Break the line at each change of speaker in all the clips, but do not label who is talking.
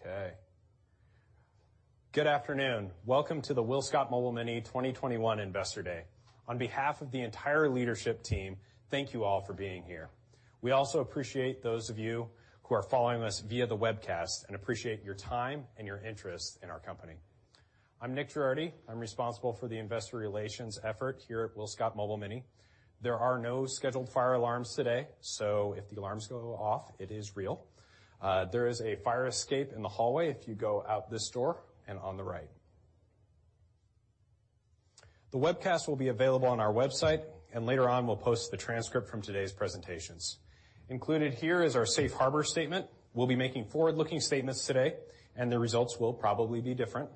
Okay. Good afternoon. Welcome to the WillScot Mobile Mini 2021 Investor Day. On behalf of the entire leadership team, thank you all for being here. We also appreciate those of you who are following us via the webcast and appreciate your time and your interest in our company. I'm Nick Girardi. I'm responsible for the investor relations effort here at WillScot Mobile Mini. There are no scheduled fire alarms today, so if the alarms go off, it is real. There is a fire escape in the hallway if you go out this door and on the right. The webcast will be available on our website, and later on, we'll post the transcript from today's presentations. Included here is our safe harbor statement. We'll be making forward-looking statements today, and the results will probably be different.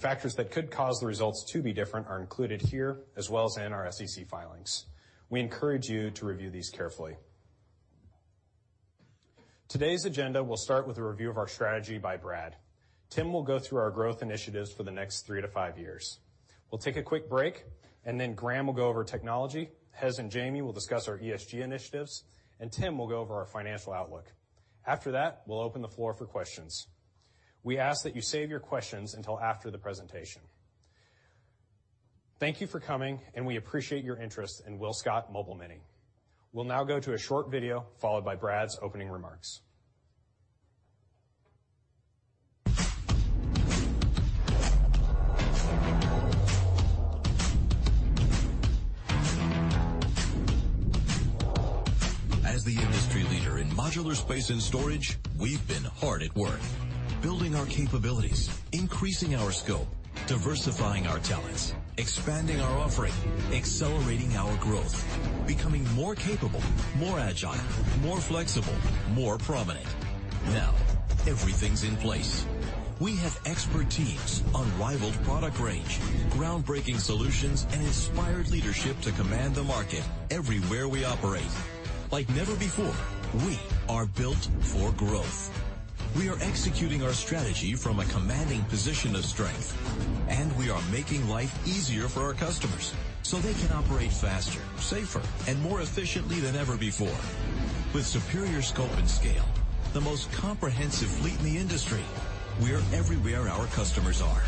Factors that could cause the results to be different are included here as well as in our SEC filings. We encourage you to review these carefully. Today's agenda will start with a review of our strategy by Bradley Soultz. Timothy D. Boswell will go through our growth initiatives for the next three-five years. We'll take a quick break, and then Graeme Parkes will go over technology, Hezron Timothy Lopez and Jamie Bohan will discuss our ESG initiatives, and Timothy D. Boswell will go over our financial outlook. After that, we'll open the floor for questions. We ask that you save your questions until after the presentation. Thank you for coming, and we appreciate your interest in WillScot Mobile Mini. We'll now go to a short video followed by Bradley's opening remarks.
As the industry leader in modular space and storage, we've been hard at work building our capabilities, increasing our scope, diversifying our talents, expanding our offering, accelerating our growth, becoming more capable, more agile, more flexible, more prominent. Now, everything's in place. We have expert teams, unrivaled product range, groundbreaking solutions, and inspired leadership to command the market everywhere we operate. Like never before, we are built for growth. We are executing our strategy from a commanding position of strength, and we are making life easier for our customers, so they can operate faster, safer, and more efficiently than ever before. With superior scope and scale, the most comprehensive fleet in the industry, we're everywhere our customers are,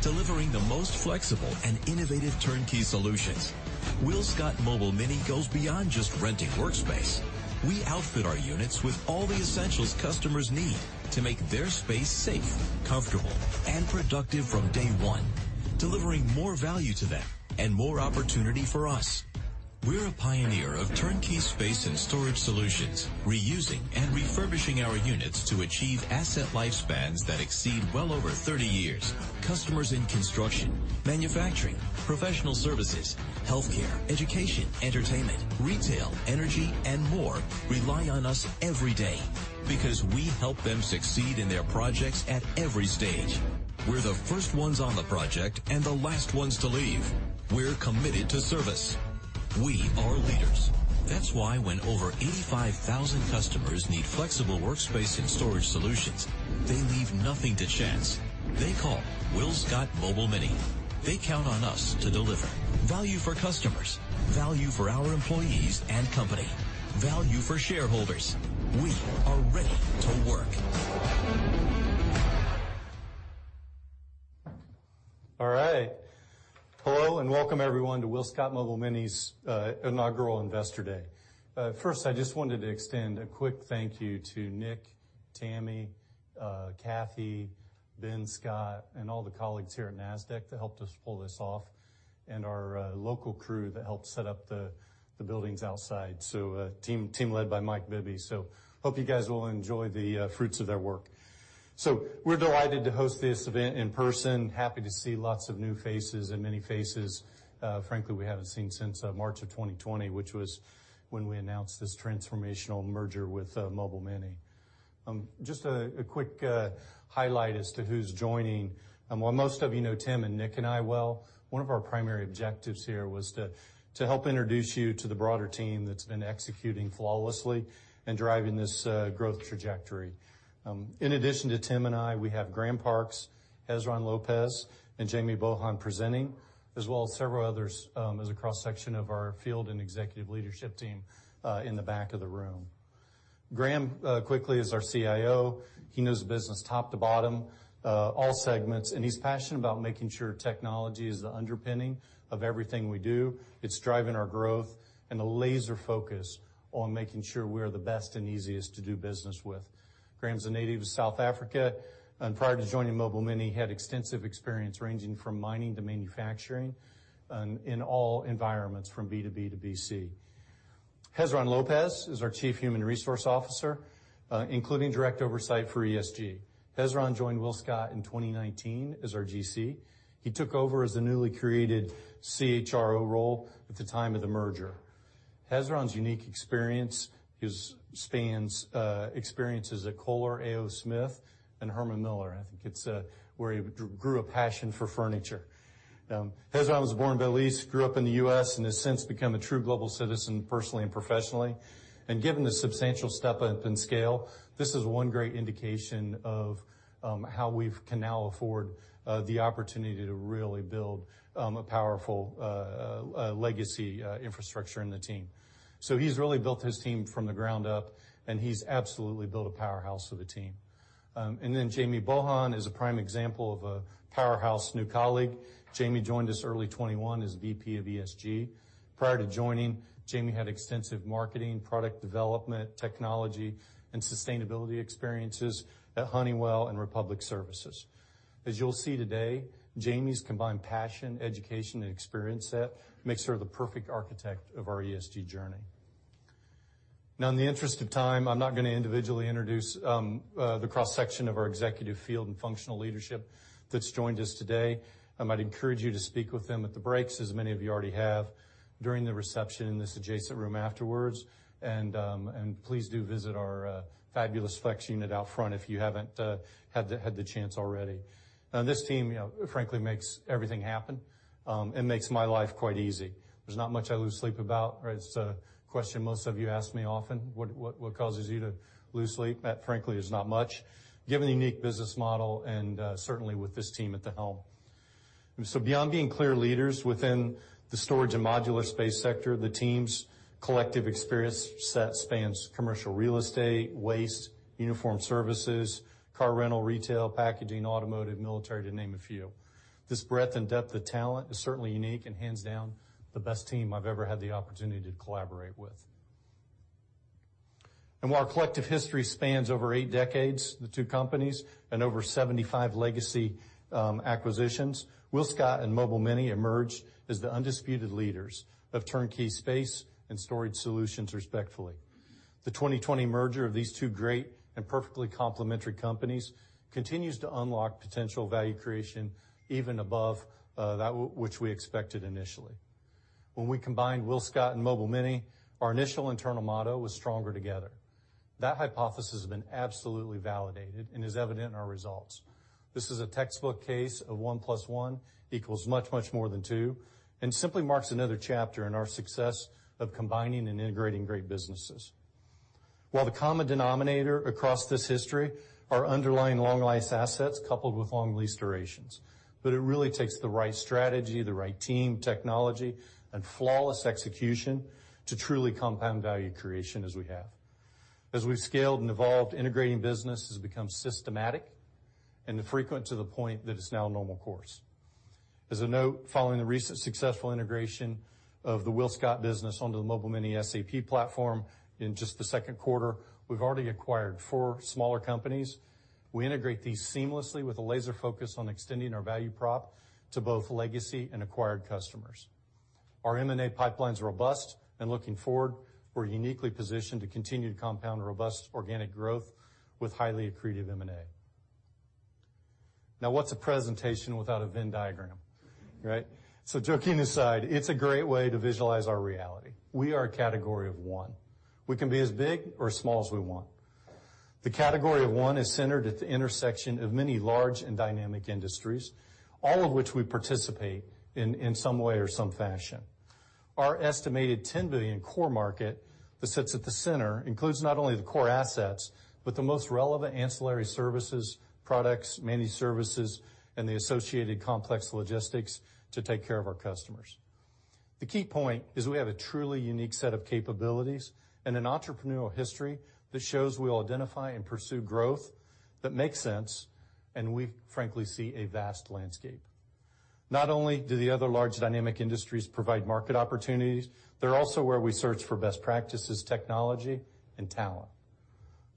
delivering the most flexible and innovative turnkey solutions. WillScot Mobile Mini goes beyond just renting workspace. We outfit our units with all the essentials customers need to make their space safe, comfortable, and productive from day one, delivering more value to them and more opportunity for us. We're a pioneer of turnkey space and storage solutions, reusing and refurbishing our units to achieve asset lifespans that exceed well over 30 years. Customers in construction, manufacturing, professional services, healthcare, education, entertainment, retail, energy, and more rely on us every day because we help them succeed in their projects at every stage. We're the first ones on the project and the last ones to leave. We're committed to service. We are leaders. That's why when over 85,000 customers need flexible workspace and storage solutions, they leave nothing to chance. They call WillScot Mobile Mini. They count on us to deliver value for customers, value for our employees and company, value for shareholders. We are ready to work.
All right. Hello, and welcome everyone to WillScot Mobile Mini's inaugural Investor Day. First, I just wanted to extend a quick thank you to Nick, Tammy, Cathy, Ben, Scott, and all the colleagues here at Nasdaq that helped us pull this off, and our local crew that helped set up the buildings outside. Team led by Mike Bibby. Hope you guys will enjoy the fruits of their work. We're delighted to host this event in person. Happy to see lots of new faces and many faces, frankly we haven't seen since March of 2020, which was when we announced this transformational merger with Mobile Mini. Just a quick highlight as to who's joining. While most of you know Timothy and Nick and I well, one of our primary objectives here was to help introduce you to the broader team that's been executing flawlessly and driving this growth trajectory. In addition to Timothy D. Boswell and I, we have Graeme Parkes, Hezron Timothy Lopez, and Jamie Bohan presenting, as well as several others, as a cross-section of our field and executive leadership team in the back of the room. Graeme quickly is our CIO. He knows the business top to bottom, all segments, and he's passionate about making sure technology is the underpinning of everything we do. It's driving our growth and a laser focus on making sure we are the best and easiest to do business with. Graeme's a native of South Africa, and prior to joining Mobile Mini, had extensive experience ranging from mining to manufacturing in all environments from B2B to B2C. Hezron Timothy Lopez is our Chief Human Resource Officer, including direct oversight for ESG. Hezron joined WillScot in 2019 as our GC. He took over as the newly created CHRO role at the time of the merger. Hezron's unique experience spans experiences at Kohler, A. O. Smith, and Herman Miller. I think it's where he grew a passion for furniture. Hezron was born in Belize, grew up in the U.S., and has since become a true global citizen personally and professionally. Given the substantial step up in scale, this is one great indication of how we can now afford the opportunity to really build a powerful legacy infrastructure in the team. He really built his team from the ground up, and he absolutely built a powerhouse of a team. Then Jamie Bohan is a prime example of a powerhouse new colleague. Jamie joined us early 2021 as VP of ESG. Prior to joining, Jamie had extensive marketing, product development, technology, and sustainability experiences at Honeywell and Republic Services. As you'll see today, Jamie's combined passion, education, and experience set makes her the perfect architect of our ESG journey. Now, in the interest of time, I'm not gonna individually introduce the cross-section of our executive field and functional leadership that's joined us today. I might encourage you to speak with them at the breaks, as many of you already have, during the reception in this adjacent room afterwards. Please do visit our fabulous FLEX unit out front, if you haven't had the chance already. Now, this team, you know, frankly, makes everything happen and makes my life quite easy. There's not much I lose sleep about. It's a question most of you ask me often, "What causes you to lose sleep?" That frankly, there's not much, given the unique business model and certainly with this team at the helm. Beyond being clear leaders within the storage and modular space sector, the team's collective experience set spans commercial real estate, waste, uniform services, car rental, retail, packaging, automotive, military, to name a few. This breadth and depth of talent is certainly unique and hands down the best team I've ever had the opportunity to collaborate with. While our collective history spans over eight decades, the two companies and over 75 legacy acquisitions, WillScot and Mobile Mini emerged as the undisputed leaders of turnkey space and storage solutions, respectively. The 2020 merger of these two great and perfectly complementary companies continues to unlock potential value creation even above that which we expected initially. When we combined WillScot and Mobile Mini, our initial internal motto was stronger together. That hypothesis has been absolutely validated and is evident in our results. This is a textbook case of one plus one equals much, much more than two, and simply marks another chapter in our success of combining and integrating great businesses. While the common denominator across this history are underlying long life assets coupled with long lease durations, but it really takes the right strategy, the right team, technology, and flawless execution to truly compound value creation as we have. As we've scaled and evolved, integrating business has become systematic and frequent to the point that it's now a normal course. As a note, following the recent successful integration of the WillScot business onto the Mobile Mini SAP platform in just the second quarter, we've already acquired four smaller companies. We integrate these seamlessly with a laser focus on extending our value prop to both legacy and acquired customers. Our M&A pipeline is robust and looking forward, we're uniquely positioned to continue to compound robust organic growth with highly accretive M&A. Now, what's a presentation without a Venn diagram, right? Joking aside, it's a great way to visualize our reality. We are a category of one. We can be as big or as small as we want. The category of one is centered at the intersection of many large and dynamic industries, all of which we participate in some way or some fashion. Our estimated $10 billion core market that sits at the center includes not only the core assets, but the most relevant ancillary services, products, managed services, and the associated complex logistics to take care of our customers. The key point is we have a truly unique set of capabilities and an entrepreneurial history that shows we'll identify and pursue growth that makes sense, and we frankly see a vast landscape. Not only do the other large dynamic industries provide market opportunities, they're also where we search for best practices, technology, and talent.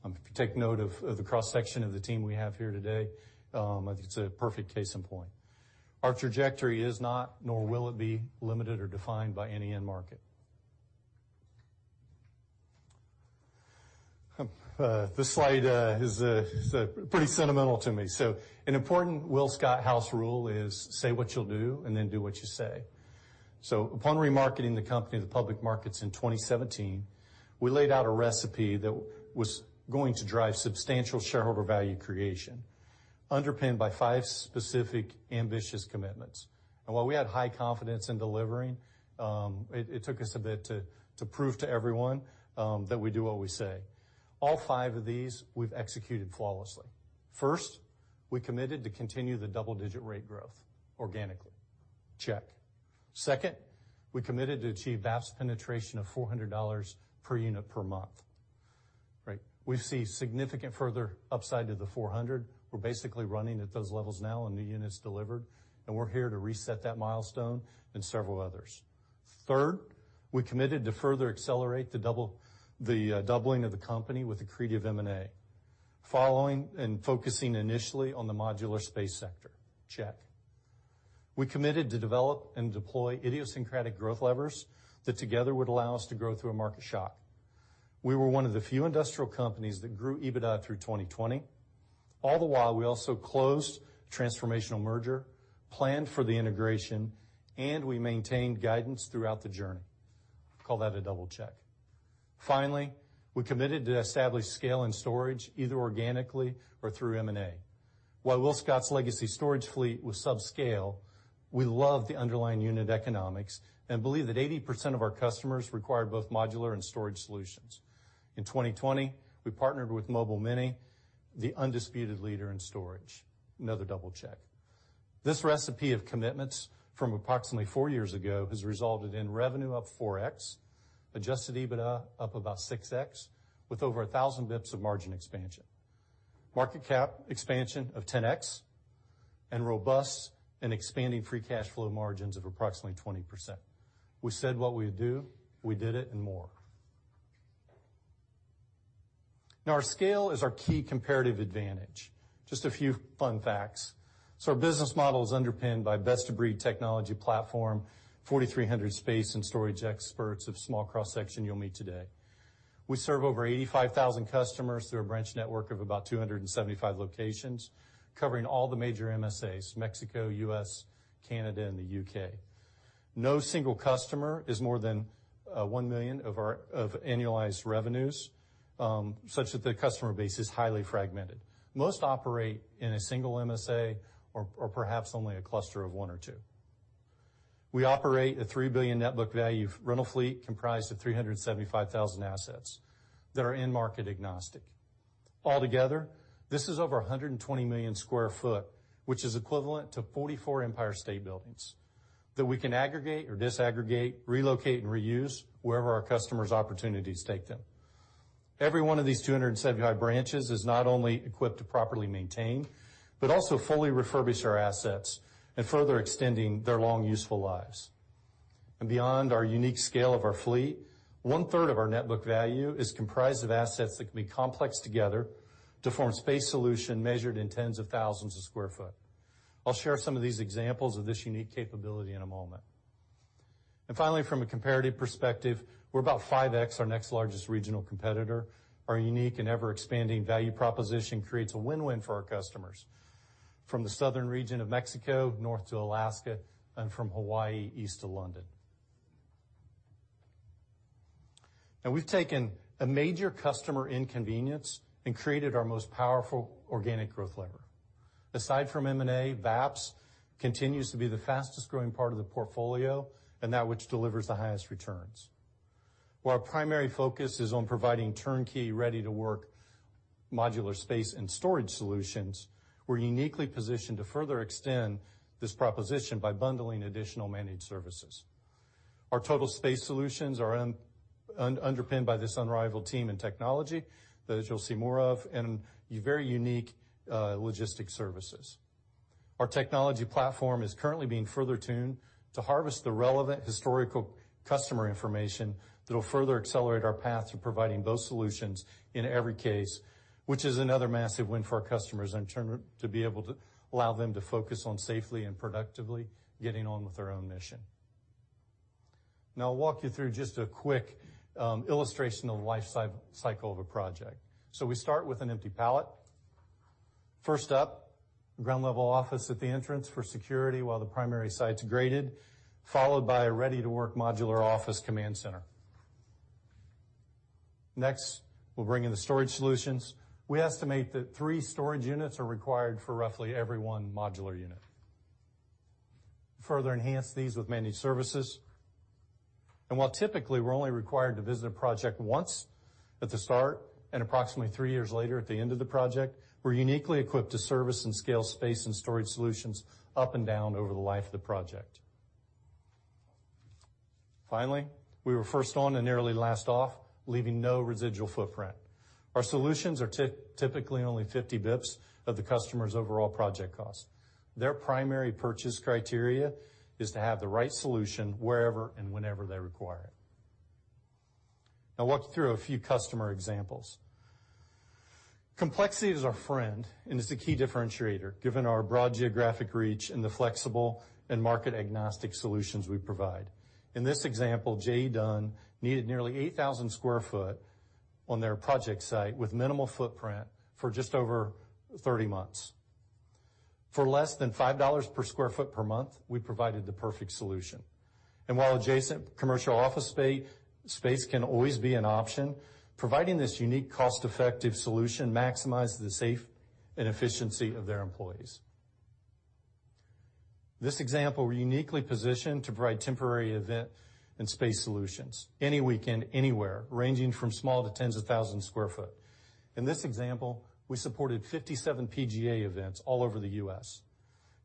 If you take note of the cross-section of the team we have here today, I think it's a perfect case in point. Our trajectory is not, nor will it be limited or defined by any end market. This slide is pretty sentimental to me. An important WillScot house rule is, say what you'll do and then do what you say. Upon remarketing the company, the public markets in 2017, we laid out a recipe that was going to drive substantial shareholder value creation, underpinned by five specific ambitious commitments. While we had high confidence in delivering, it took us a bit to prove to everyone that we do what we say. All five of these we've executed flawlessly. First, we committed to continue the double-digit rate growth organically. Check. Second, we committed to achieve VAPS penetration of $400 per unit per month. Right. We see significant further upside to the $400. We're basically running at those levels now on new units delivered, and we're here to reset that milestone and several others. Third, we committed to further accelerate the doubling of the company with accretive M&A, following and focusing initially on the modular space sector. Check. We committed to develop and deploy idiosyncratic growth levers that together would allow us to grow through a market shock. We were one of the few industrial companies that grow EBITDA through 2020. All the while, we also closed transformational merger, planned for the integration, and we maintained guidance throughout the journey. Call that a double check. Finally, we committed to establish scale and storage either organically or through M&A. While WillScot's legacy storage fleet was subscale, we love the underlying unit economics and believe that 80% of our customers require both modular and storage solutions. In 2020, we partnered with Mobile Mini, the undisputed leader in storage. Another double check. This recipe of commitments from approximately four years ago has resulted in revenue up 4x, adjusted EBITDA up about 6x, with over 1,000 BPS of margin expansion. Market cap expansion of 10x, and robust and expanding free cash flow margins of approximately 20%. We said what we would do, we did it and more. Now, our scale is our key comparative advantage. Just a few fun facts. Our business model is underpinned by best-of-breed technology platform, 4,300 space and storage experts, a small cross-section you'll meet today. We serve over 85,000 customers through a branch network of about 275 locations, covering all the major MSAs, Mexico, U.S., Canada, and the U.K. No single customer is more than $1 million of our annualized revenues, such that the customer base is highly fragmented. Most operate in a single MSA or perhaps only a cluster of one or two. We operate a $3 billion net book value rental fleet comprised of 375,000 assets that are end-market agnostic. Altogether, this is over 120 million sq ft, which is equivalent to 44 Empire State Buildings that we can aggregate or disaggregate, relocate and reuse wherever our customers' opportunities take them. Every one of these 275 branches is not only equipped to properly maintain, but also fully refurbish our assets and further extending their long, useful lives. Beyond our unique scale of our fleet, one third of our net book value is comprised of assets that can be complex together to form space solution measured in tens of thousands of sq ft. I'll share some of these examples of this unique capability in a moment. Finally, from a comparative perspective, we're about 5x our next largest regional competitor. Our unique and ever-expanding value proposition creates a win-win for our customers from the southern region of Mexico north to Alaska and from Hawaii east to London. Now we've taken a major customer inconvenience and created our most powerful organic growth lever. Aside from M&A, VAPS continues to be the fastest-growing part of the portfolio and that which delivers the highest returns. While our primary focus is on providing turnkey, ready-to-work modular space and storage solutions, we're uniquely positioned to further extend this proposition by bundling additional managed services. Our total space solutions are underpinned by this unrivaled team and technology that, as you'll see more of, and very unique logistics services. Our technology platform is currently being further tuned to harvest the relevant historical customer information that will further accelerate our path to providing those solutions in every case, which is another massive win for our customers, and to be able to allow them to focus on safely and productively getting on with their own mission. Now I'll walk you through just a quick illustration of the life cycle of a project. We start with an empty pallet. First up, ground-level office at the entrance for security while the primary site's graded, followed by a ready-to-work modular office command center. Next, we'll bring in the storage solutions. We estimate that three storage units are required for roughly every one modular unit. Further enhance these with managed services. While typically we're only required to visit a project once at the start and approximately three years later at the end of the project, we're uniquely equipped to service and scale space and storage solutions up and down over the life of the project. Finally, we were first on and nearly last off, leaving no residual footprint. Our solutions are typically only 50 BPS of the customer's overall project cost. Their primary purchase criteria is to have the right solution wherever and whenever they require it. I'll walk you through a few customer examples. Complexity is our friend and is the key differentiator given our broad geographic reach and the flexible and market-agnostic solutions we provide. In this example, JE Dunn needed nearly 8,000 sq ft on their project site with minimal footprint for just over 30 months. For less than $5 per sq ft per month, we provided the perfect solution. While adjacent commercial office spa-space can always be an option, providing this unique cost-effective solution maximized the safe and efficiency of their employees. This example, we're uniquely positioned to provide temporary event and space solutions any weekend, anywhere, ranging from small to tens of thousands sq ft. In this example, we supported 57 PGA events all over the U.S.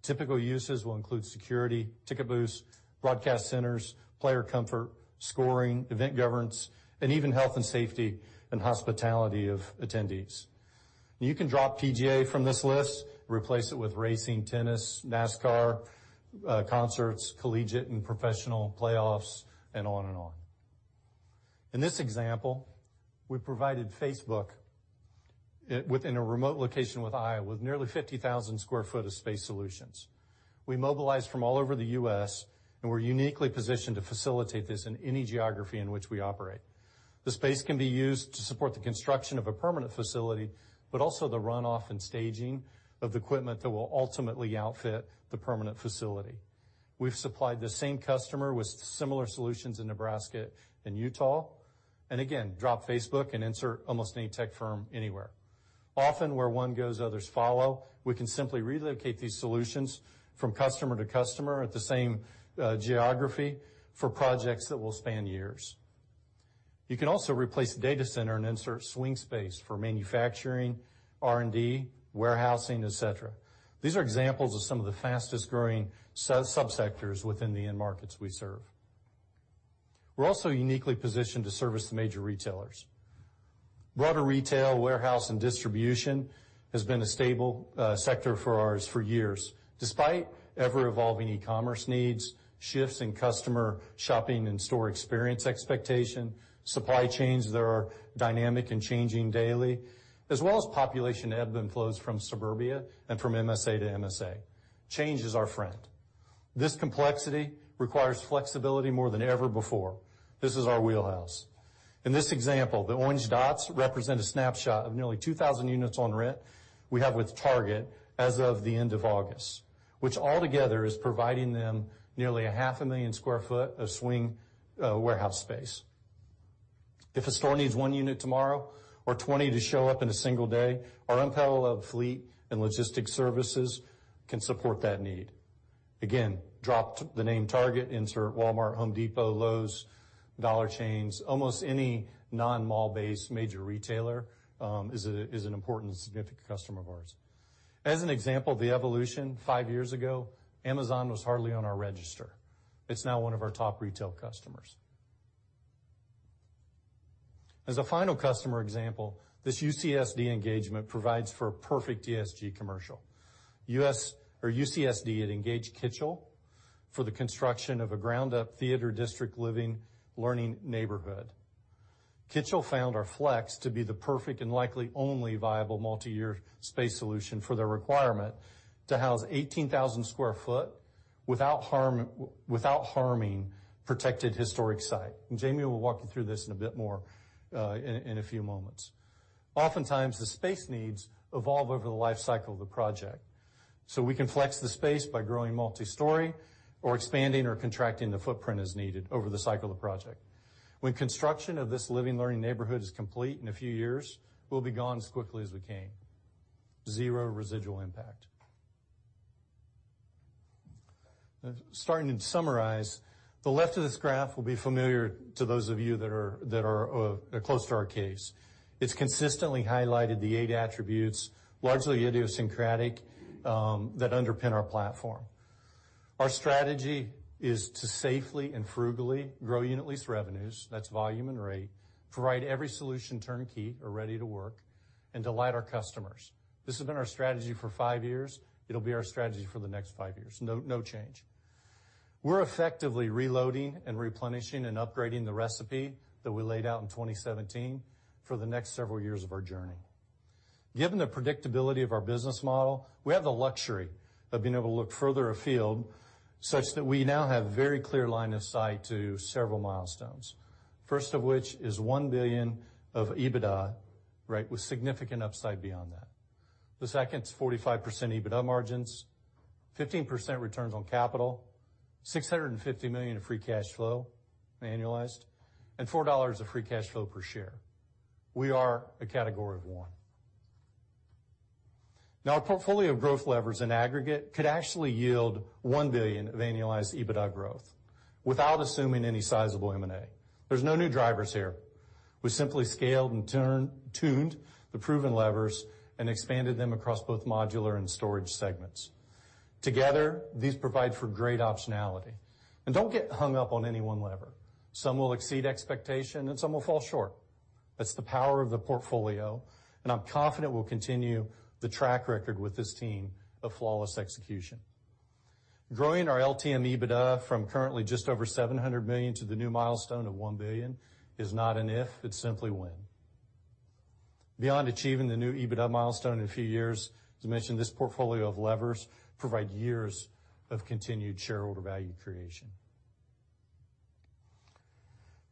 Typical uses will include security, ticket booths, broadcast centers, player comfort, scoring, event governance, and even health and safety and hospitality of attendees. You can drop PGA from this list, replace it with racing, tennis, NASCAR, concerts, collegiate and professional playoffs, and on and on. In this example, we provided Facebook in a remote location in Iowa with nearly 50,000 sq ft of space solutions. We mobilized from all over the U.S. and we're uniquely positioned to facilitate this in any geography in which we operate. The space can be used to support the construction of a permanent facility, but also the runoff and staging of equipment that will ultimately outfit the permanent facility. We've supplied the same customer with similar solutions in Nebraska and Utah, and again, drop Facebook and insert almost any tech firm anywhere. Often, where one goes, others follow. We can simply relocate these solutions from customer to customer at the same geography for projects that will span years. You can also replace data center and insert swing space for manufacturing, R&D, warehousing, etc. These are examples of some of the fastest-growing sub-sectors within the end markets we serve. We're also uniquely positioned to service the major retailers. Broader retail, warehouse, and distribution has been a stable sector for us for years, despite ever-evolving e-commerce needs, shifts in customer shopping and store experience expectation, supply chains that are dynamic and changing daily, as well as population ebb and flows from suburbia and from MSA to MSA. Change is our friend. This complexity requires flexibility more than ever before. This is our wheelhouse. In this example, the orange dots represent a snapshot of nearly 2,000 units on rent we have with Target as of the end of August, which altogether is providing them nearly half a million sq ft of swing warehouse space. If a store needs 1 unit tomorrow or 20 to show up in a single day, our unparalleled fleet and logistics services can support that need. Again, drop the name Target, insert Walmart, Home Depot, Lowe's, Dollar Chains. Almost any non-mall-based major retailer is an important and significant customer of ours. As an example of the evolution, five years ago, Amazon was hardly on our register. It's now one of our top retail customers. As a final customer example, this UCSD engagement provides for a perfect ESG commercial. UCSD engaged Kitchell for the construction of a Ground-up Theater District Living, learning neighborhood. Kitchell found our FLEX to be the perfect and likely only viable multi-year space solution for their requirement to house 18,000 sq ft without harming protected historic site. Jamie will walk you through this in a bit more in a few moments. Oftentimes, the space needs evolve over the life cycle of the project. We can flex the space by growing multi-story or expanding or contracting the footprint as needed over the cycle of the project. When construction of this living, learning neighborhood is complete in a few years, we'll be gone as quickly as we came. Zero residual impact. Starting to summarize, the left of this graph will be familiar to those of you that are close to our case. It's consistently highlighted the eight attributes, largely idiosyncratic, that underpin our platform. Our strategy is to safely and frugally grow unit lease revenues, that's volume and rate, provide every solution turnkey or ready to work, and delight our customers. This has been our strategy for five years. It'll be our strategy for the next five years. No change. We're effectively reloading and replenishing and upgrading the recipe that we laid out in 2017 for the next several years of our journey. Given the predictability of our business model, we have the luxury of being able to look further afield such that we now have very clear line of sight to several milestones. First of which is $1 billion of EBITDA, right, with significant upside beyond that. The second is 45% EBITDA margins, 15% returns on capital, $650 million of free cash flow, annualized, and $4 of free cash flow per share. We are a category of one. Now, our portfolio growth levers in aggregate could actually yield $1 billion of annualized EBITDA growth without assuming any sizable M&A. There's no new drivers here. We simply scaled and tuned the proven levers and expanded them across both modular and storage segments. Together, these provide for great optionality. Don't get hung up on any one lever. Some will exceed expectation, and some will fall short. That's the power of the portfolio, and I'm confident we'll continue the track record with this team of flawless execution. Growing our LTM EBITDA from currently just over $700 million to the new milestone of $1 billion is not an if, it's simply when. Beyond achieving the new EBITDA milestone in a few years, as I mentioned, this portfolio of levers provide years of continued shareholder value creation.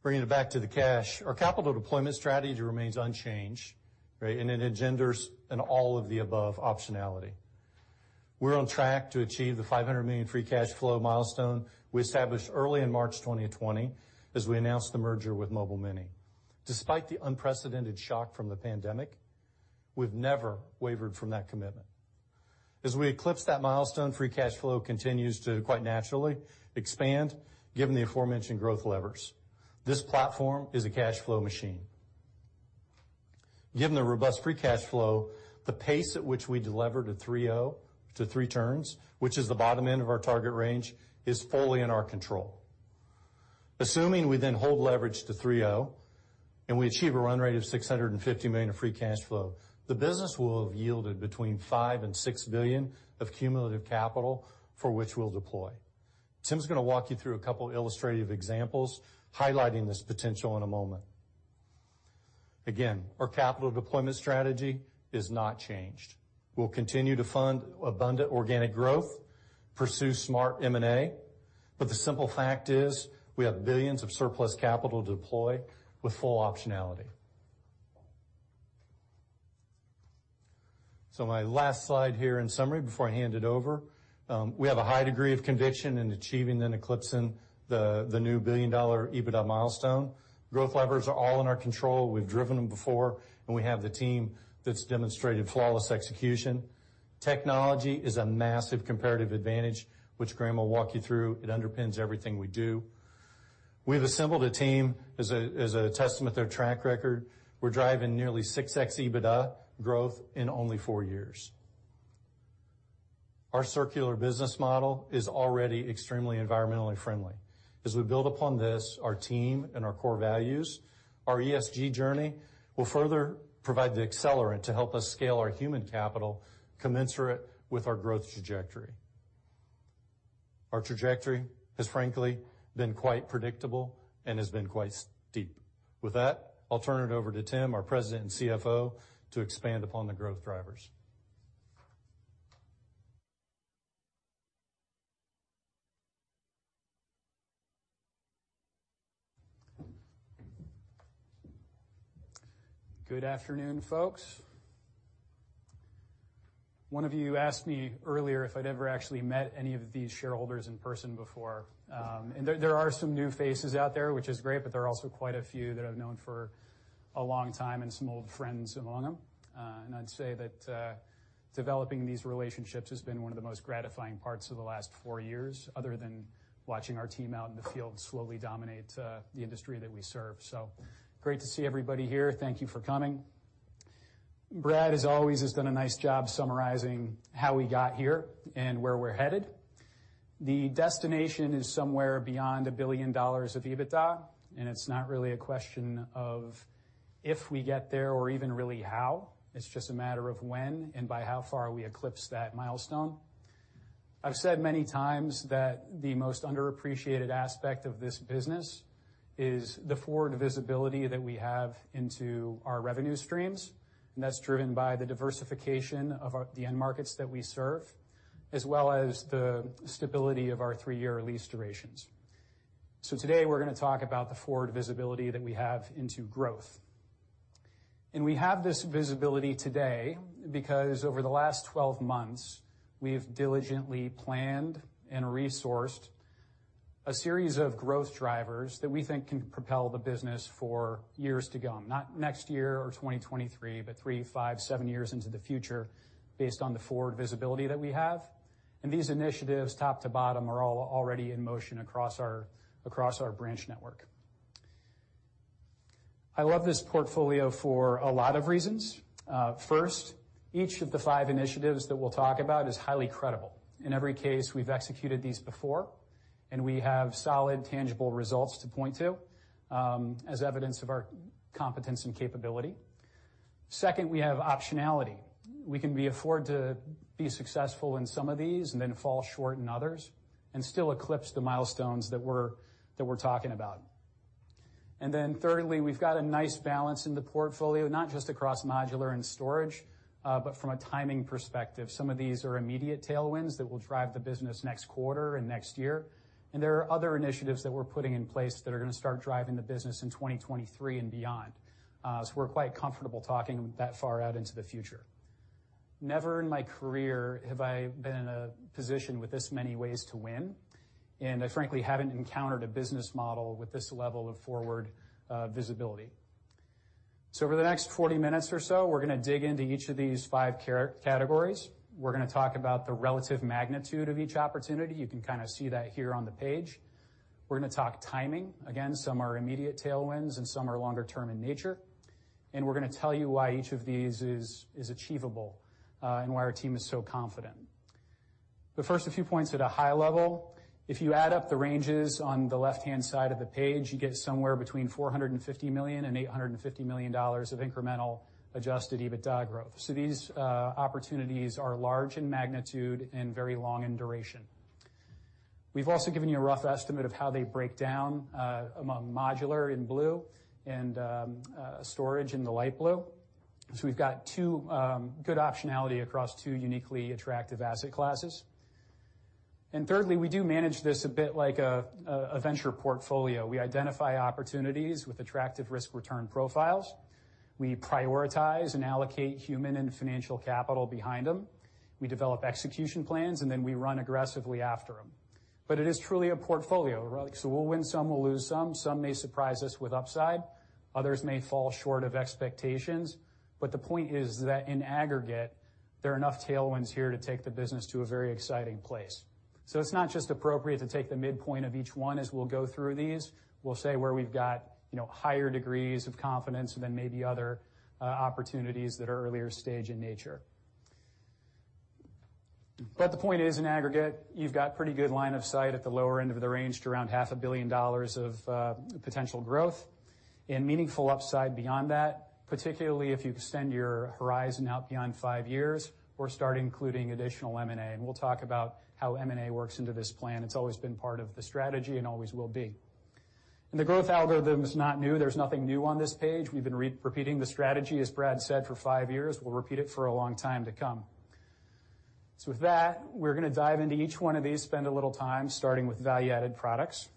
Bringing it back to the cash, our capital deployment strategy remains unchanged, right? It engenders an all of the above optionality. We're on track to achieve the $500 million free cash flow milestone we established early in March 2020 as we announced the merger with Mobile Mini. Despite the unprecedented shock from the pandemic, we've never wavered from that commitment. As we eclipse that milestone, free cash flow continues to quite naturally expand given the aforementioned growth levers. This platform is a cash flow machine. Given the robust free cash flow, the pace at which we deliver to 3.0 to 3 turns, which is the bottom end of our target range, is fully in our control. Assuming we then hold leverage to 3.0 and we achieve a run rate of $650 million of free cash flow, the business will have yielded between $5 billion and $6 billion of cumulative capital for which we'll deploy. Timothy's gonna walk you through a couple illustrative examples highlighting this potential in a moment. Again, our capital deployment strategy is not changed. We'll continue to fund abundant organic growth, pursue smart M&A, but the simple fact is we have billions of surplus capital to deploy with full optionality. My last slide here in summary before I hand it over, we have a high degree of conviction in achieving and eclipsing the new billion-dollar EBITDA milestone. Growth levers are all in our control. We've driven them before, and we have the team that's demonstrated flawless execution. Technology is a massive comparative advantage, which Graeme will walk you through. It underpins everything we do. We've assembled a team as a testament to their track record. We're driving nearly 6x EBITDA growth in only four years. Our circular business model is already extremely environmentally friendly. As we build upon this, our team and our core values, our ESG journey will further provide the accelerant to help us scale our human capital commensurate with our growth trajectory. Our trajectory has frankly been quite predictable and has been quite steep. With that, I'll turn it over to Timothy, our President and CFO, to expand upon the growth drivers.
Good afternoon, folks. One of you asked me earlier if I'd ever actually met any of these shareholders in person before. There are some new faces out there, which is great, but there are also quite a few that I've known for a long time and some old friends among them. I'd say that developing these relationships has been one of the most gratifying parts of the last four years, other than watching our team out in the field slowly dominate the industry that we serve. Great to see everybody here. Thank you for coming. Brad, as always, has done a nice job summarizing how we got here and where we're headed. The destination is somewhere beyond $1 billion of EBITDA, and it's not really a question of if we get there or even really how. It's just a matter of when and by how far we eclipse that milestone. I've said many times that the most underappreciated aspect of this business is the forward visibility that we have into our revenue streams, and that's driven by the diversification of our end markets that we serve, as well as the stability of our three-year lease durations. Today, we're gonna talk about the forward visibility that we have into growth. We have this visibility today because over the last 12 months, we've diligently planned and resourced a series of growth drivers that we think can propel the business for years to come. Not next year or 2023, but three, five, seven years into the future based on the forward visibility that we have. These initiatives, top to bottom, are all already in motion across our branch network. I love this portfolio for a lot of reasons. First, each of the five initiatives that we'll talk about is highly credible. In every case, we've executed these before, and we have solid, tangible results to point to as evidence of our competence and capability. Second, we have optionality. We can afford to be successful in some of these and then fall short in others and still eclipse the milestones that we're talking about. Thirdly, we've got a nice balance in the portfolio, not just across modular and storage, but from a timing perspective. Some of these are immediate tailwinds that will drive the business next quarter and next year. There are other initiatives that we're putting in place that are gonna start driving the business in 2023 and beyond. We're quite comfortable talking that far out into the future. Never in my career have I been in a position with this many ways to win, and I frankly haven't encountered a business model with this level of forward visibility. Over the next 40 minutes or so, we're gonna dig into each of these five categories. We're gonna talk about the relative magnitude of each opportunity. You can kinda see that here on the page. We're gonna talk timing. Again, some are immediate tailwinds, and some are longer term in nature. We're gonna tell you why each of these is achievable and why our team is so confident. First, a few points at a high level. If you add up the ranges on the left-hand side of the page, you get somewhere between $450 million and $850 million of incremental Adjusted EBITDA growth. These opportunities are large in magnitude and very long in duration. We've also given you a rough estimate of how they break down among modular in blue and storage in the light blue. We've got two good optionality across two uniquely attractive asset classes. Thirdly, we do manage this a bit like a venture portfolio. We identify opportunities with attractive risk-return profiles. We prioritize and allocate human and financial capital behind them. We develop execution plans, and then we run aggressively after them. It is truly a portfolio, right? We'll win some, we'll lose some. Some may surprise us with upside, others may fall short of expectations. The point is that in aggregate, there are enough tailwinds here to take the business to a very exciting place. It's not just appropriate to take the midpoint of each one as we'll go through these. We'll say where we've got, you know, higher degrees of confidence than maybe other opportunities that are earlier stage in nature. The point is, in aggregate, you've got pretty good line of sight at the lower end of the range to around half a billion dollars of potential growth and meaningful upside beyond that, particularly if you extend your horizon out beyond five years or start including additional M&A. We'll talk about how M&A works into this plan. It's always been part of the strategy and always will be. The growth algorithm is not new. There's nothing new on this page. We've been repeating the strategy, as Bradley said, for five years. We'll repeat it for a long time to come. With that, we're gonna dive into each one of these, spend a little time, starting with value-added products.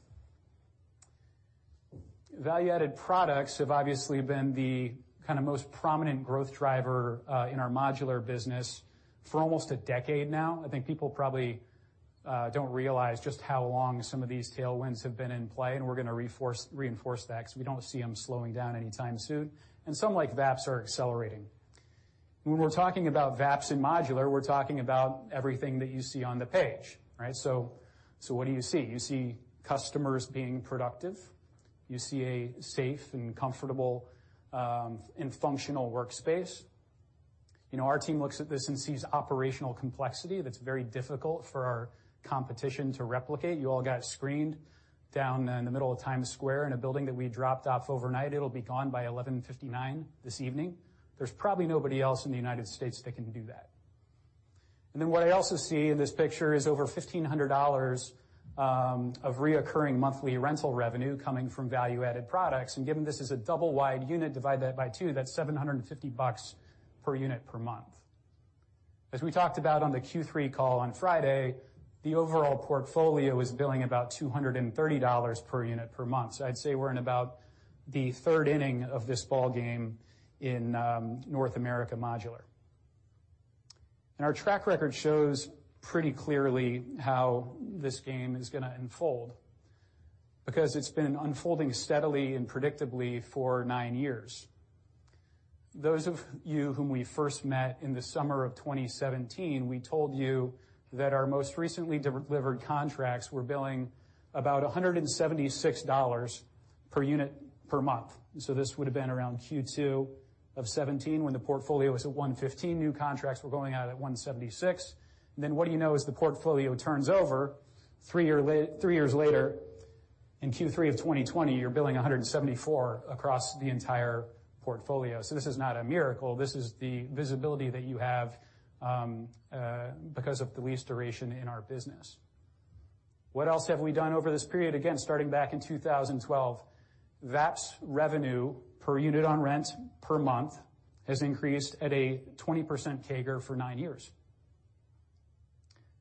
Value-added products have obviously been the kind of most prominent growth driver in our modular business for almost a decade now. I think people probably don't realize just how long some of these tailwinds have been in play, and we're gonna reinforce that 'cause we don't see them slowing down anytime soon, and some like VAPS are accelerating. When we're talking about VAPS in modular, we're talking about everything that you see on the page, right? so what do you see? You see customers being productive. You see a safe and comfortable and functional workspace. You know, our team looks at this and sees operational complexity that's very difficult for our competition to replicate. You all got screened down in the middle of Times Square in a building that we dropped off overnight. It'll be gone by 11:59 P.M. this evening. There's probably nobody else in the United States that can do that. What I also see in this picture is over $1,500 of recurring monthly rental revenue coming from value-added products. Given this is a double-wide unit, divide that by two, that's $750 bucks per unit per month. As we talked about on the Q3 call on Friday, the overall portfolio is billing about $230 per unit per month. I'd say we're in about the third inning of this ballgame in North American Modular. Our track record shows pretty clearly how this game is gonna unfold because it's been unfolding steadily and predictably for nine years. Those of you whom we first met in the summer of 2017, we told you that our most recently delivered contracts were billing about $176 per unit per month. This would have been around Q2 of 2017 when the portfolio was at $115. New contracts were going out at $176. Then what do you know is the portfolio turns over three years later in Q3 of 2020, you're billing $174 across the entire portfolio. This is not a miracle. This is the visibility that you have because of the lease duration in our business. What else have we done over this period? Again, starting back in 2012, VAPS revenue per unit on rent per month has increased at a 20% CAGR for nine years.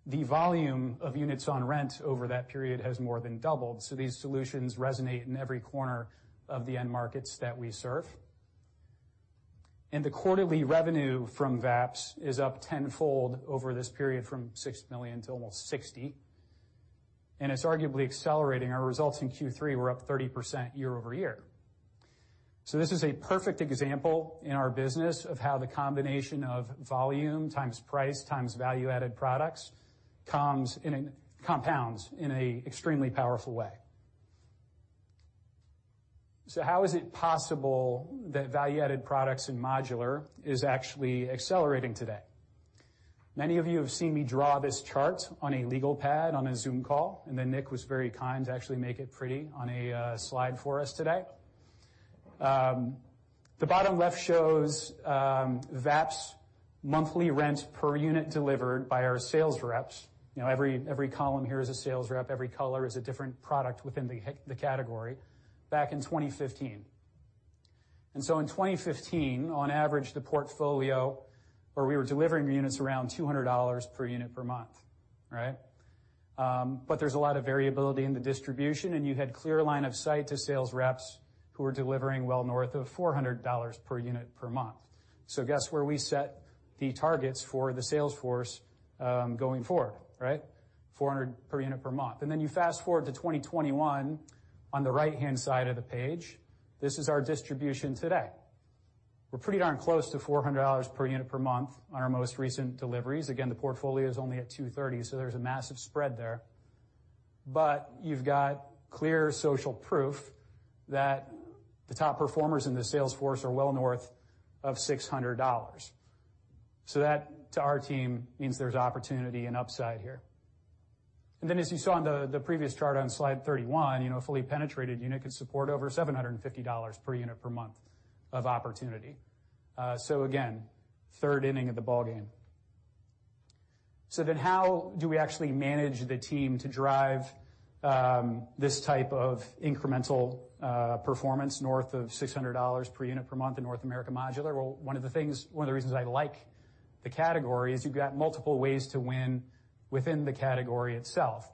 The volume of units on rent over that period has more than doubled, so these solutions resonate in every corner of the end markets that we serve. The quarterly revenue from VAPS is up tenfold over this period from $6 million to almost $60 million, and it's arguably accelerating. Our results in Q3 were up 30% year-over-year. This is a perfect example in our business of how the combination of volume times price times value-added products comes in and compounds in an extremely powerful way. How is it possible that value-added products in modular is actually accelerating today? Many of you have seen me draw this chart on a legal pad on a Zoom call, and then Nick was very kind to actually make it pretty on a slide for us today. The bottom left shows VAPS monthly rent per unit delivered by our sales reps. You know, every column here is a sales rep. Every color is a different product within the category back in 2015. In 2015, on average, the portfolio where we were delivering units around $200 per unit per month, right? But there's a lot of variability in the distribution, and you had clear line of sight to sales reps who were delivering well north of $400 per unit per month. Guess where we set the targets for the sales force going forward, right? 400 per unit per month. You fast-forward to 2021 on the right-hand side of the page. This is our distribution today. We're pretty darn close to $400 per unit per month on our most recent deliveries. Again, the portfolio is only at 230, so there's a massive spread there. You've got clear social proof that the top performers in the sales force are well north of $600. That, to our team, means there's opportunity and upside here. As you saw on the previous chart on slide 31, you know, a fully penetrated unit could support over $750 per unit per month of opportunity. Again, third inning of the ballgame. How do we actually manage the team to drive this type of incremental performance north of $600 per unit per month in North America Modular? Well, one of the reasons I like the category is you've got multiple ways to win within the category itself,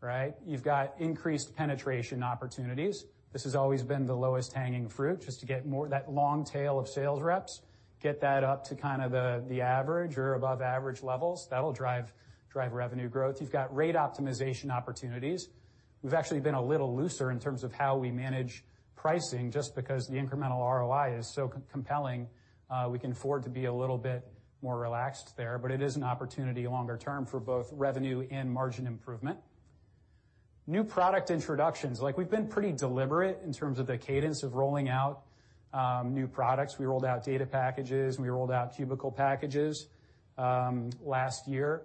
right? You've got increased penetration opportunities. This has always been the lowest hanging fruit just to get more that long tail of sales reps, get that up to kind of the average or above average levels. That'll drive revenue growth. You've got rate optimization opportunities. We've actually been a little looser in terms of how we manage pricing just because the incremental ROI is so compelling, we can afford to be a little bit more relaxed there. But it is an opportunity longer term for both revenue and margin improvement. New product introductions, like we've been pretty deliberate in terms of the cadence of rolling out, new products. We rolled out data packages, and we rolled out cubicle packages, last year.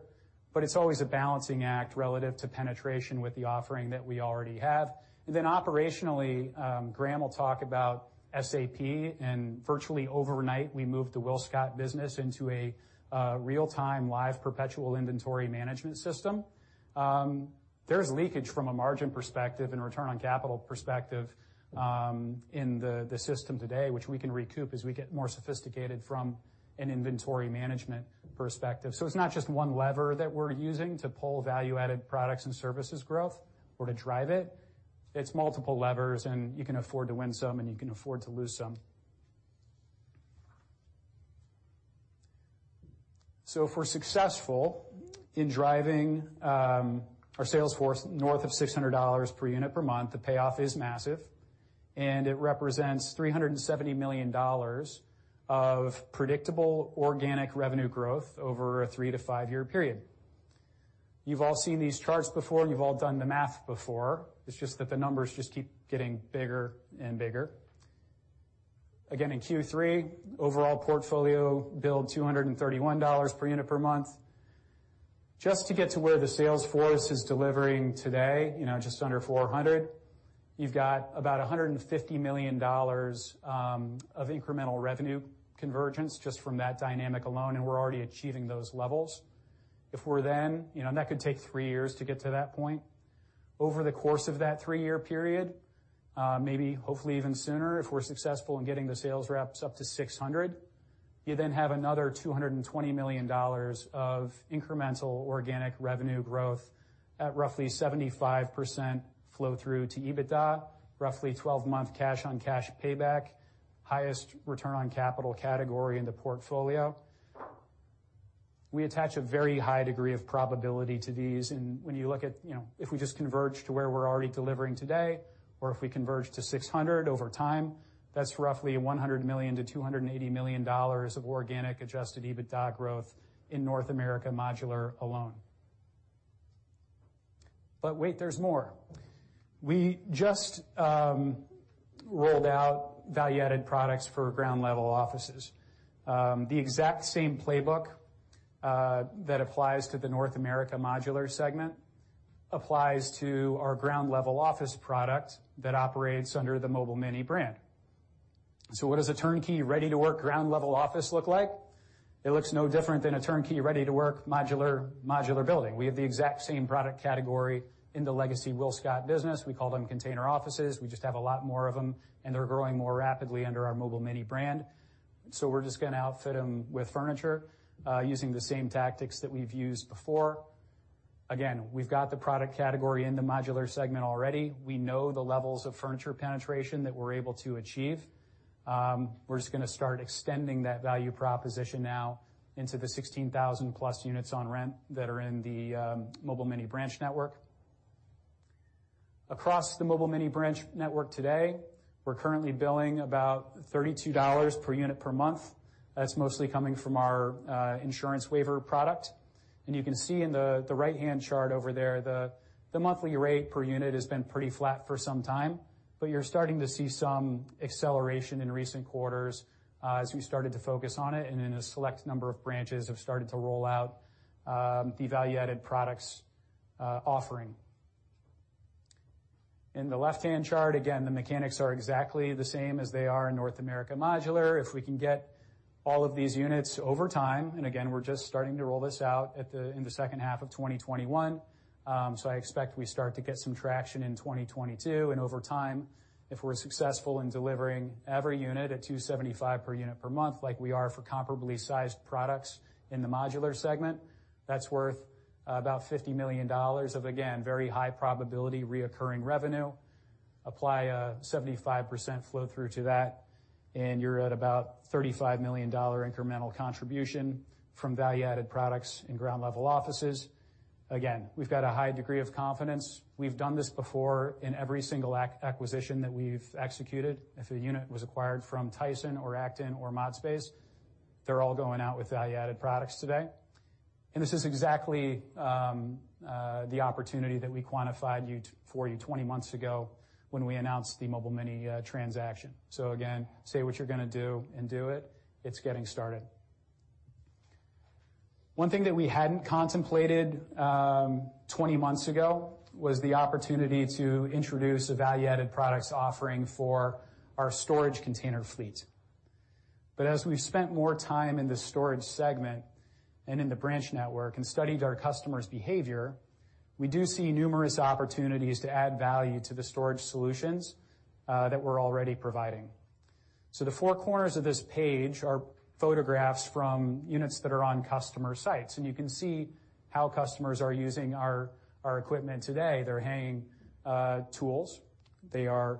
It's always a balancing act relative to penetration with the offering that we already have. Operationally, Graeme will talk about SAP, and virtually overnight, we moved the WillScot business into a real-time, live, perpetual inventory management system. There's leakage from a margin perspective and return on capital perspective, in the system today, which we can recoup as we get more sophisticated from an inventory management perspective. It's not just one lever that we're using to pull value-added products and services growth or to drive it. It's multiple levers, and you can afford to win some, and you can afford to lose some. If we're successful in driving our sales force north of $600 per unit per month, the payoff is massive, and it represents $370 million of predictable organic revenue growth over a three-five year period. You've all seen these charts before. You've all done the math before. It's just that the numbers just keep getting bigger and bigger. Again, in Q3, overall portfolio billed $231 per unit per month. Just to get to where the sales force is delivering today, you know, just under $400, you've got about $150 million of incremental revenue convergence just from that dynamic alone, and we're already achieving those levels. If we're then, you know, and that could take three years to get to that point. Over the course of that three-year period, maybe hopefully even sooner if we're successful in getting the sales reps up to $600, you then have another $220 million of incremental organic revenue growth at roughly 75% flow through to EBITDA. Roughly 12-month cash-on-cash payback, highest return on capital category in the portfolio. We attach a very high degree of probability to these, and when you look at, you know, if we just converge to where we're already delivering today, or if we converge to $600 over time, that's roughly $100 million-$280 million of organic adjusted EBITDA growth in North America Modular alone. Wait, there's more. We just rolled out value-added products for ground-level offices. The exact same playbook that applies to the North America Modular segment applies to our ground-level office product that operates under the Mobile Mini brand. What does a turnkey, ready-to-work ground-level office look like? It looks no different than a turnkey, ready-to-work modular building. We have the exact same product category in the legacy WillScot's business. We call them container offices. We just have a lot more of them, and they're growing more rapidly under our Mobile Mini brand. We're just gonna outfit them with furniture using the same tactics that we've used before. Again, we've got the product category in the modular segment already. We know the levels of furniture penetration that we're able to achieve. We're just gonna start extending that value proposition now into the 16,000+ units on rent that are in the Mobile Mini branch network. Across the Mobile Mini branch network today, we're currently billing about $32 per unit per month. That's mostly coming from our insurance waiver product. You can see in the right-hand chart over there, the monthly rate per unit has been pretty flat for some time, but you're starting to see some acceleration in recent quarters as we started to focus on it, and then a select number of branches have started to roll out the value-added products offering. In the left-hand chart, again, the mechanics are exactly the same as they are in North America Modular. If we can get all of these units over time, and again, we're just starting to roll this out in the second half of 2021, so I expect we start to get some traction in 2022. Over time, if we're successful in delivering every unit at $275 per unit per month like we are for comparably sized products in the modular segment, that's worth about $50 million of, again, very high probability recurring revenue. Apply a 75% flow through to that, and you're at about $35 million incremental contribution from value-added products in ground-level offices. Again, we've got a high degree of confidence. We've done this before in every single acquisition that we've executed. If a unit was acquired from Tyson or Acton or ModSpace, they're all going out with value-added products today. This is exactly the opportunity that we quantified for you 20 months ago when we announced the Mobile Mini transaction. Again, say what you're gonna do and do it. It's getting started. One thing that we hadn't contemplated 20 months ago was the opportunity to introduce a value-added products offering for our storage container fleet. As we've spent more time in the storage segment and in the branch network and studied our customers' behavior, we do see numerous opportunities to add value to the storage solutions that we're already providing. The four corners of this page are photographs from units that are on customer sites, and you can see how customers are using our equipment today. They're hanging tools. They are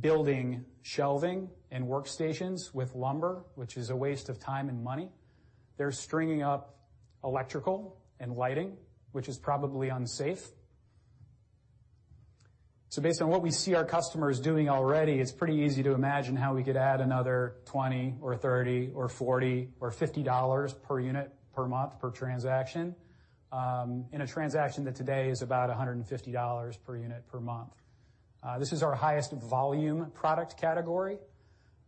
building shelving and workstations with lumber, which is a waste of time and money. They're stringing up electrical and lighting, which is probably unsafe. Based on what we see our customers doing already, it's pretty easy to imagine how we could add another $20, $30, $40, or $50 per unit per month per transaction in a transaction that today is about $150 per unit per month. This is our highest volume product category,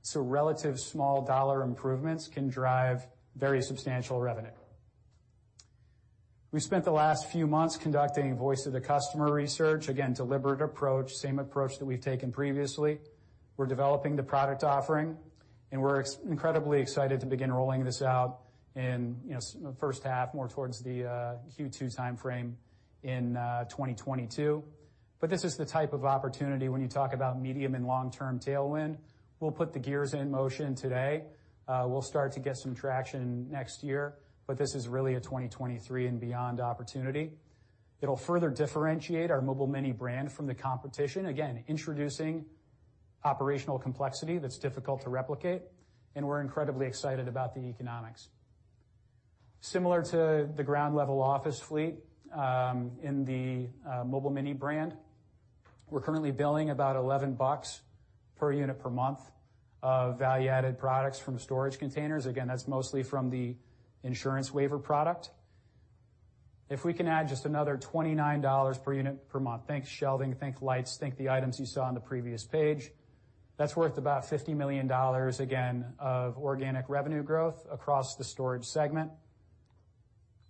so relatively small dollar improvements can drive very substantial revenue. We spent the last few months conducting voice-of-the-customer research. Again, deliberate approach, same approach that we've taken previously. We're developing the product offering, and we're incredibly excited to begin rolling this out in, you know, the first half, more towards the Q2 timeframe in 2022. This is the type of opportunity when you talk about medium and long-term tailwind. We'll put the gears in motion today. We'll start to get some traction next year, but this is really a 2023 and beyond opportunity. It'll further differentiate our Mobile Mini brand from the competition, again, introducing operational complexity that's difficult to replicate, and we're incredibly excited about the economics. Similar to the ground level office fleet, in the Mobile Mini brand, we're currently billing about $11 per unit per month of value-added products from storage containers. Again, that's mostly from the insurance waiver product. If we can add just another $29 per unit per month, think shelving, think lights, think the items you saw on the previous page. That's worth about $50 million, again, of organic revenue growth across the storage segment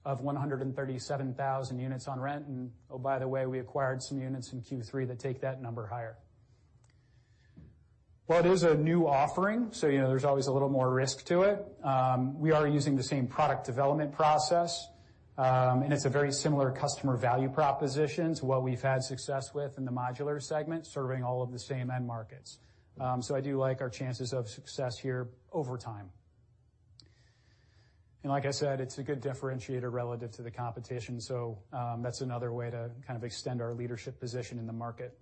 of 137,000 units on rent. Oh, by the way, we acquired some units in Q3 that take that number higher. Well, it is a new offering, you know, there's always a little more risk to it. We are using the same product development process. It's a very similar customer value proposition to what we've had success with in the modular segment, serving all of the same end markets. I do like our chances of success here over time. Like I said, it's a good differentiator relative to the competition. That's another way to kind of extend our leadership position in the market.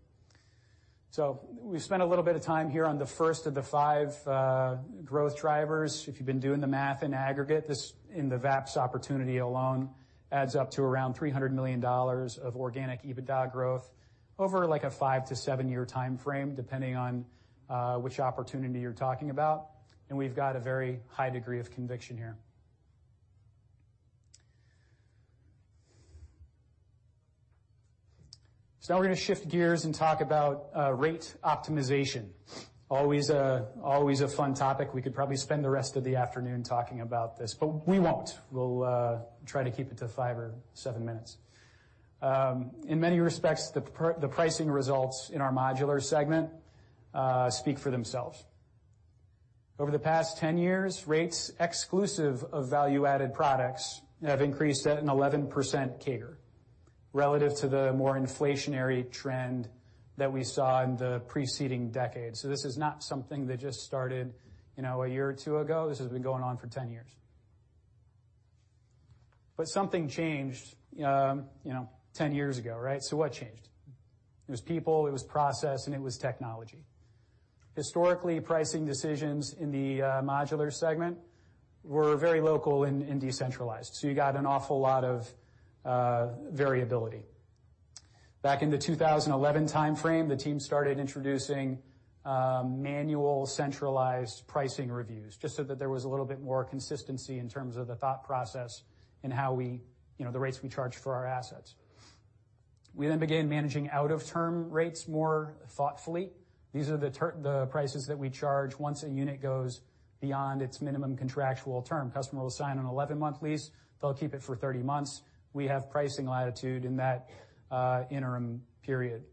We've spent a little bit of time here on the first of the five growth drivers. If you've been doing the math in aggregate, this in the VAPS opportunity alone adds up to around $300 million of organic EBITDA growth over, like, a five to seven-year timeframe, depending on which opportunity you're talking about. We've got a very high degree of conviction here. Now we're gonna shift gears and talk about rate optimization. Always a fun topic. We could probably spend the rest of the afternoon talking about this, but we won't. We'll try to keep it to five or seven minutes. In many respects, the pricing results in our modular segment speak for themselves. Over the past 10 years, rates exclusive of value-added products have increased at an 11% CAGR relative to the more inflationary trend that we saw in the preceding decades. This is not something that just started, you know, a year or two ago. This has been going on for 10 years. Something changed, you know, 10 years ago, right? What changed? It was people, it was process, and it was technology. Historically, pricing decisions in the modular segment were very local and decentralized. You got an awful lot of variability. Back in the 2011 timeframe, the team started introducing manual centralized pricing reviews just so that there was a little bit more consistency in terms of the thought process and how we, you know, the rates we charge for our assets. We then began managing out-of-term rates more thoughtfully. These are the prices that we charge once a unit goes beyond its minimum contractual term. Customer will sign an 11-month lease. They'll keep it for 30 months. We have pricing latitude in that interim period.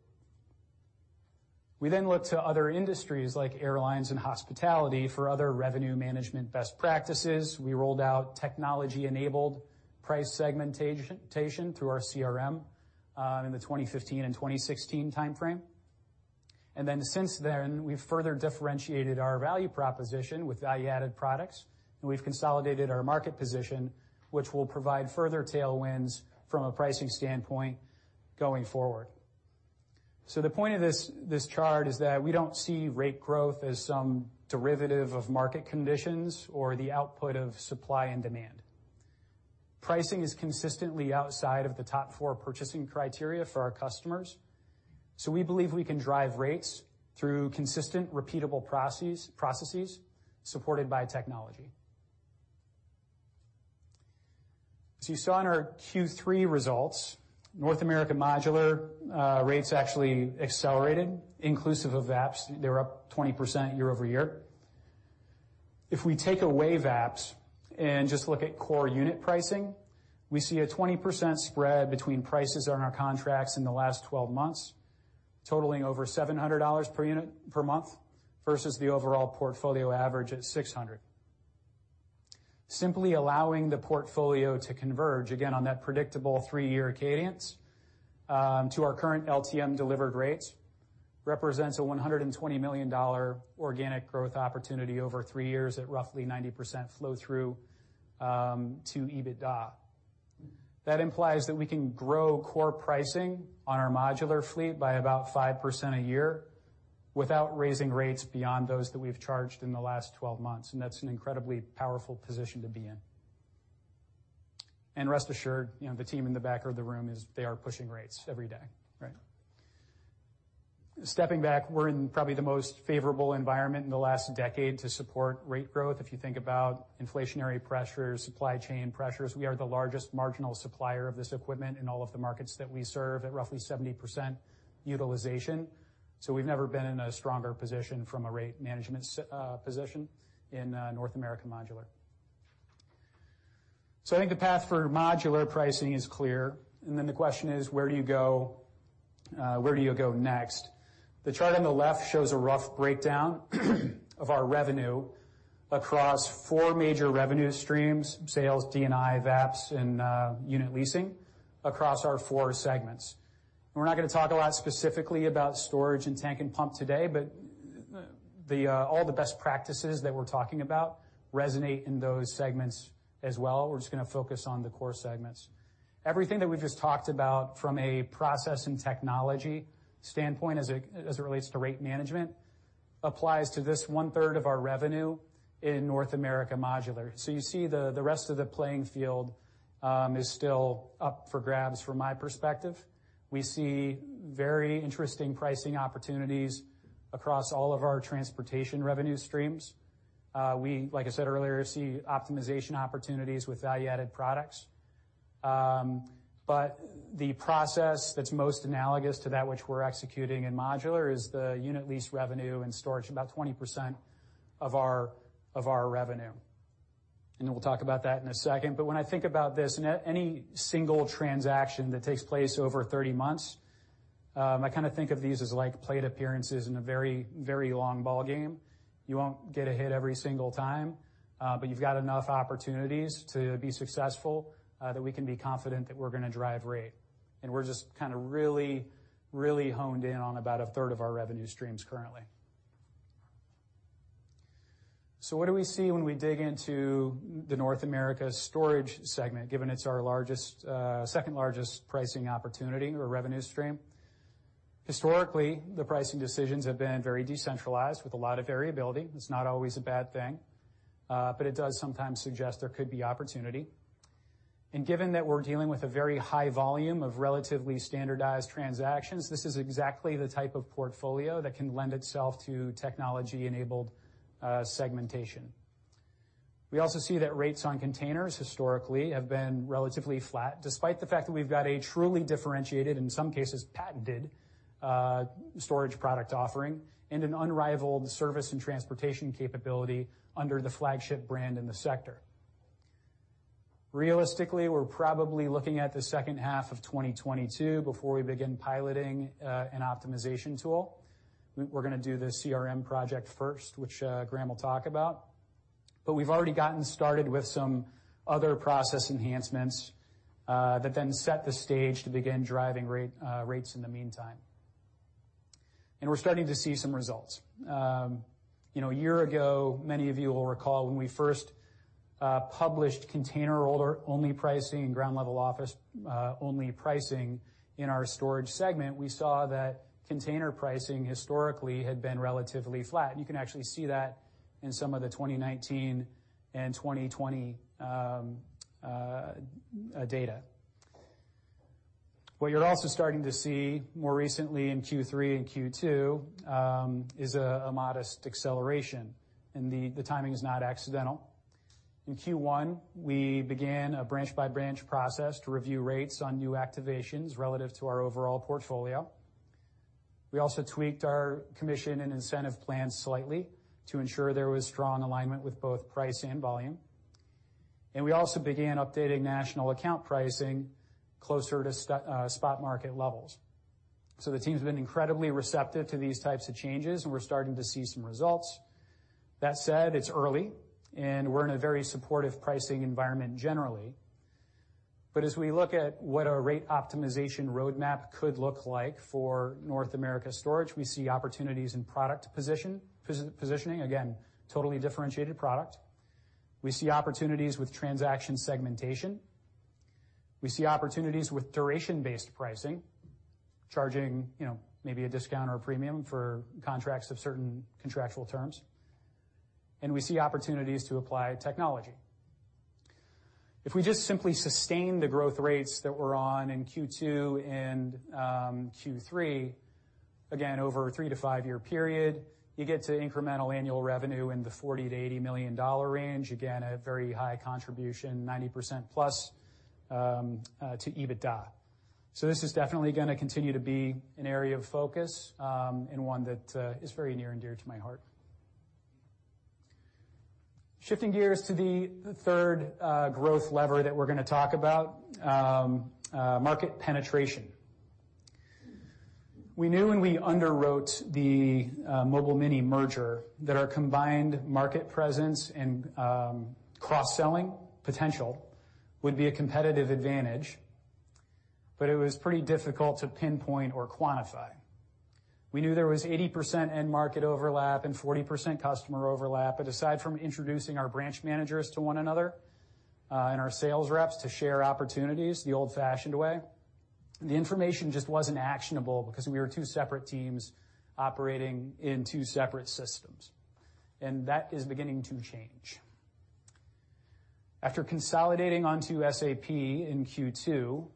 We then look to other industries like airlines and hospitality for other revenue management best practices. We rolled out technology-enabled price segmentation through our CRM in the 2015 and 2016 timeframe. Then since then, we've further differentiated our value proposition with value-added products. We've consolidated our market position, which will provide further tailwinds from a pricing standpoint going forward. The point of this chart is that we don't see rate growth as some derivative of market conditions or the output of supply and demand. Pricing is consistently outside of the top four purchasing criteria for our customers. We believe we can drive rates through consistent, repeatable processes supported by technology. As you saw in our Q3 results, North America Modular rates actually accelerated inclusive of VAPS, they're up 20% year-over-year. If we take away VAPS and just look at core unit pricing, we see a 20% spread between prices on our contracts in the last 12 months, totaling over $700 per unit per month versus the overall portfolio average at $600. Simply allowing the portfolio to converge again on that predictable three-year cadence to our current LTM delivered rates represents a $120 million organic growth opportunity over three years at roughly 90% flow through to EBITDA. That implies that we can grow core pricing on our modular fleet by about 5% a year without raising rates beyond those that we've charged in the last 12 months. That's an incredibly powerful position to be in. Rest assured, you know, the team in the back of the room is pushing rates every day. Right. Stepping back, we're in probably the most favorable environment in the last decade to support rate growth. If you think about inflationary pressures, supply chain pressures, we are the largest marginal supplier of this equipment in all of the markets that we serve at roughly 70% utilization. So we've never been in a stronger position from a rate management position in North America modular. So I think the path for modular pricing is clear, and then the question is, where do you go, where do you go next? The chart on the left shows a rough breakdown of our revenue across four major revenue streams, sales, D&I, VAPS, and unit leasing across our four segments. We're not gonna talk a lot specifically about storage and tank and pump today, but all the best practices that we're talking about resonate in those segments as well. We're just gonna focus on the core segments. Everything that we've just talked about from a process and technology standpoint as it relates to rate management applies to this 1/3 of our revenue in North America Modular. You see the rest of the playing field is still up for grabs from my perspective. We see very interesting pricing opportunities across all of our transportation revenue streams. We, like I said earlier, see optimization opportunities with value-added products. But the process that's most analogous to that which we're executing in Modular is the unit lease revenue and storage, about 20% of our revenue. Then we'll talk about that in a second. When I think about this, any single transaction that takes place over 30 months, I kinda think of these as like plate appearances in a very, very long ballgame. You won't get a hit every single time, but you've got enough opportunities to be successful, that we can be confident that we're gonna drive rate. We're just kinda really, really honed in on about a third of our revenue streams currently. What do we see when we dig into the North America Storage segment, given it's our largest, second largest pricing opportunity or revenue stream? Historically, the pricing decisions have been very decentralized with a lot of variability. It's not always a bad thing, but it does sometimes suggest there could be opportunity. Given that we're dealing with a very high volume of relatively standardized transactions, this is exactly the type of portfolio that can lend itself to technology-enabled segmentation. We also see that rates on containers historically have been relatively flat, despite the fact that we've got a truly differentiated, in some cases, patented storage product offering, and an unrivaled service and transportation capability under the flagship brand in the sector. Realistically, we're probably looking at the second half of 2022 before we begin piloting an optimization tool. We're gonna do the CRM project first, which Graeme will talk about. We've already gotten started with some other process enhancements that then set the stage to begin driving rate rates in the meantime. We're starting to see some results. You know, a year ago, many of you will recall when we first published container-only pricing and ground level office only pricing in our storage segment, we saw that container pricing historically had been relatively flat. You can actually see that in some of the 2019 and 2020 data. What you're also starting to see more recently in Q3 and Q2 is a modest acceleration, and the timing is not accidental. In Q1, we began a branch-by-branch process to review rates on new activations relative to our overall portfolio. We also tweaked our commission and incentive plan slightly to ensure there was strong alignment with both price and volume. We also began updating national account pricing closer to spot market levels. The team's been incredibly receptive to these types of changes, and we're starting to see some results. That said, it's early, and we're in a very supportive pricing environment generally. As we look at what our rate optimization roadmap could look like for North America storage, we see opportunities in product positioning. Again, totally differentiated product. We see opportunities with transaction segmentation. We see opportunities with duration-based pricing, charging, you know, maybe a discount or a premium for contracts of certain contractual terms. And we see opportunities to apply technology. If we just simply sustain the growth rates that we're on in Q2 and Q3, again, over a three to five-year period, you get to incremental annual revenue in the $40 million-$80 million range. Again, a very high contribution, 90% plus to EBITDA. This is definitely gonna continue to be an area of focus, and one that is very near and dear to my heart. Shifting gears to the third growth lever that we're gonna talk about, market penetration. We knew when we underwrote the Mobile Mini merger, that our combined market presence and cross-selling potential would be a competitive advantage, but it was pretty difficult to pinpoint or quantify. We knew there was 80% end market overlap and 40% customer overlap, but aside from introducing our branch managers to one another, and our sales reps to share opportunities the old-fashioned way, the information just wasn't actionable because we were two separate teams operating in two separate systems. That is beginning to change. After consolidating onto SAP in Q2,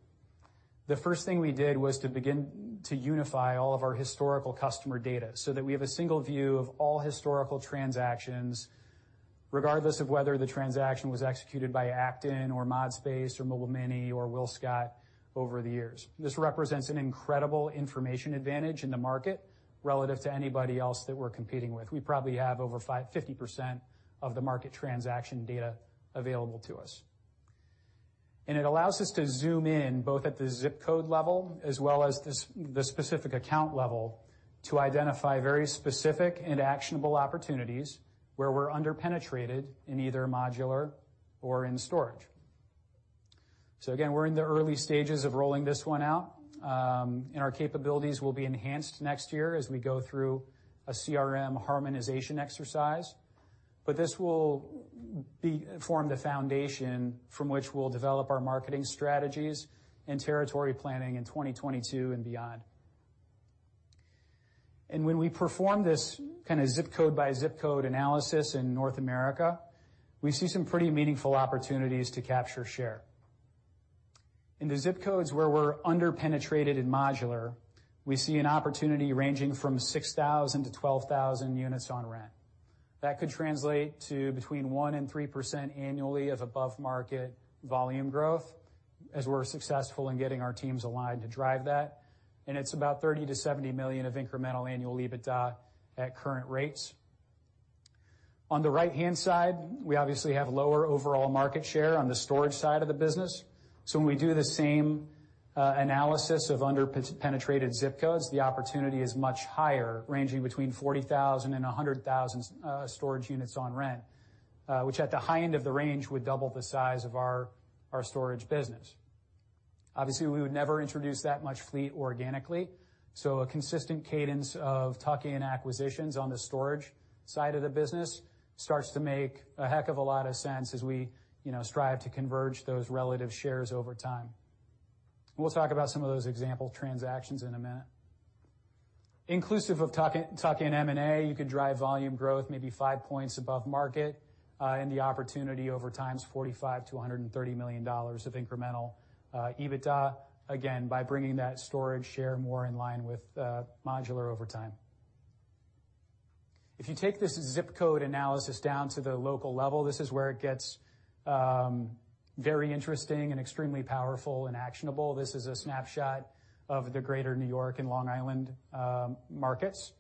the first thing we did was to begin to unify all of our historical customer data so that we have a single view of all historical transactions, regardless of whether the transaction was executed by Acton or ModSpace or Mobile Mini or WillScot over the years. This represents an incredible information advantage in the market relative to anybody else that we're competing with. We probably have over 50% of the market transaction data available to us. It allows us to zoom in both at the ZIP code level as well as the specific account level to identify very specific and actionable opportunities where we're under-penetrated in either modular or in storage. Again, we're in the early stages of rolling this one out, and our capabilities will be enhanced next year as we go through a CRM harmonization exercise. This will form the foundation from which we'll develop our marketing strategies and territory planning in 2022 and beyond. When we perform this kind of ZIP code by ZIP code analysis in North America, we see some pretty meaningful opportunities to capture share. In the ZIP codes where we're under-penetrated in modular, we see an opportunity ranging from 6,000 to 12,000 units on rent. That could translate to between 1% and 3% annually of above-market volume growth as we're successful in getting our teams aligned to drive that, and it's about $30 million-$70 million of incremental annual EBITDA at current rates. On the right-hand side, we obviously have lower overall market share on the storage side of the business. When we do the same analysis of under-penetrated ZIP codes, the opportunity is much higher, ranging between 40,000 and 100,000 storage units on rent, which at the high end of the range would double the size of our storage business. Obviously, we would never introduce that much fleet organically, so a consistent cadence of tuck-in acquisitions on the storage side of the business starts to make a heck of a lot of sense as we, you know, strive to converge those relative shares over time. We'll talk about some of those example transactions in a minute. Inclusive of tuck-in M&A, you could drive volume growth maybe 5 points above market, and the opportunity over time is $45 million-$130 million of incremental EBITDA, again, by bringing that storage share more in line with modular over time. If you take this ZIP code analysis down to the local level, this is where it gets very interesting and extremely powerful and actionable. This is a snapshot of the Greater New York and Long Island markets.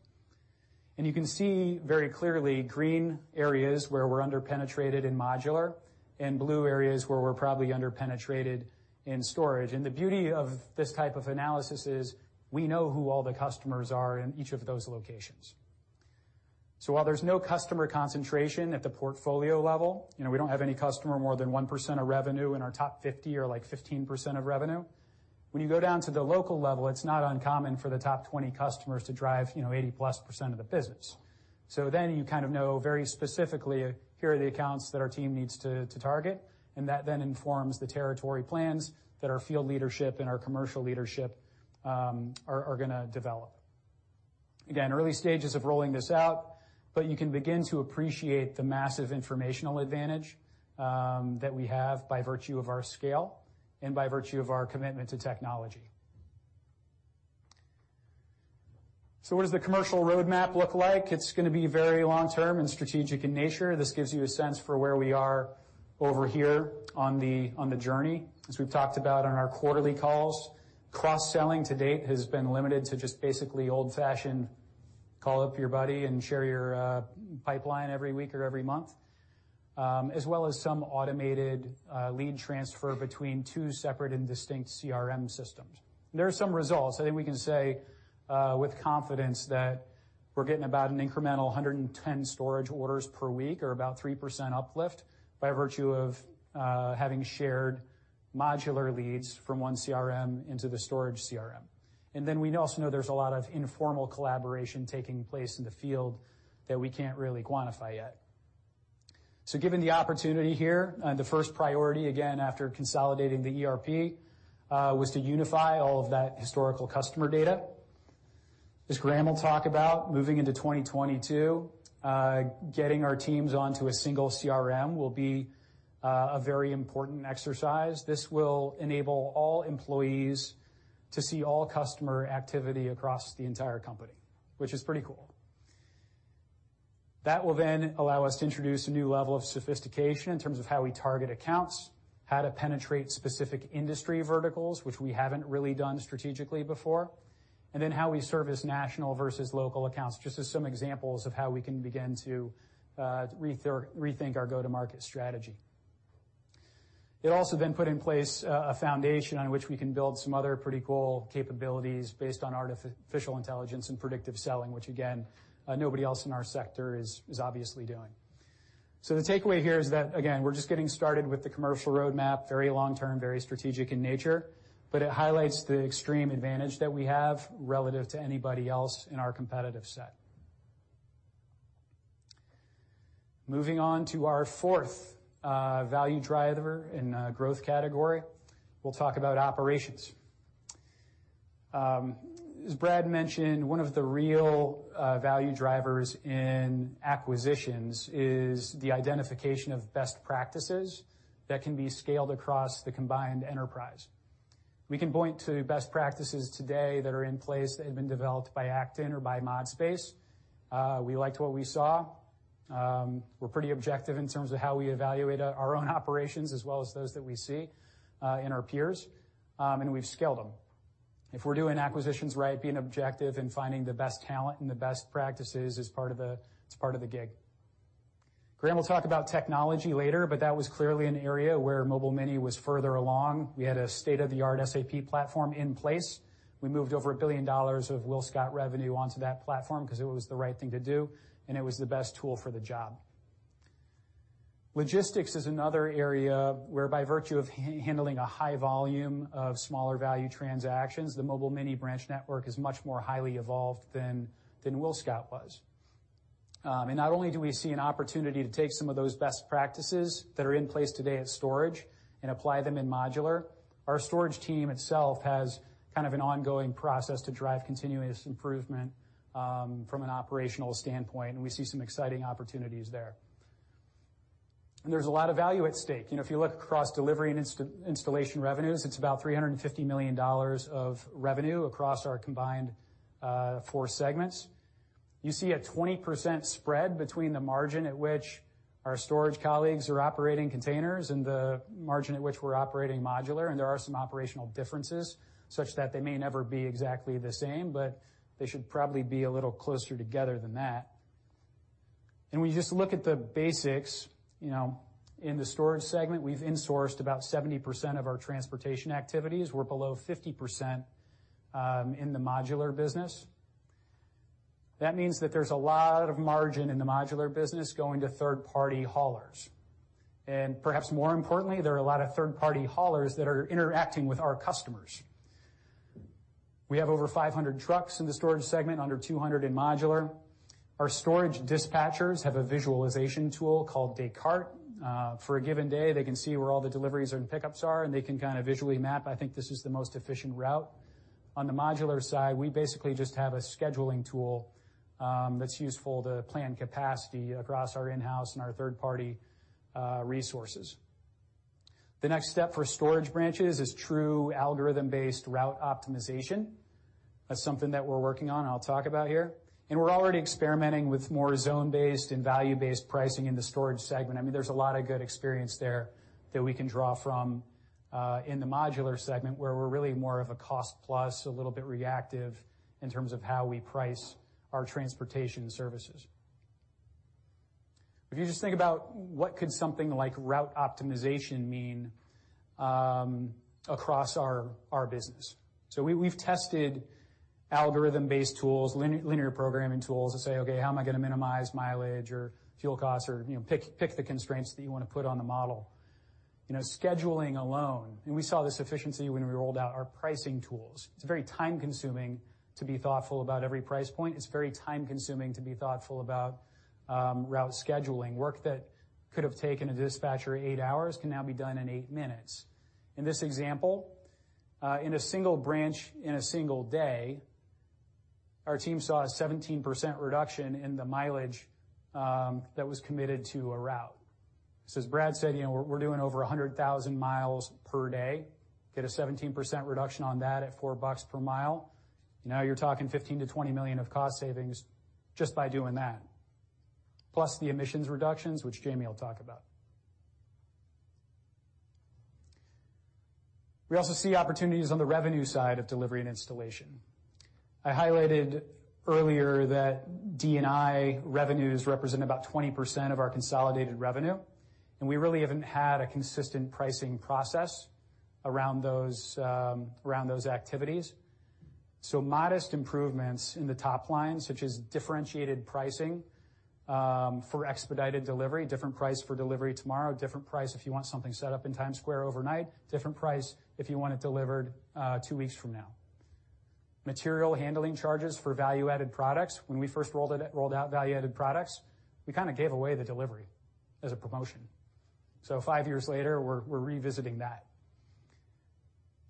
You can see very clearly green areas where we're under-penetrated in modular and blue areas where we're probably under-penetrated in storage. The beauty of this type of analysis is we know who all the customers are in each of those locations. While there's no customer concentration at the portfolio level, you know, we don't have any customer more than 1% of revenue in our top 50 or, like, 15% of revenue. When you go down to the local level, it's not uncommon for the top 20 customers to drive, you know, 80%+ of the business. Then you kind of know very specifically, here are the accounts that our team needs to target, and that then informs the territory plans that our field leadership and our commercial leadership are gonna develop. Again, early stages of rolling this out, but you can begin to appreciate the massive informational advantage that we have by virtue of our scale and by virtue of our commitment to technology. What does the commercial roadmap look like? It's gonna be very long-term and strategic in nature. This gives you a sense for where we are over here on the journey. As we've talked about on our quarterly calls, cross-selling to date has been limited to just basically old-fashioned call up your buddy and share your pipeline every week or every month, as well as some automated lead transfer between two separate and distinct CRM systems. There are some results. I think we can say with confidence that we're getting about an incremental 110 storage orders per week or about 3% uplift by virtue of having shared modular leads from one CRM into the storage CRM. We also know there's a lot of informal collaboration taking place in the field that we can't really quantify yet. Given the opportunity here, and the first priority, again, after consolidating the ERP, was to unify all of that historical customer data. As Graeme will talk about, moving into 2022, getting our teams onto a single CRM will be a very important exercise. This will enable all employees to see all customer activity across the entire company, which is pretty cool. That will then allow us to introduce a new level of sophistication in terms of how we target accounts, how to penetrate specific industry verticals, which we haven't really done strategically before, and then how we service national versus local accounts, just as some examples of how we can begin to rethink our go-to-market strategy. It also then put in place a foundation on which we can build some other pretty cool capabilities based on artificial intelligence and predictive selling, which again, nobody else in our sector is obviously doing. The takeaway here is that, again, we're just getting started with the commercial roadmap, very long-term, very strategic in nature, but it highlights the extreme advantage that we have relative to anybody else in our competitive set. Moving on to our fourth value driver in growth category, we'll talk about operations. As Bradley mentioned, one of the real value drivers in acquisitions is the identification of best practices that can be scaled across the combined enterprise. We can point to best practices today that are in place that have been developed by Acton or by ModSpace. We liked what we saw. We're pretty objective in terms of how we evaluate our own operations as well as those that we see in our peers, and we've scaled them. If we're doing acquisitions right, being objective and finding the best talent and the best practices is part of the gig. Graeme will talk about technology later, but that was clearly an area where Mobile Mini was further along. We had a state-of-the-art SAP platform in place. We moved over $1 billion of WillScot revenue onto that platform because it was the right thing to do, and it was the best tool for the job. Logistics is another area where by virtue of handling a high volume of smaller value transactions, the Mobile Mini branch network is much more highly evolved than WillScot was. Not only do we see an opportunity to take some of those best practices that are in place today at storage and apply them in modular, our storage team itself has kind of an ongoing process to drive continuous improvement from an operational standpoint, and we see some exciting opportunities there. There's a lot of value at stake. You know, if you look across delivery and installation revenues, it's about $350 million of revenue across our combined four segments. You see a 20% spread between the margin at which our storage colleagues are operating containers and the margin at which we're operating modular, and there are some operational differences such that they may never be exactly the same, but they should probably be a little closer together than that. When you just look at the basics, you know, in the storage segment, we've insourced about 70% of our transportation activities. We're below 50%, in the modular business. That means that there's a lot of margin in the modular business going to third-party haulers. Perhaps more importantly, there are a lot of third-party haulers that are interacting with our customers. We have over 500 trucks in the storage segment, under 200 in Modular. Our storage dispatchers have a visualization tool called Descartes. For a given day, they can see where all the deliveries and pickups are, and they can kinda visually map, I think this is the most efficient route. On the modular side, we basically just have a scheduling tool, that's useful to plan capacity across our in-house and our third-party, resources. The next step for storage branches is true algorithm-based route optimization. That's something that we're working on, I'll talk about here. We're already experimenting with more zone-based and value-based pricing in the storage segment. I mean, there's a lot of good experience there that we can draw from in the modular segment, where we're really more of a cost-plus, a little bit reactive in terms of how we price our transportation services. If you just think about what could something like route optimization mean across our business. We've tested algorithm-based tools, linear programming tools to say, "Okay, how am I gonna minimize mileage or fuel costs?" Or, you know, pick the constraints that you wanna put on the model. You know, scheduling alone, and we saw this efficiency when we rolled out our pricing tools. It's very time-consuming to be thoughtful about every price point. It's very time-consuming to be thoughtful about route scheduling. Work that could have taken a dispatcher eight hours can now be done in eight minutes. In this example, in a single branch, in a single day, our team saw a 17% reduction in the mileage that was committed to a route. As Bradley said, you know, we're doing over 100,000 miles per day. Get a 17% reduction on that at $4 per mile, now you're talking $15 million-$20 million of cost savings just by doing that. Plus the emissions reductions, which Jamie will talk about. We also see opportunities on the revenue side of delivery and installation. I highlighted earlier that D&I revenues represent about 20% of our consolidated revenue, and we really haven't had a consistent pricing process around those, around those activities. Modest improvements in the top line, such as differentiated pricing, for expedited delivery, different price for delivery tomorrow, different price if you want something set up in Times Square overnight, different price if you want it delivered, two weeks from now. Material handling charges for value-added products. When we first rolled out value-added products, we kinda gave away the delivery as a promotion. Five years later, we're revisiting that.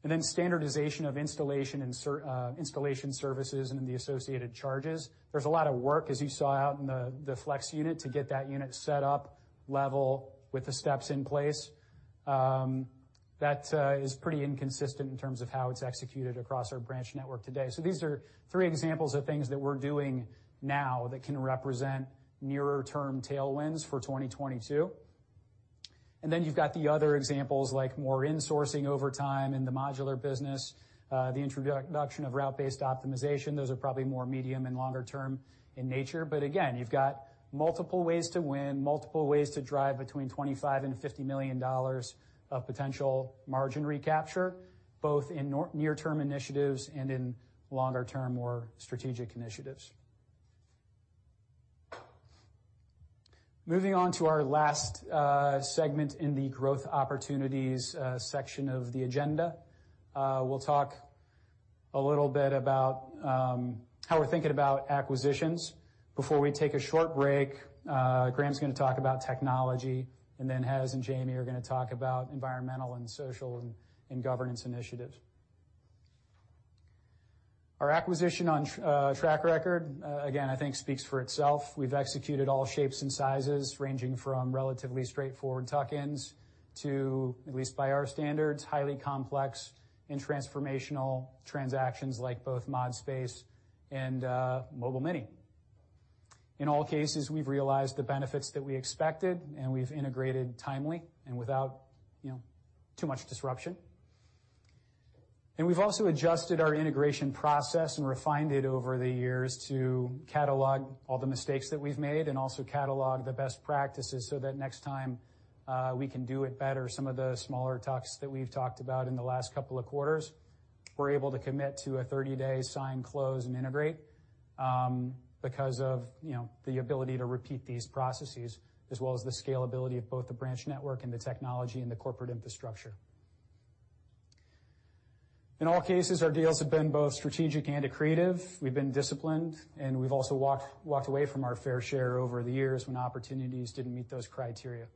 Then standardization of installation services and the associated charges. There's a lot of work, as you saw out in the FLEX unit, to get that unit set up, level, with the steps in place. That is pretty inconsistent in terms of how it's executed across our branch network today. These are three examples of things that we're doing now that can represent nearer term tailwinds for 2022. Then you've got the other examples like more insourcing over time in the modular business, the introduction of route-based optimization. Those are probably more medium and longer term in nature. Again, you've got multiple ways to win, multiple ways to drive between $25 million and $50 million of potential margin recapture, both in near term initiatives and in longer term, more strategic initiatives. Moving on to our last segment in the growth opportunities section of the agenda. We'll talk a little bit about how we're thinking about acquisitions. Before we take a short break, Graeme's gonna talk about technology, and then Hezron and Jamie are gonna talk about environmental and social and governance initiatives. Our acquisition track record again, I think speaks for itself. We've executed all shapes and sizes, ranging from relatively straightforward tuck-ins to, at least by our standards, highly complex and transformational transactions like both ModSpace and Mobile Mini. In all cases, we've realized the benefits that we expected, and we've integrated timely and without, you know, too much disruption. We've also adjusted our integration process and refined it over the years to catalog all the mistakes that we've made and also catalog the best practices so that next time we can do it better, some of the smaller tucks that we've talked about in the last couple of quarters. We're able to commit to a 30-day sign close and integrate because of you know, the ability to repeat these processes as well as the scalability of both the branch network and the technology and the corporate infrastructure. In all cases, our deals have been both strategic and accretive. We've been disciplined, and we've also walked away from our fair share over the years when opportunities didn't meet those criteria.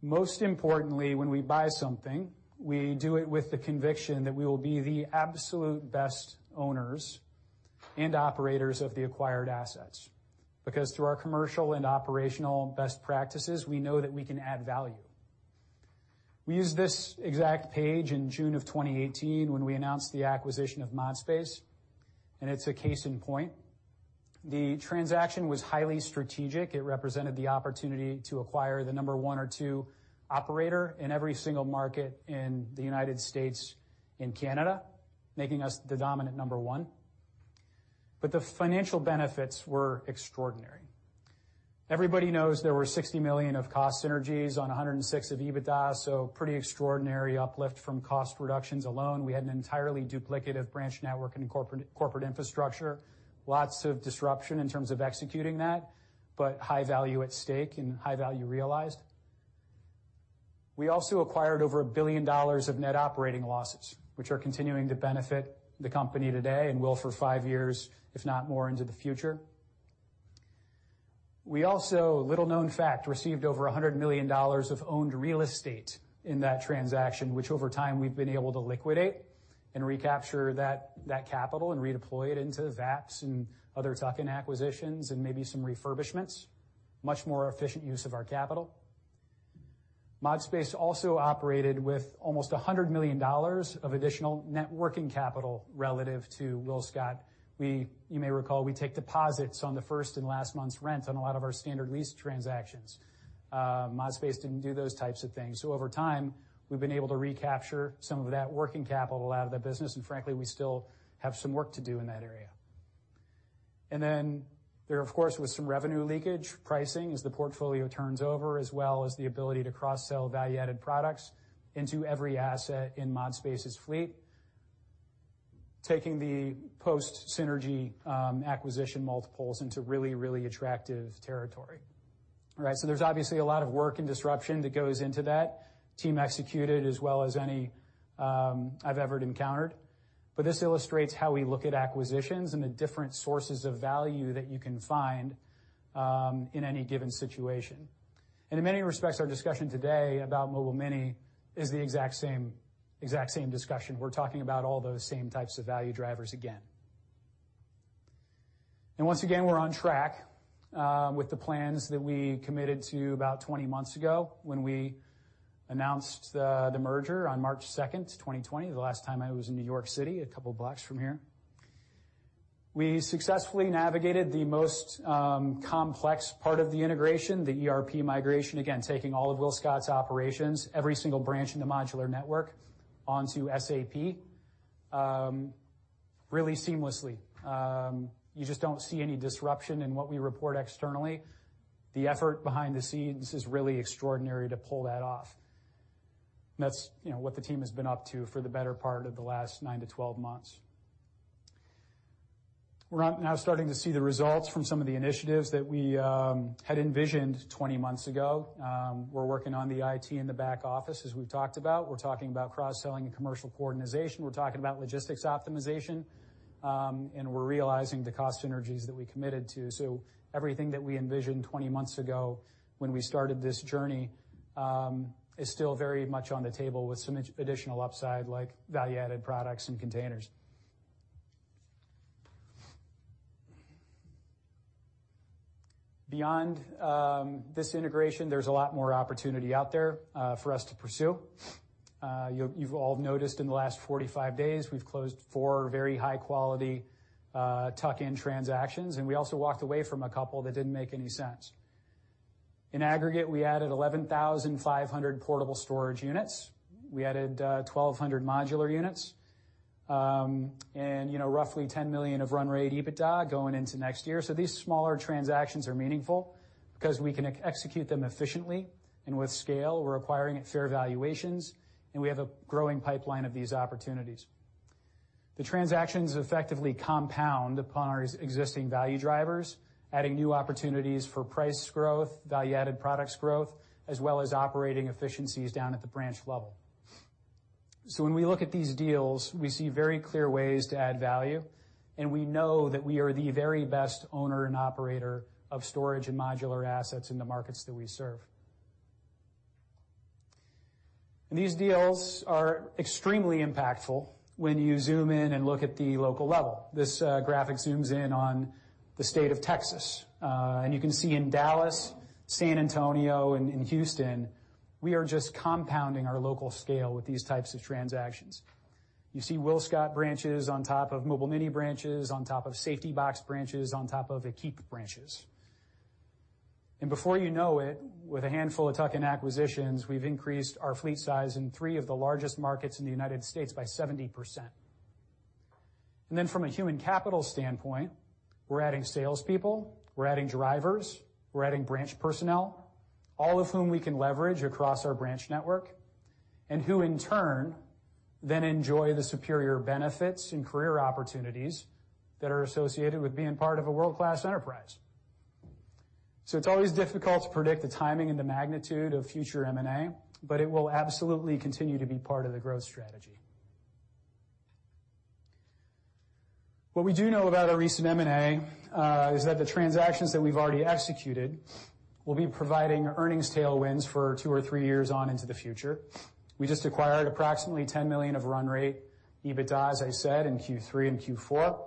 Most importantly, when we buy something, we do it with the conviction that we will be the absolute best owners and operators of the acquired assets, because through our commercial and operational best practices, we know that we can add value. We used this exact page in June of 2018 when we announced the acquisition of ModSpace, and it's a case in point. The transaction was highly strategic. It represented the opportunity to acquire the number one or two operator in every single market in the United States and Canada, making us the dominant number one. The financial benefits were extraordinary. Everybody knows there were $60 million of cost synergies on $106 million of EBITDA, so pretty extraordinary uplift from cost reductions alone. We had an entirely duplicative branch network and corporate infrastructure. Lots of disruption in terms of executing that, but high value at stake and high value realized. We also acquired over $1 billion of net operating losses, which are continuing to benefit the company today and will for five years, if not more into the future. We also, little known fact, received over $100 million of owned real estate in that transaction, which over time we've been able to liquidate and recapture that capital and redeploy it into VAPS and other tuck-in acquisitions and maybe some refurbishments. Much more efficient use of our capital. ModSpace also operated with almost $100 million of additional net working capital relative to WillScot. You may recall we take deposits on the first and last month's rent on a lot of our standard lease transactions. ModSpace didn't do those types of things. Over time, we've been able to recapture some of that working capital out of the business, and frankly, we still have some work to do in that area. Then there, of course, was some revenue leakage pricing as the portfolio turns over, as well as the ability to cross-sell value-added products into every asset in ModSpace's fleet, taking the post synergy acquisition multiples into really, really attractive territory. All right. There's obviously a lot of work and disruption that goes into that. The team executed as well as any I've ever encountered. This illustrates how we look at acquisitions and the different sources of value that you can find in any given situation. In many respects, our discussion today about Mobile Mini is the exact same discussion. We're talking about all those same types of value drivers again. Once again, we're on track with the plans that we committed to about 20 months ago when we announced the merger on March 2nd, 2020, the last time I was in New York City, a couple of blocks from here. We successfully navigated the most complex part of the integration, the ERP migration, again, taking all of WillScot's operations, every single branch in the modular network onto SAP, really seamlessly. You just don't see any disruption in what we report externally. The effort behind the scenes is really extraordinary to pull that off. That's, you know, what the team has been up to for the better part of the last nine to 12 months. We're now starting to see the results from some of the initiatives that we had envisioned 20 months ago. We're working on the IT in the back office, as we've talked about. We're talking about cross-selling and commercial coordination. We're talking about logistics optimization, and we're realizing the cost synergies that we committed to. Everything that we envisioned 20 months ago when we started this journey is still very much on the table with some additional upside like value-added products and containers. Beyond this integration, there's a lot more opportunity out there for us to pursue. You've all noticed in the last 45 days, we've closed four very high-quality tuck-in transactions, and we also walked away from a couple that didn't make any sense. In aggregate, we added 11,500 portable storage units. We added 1,200 modular units, and you know, roughly $10 million of run rate EBITDA going into next year. These smaller transactions are meaningful because we can execute them efficiently and with scale. We're acquiring at fair valuations, and we have a growing pipeline of these opportunities. The transactions effectively compound upon our existing value drivers, adding new opportunities for price growth, value-added products growth, as well as operating efficiencies down at the branch level. When we look at these deals, we see very clear ways to add value, and we know that we are the very best owner and operator of storage and modular assets in the markets that we serve. These deals are extremely impactful when you zoom in and look at the local level. This graphic zooms in on the state of Texas. You can see in Dallas, San Antonio, and in Houston, we are just compounding our local scale with these types of transactions. You see WillScot branches on top of Mobile Mini branches, on top of Saf-T-Box branches, on top of Equipe branches. Before you know it, with a handful of tuck-in acquisitions, we've increased our fleet size in three of the largest markets in the United States by 70%. Then from a human capital standpoint, we're adding salespeople, we're adding drivers, we're adding branch personnel, all of whom we can leverage across our branch network, and who in turn then enjoy the superior benefits and career opportunities that are associated with being part of a world-class enterprise. It's always difficult to predict the timing and the magnitude of future M&A, but it will absolutely continue to be part of the growth strategy. What we do know about our recent M&A is that the transactions that we've already executed will be providing earnings tailwinds for two or three years on into the future. We just acquired approximately 10 million of run rate EBITDA, as I said, in Q3 and Q4.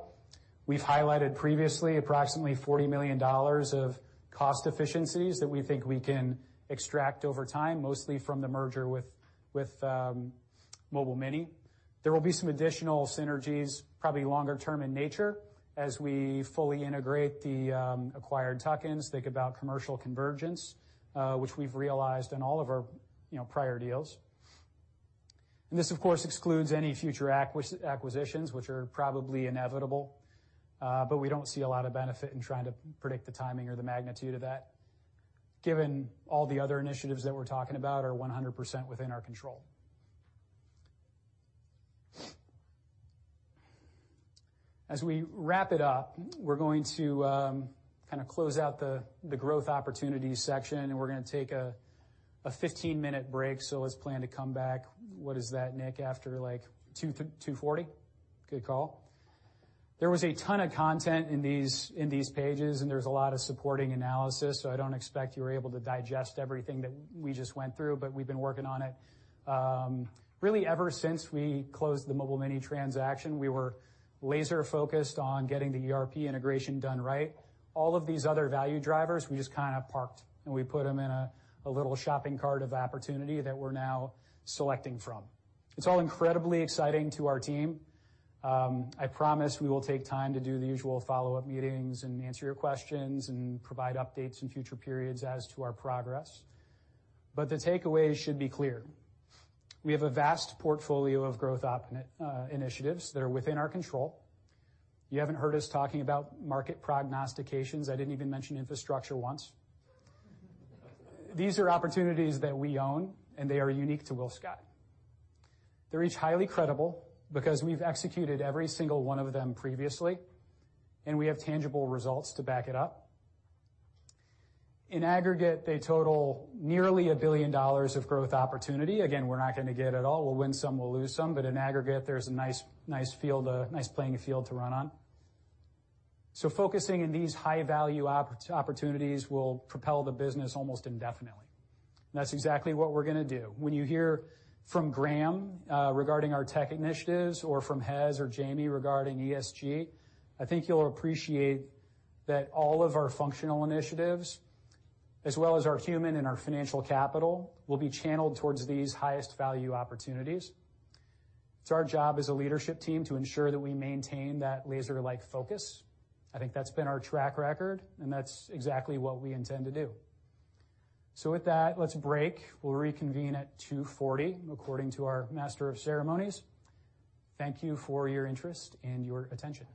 We've highlighted previously approximately $40 million of cost efficiencies that we think we can extract over time, mostly from the merger with Mobile Mini. There will be some additional synergies, probably longer-term in nature, as we fully integrate the acquired tuck-ins. Think about commercial convergence, which we've realized in all of our, you know, prior deals. This, of course, excludes any future acquisitions, which are probably inevitable, but we don't see a lot of benefit in trying to predict the timing or the magnitude of that, given all the other initiatives that we're talking about are 100% within our control. As we wrap it up, we're going to kinda close out the growth opportunities section, and we're gonna take a 15-minute break. Let's plan to come back, what is that, Nick? After like 2:40 P.M? Good call. There was a ton of content in these pages, and there's a lot of supporting analysis, so I don't expect you were able to digest everything that we just went through, but we've been working on it really ever since we closed the Mobile Mini transaction. We were laser-focused on getting the ERP integration done right. All of these other value drivers, we just kinda parked, and we put them in a little shopping cart of opportunity that we're now selecting from. It's all incredibly exciting to our team. I promise we will take time to do the usual follow-up meetings and answer your questions and provide updates in future periods as to our progress. The takeaway should be clear. We have a vast portfolio of growth initiatives that are within our control. You haven't heard us talking about market prognostications. I didn't even mention infrastructure once. These are opportunities that we own, and they are unique to WillScot. They're each highly credible because we've executed every single one of them previously, and we have tangible results to back it up. In aggregate, they total nearly $1 billion of growth opportunity. Again, we're not gonna get it all. We'll win some, we'll lose some, but in aggregate, there's a nice playing field to run on. Focusing on these high-value opportunities will propel the business almost indefinitely. That's exactly what we're gonna do. When you hear from Graeme regarding our tech initiatives or from Hezron or Jamie regarding ESG, I think you'll appreciate that all of our functional initiatives, as well as our human and our financial capital, will be channeled towards these highest value opportunities. It's our job as a leadership team to ensure that we maintain that laser-like focus. I think that's been our track record, and that's exactly what we intend to do. With that, let's break. We'll reconvene at 2:40 P.M. according to our master of ceremonies. Thank you for your interest and your attention.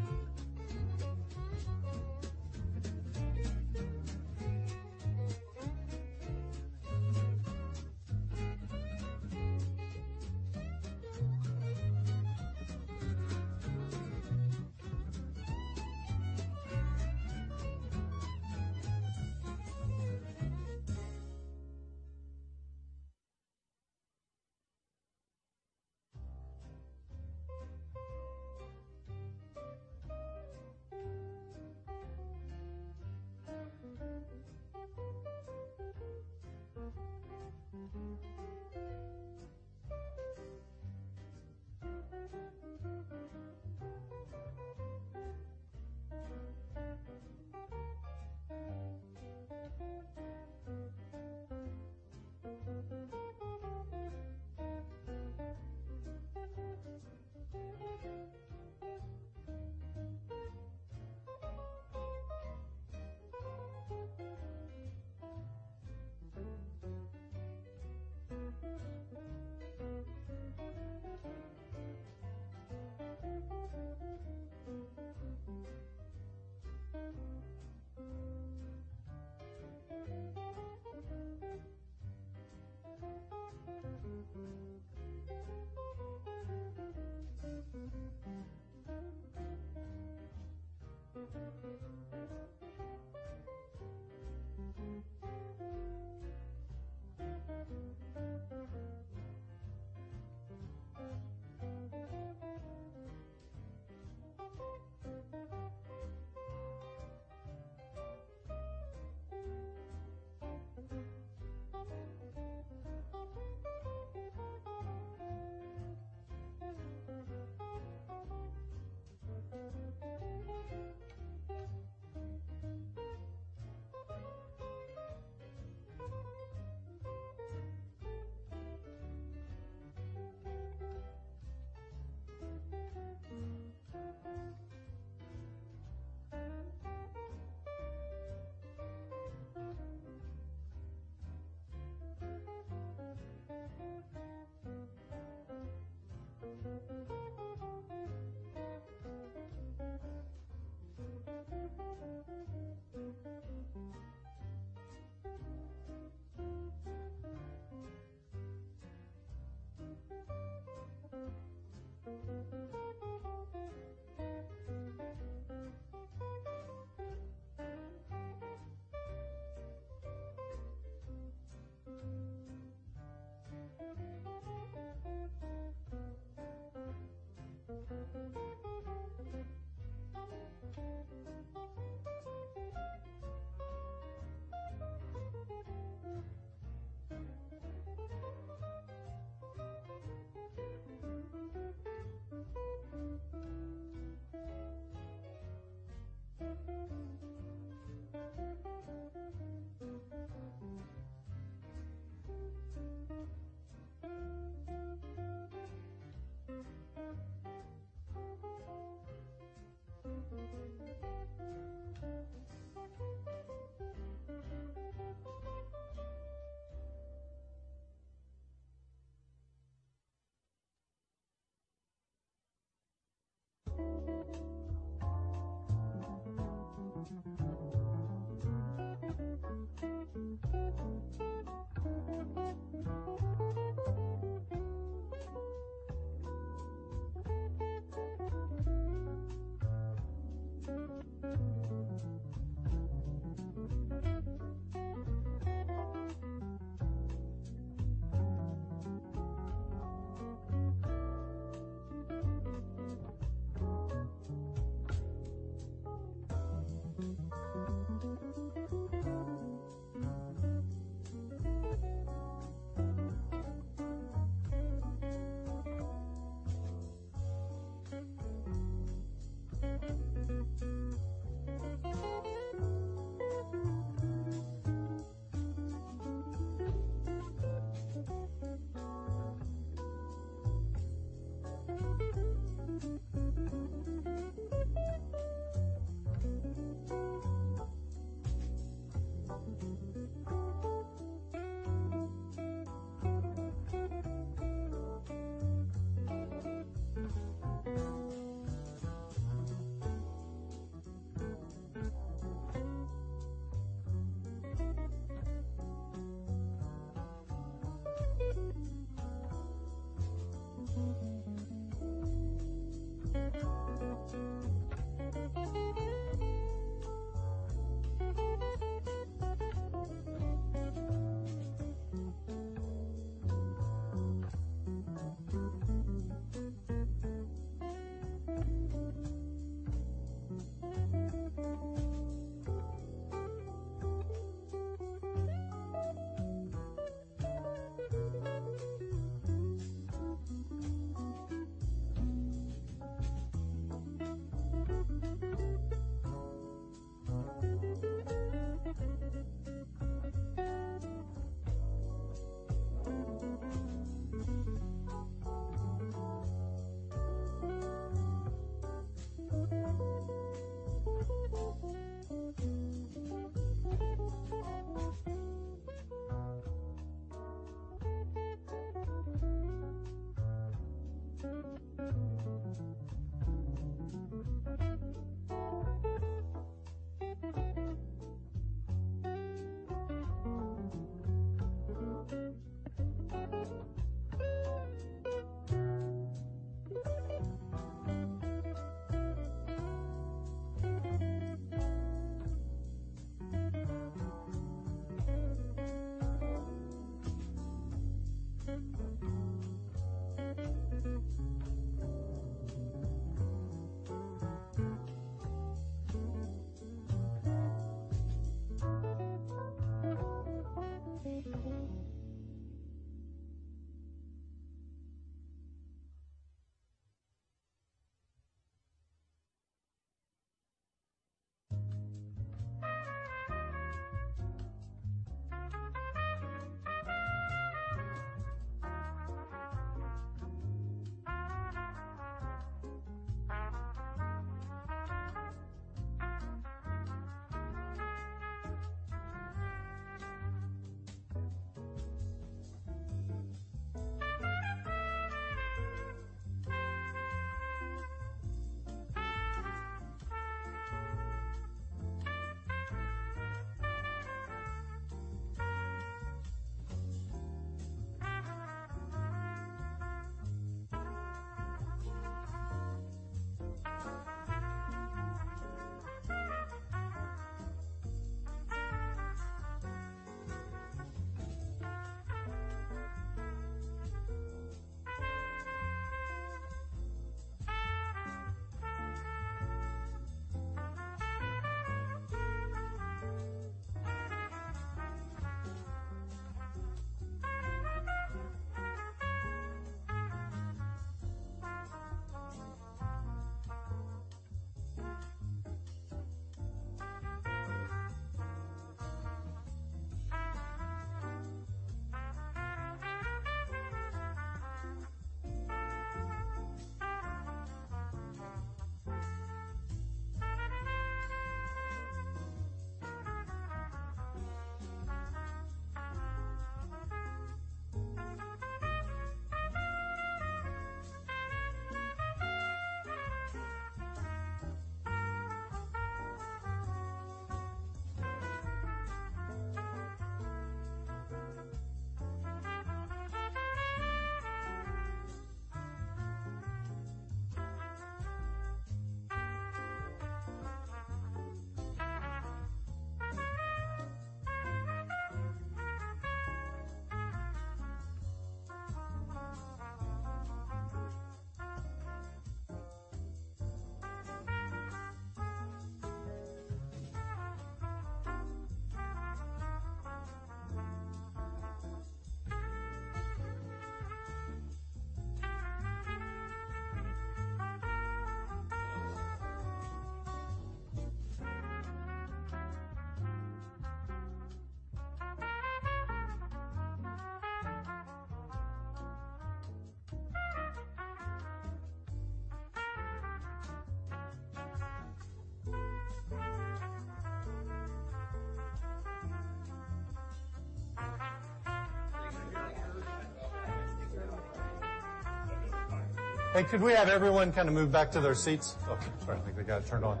Hey, could we have everyone kinda move back to their seats? Oh, sorry. I think we got it turned on.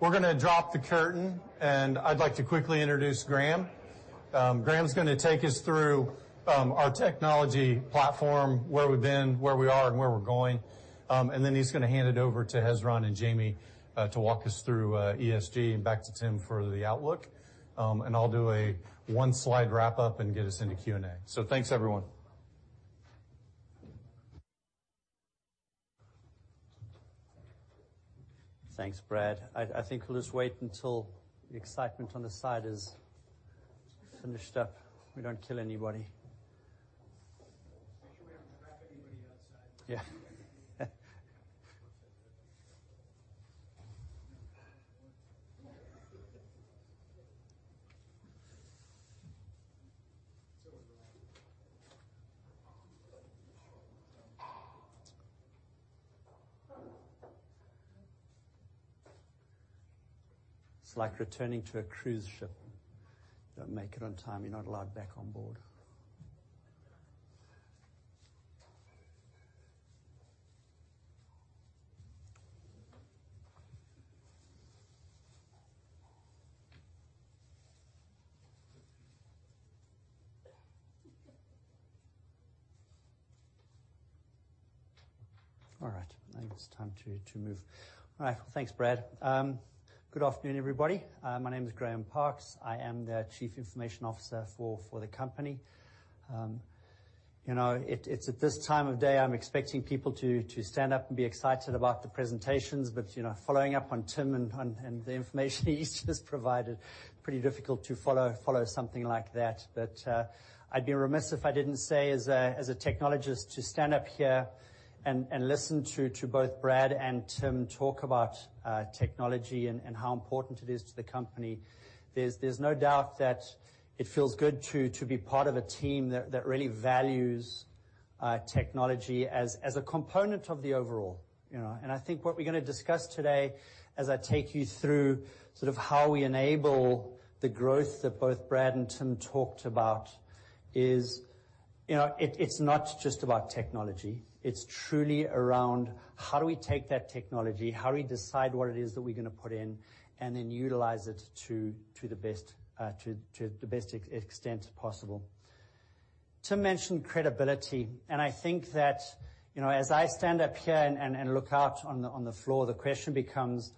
We're gonna drop the curtain, and I'd like to quickly introduce Graeme. Graeme's gonna take us through our technology platform, where we've been, where we are, and where we're going. Then he's gonna hand it over to Hezron and Jamie to walk us through ESG and back to Timothy for the outlook. I'll do a one slide wrap up and get us into Q&A. Thanks, everyone.
Thanks, Bradley. I think we'll just wait until the excitement on the side is finished up. We don't kill anybody. Yeah. It's like returning to a cruise ship. You don't make it on time, you're not allowed back on board. All right. I think it's time to move. All right. Thanks, Bradley. Good afternoon, everybody. My name is Graeme Parkes. I am the Chief Information Officer for the company. You know, it's at this time of day, I'm expecting people to stand up and be excited about the presentations. You know, following up on Timothy and the information he's just provided, pretty difficult to follow something like that. I'd be remiss if I didn't say as a technologist to stand up here and listen to both Bradley and Timothy talk about technology and how important it is to the company. There's no doubt that it feels good to be part of a team that really values technology as a component of the overall, you know. I think what we're gonna discuss today as I take you through sort of how we enable the growth that both Bradley and Timothy talked about is, you know, it's not just about technology, it's truly around how do we take that technology, how do we decide what it is that we're gonna put in, and then utilize it to the best extent possible. Timothy mentioned credibility, and I think that, you know, as I stand up here and look out on the floor, the question becomes,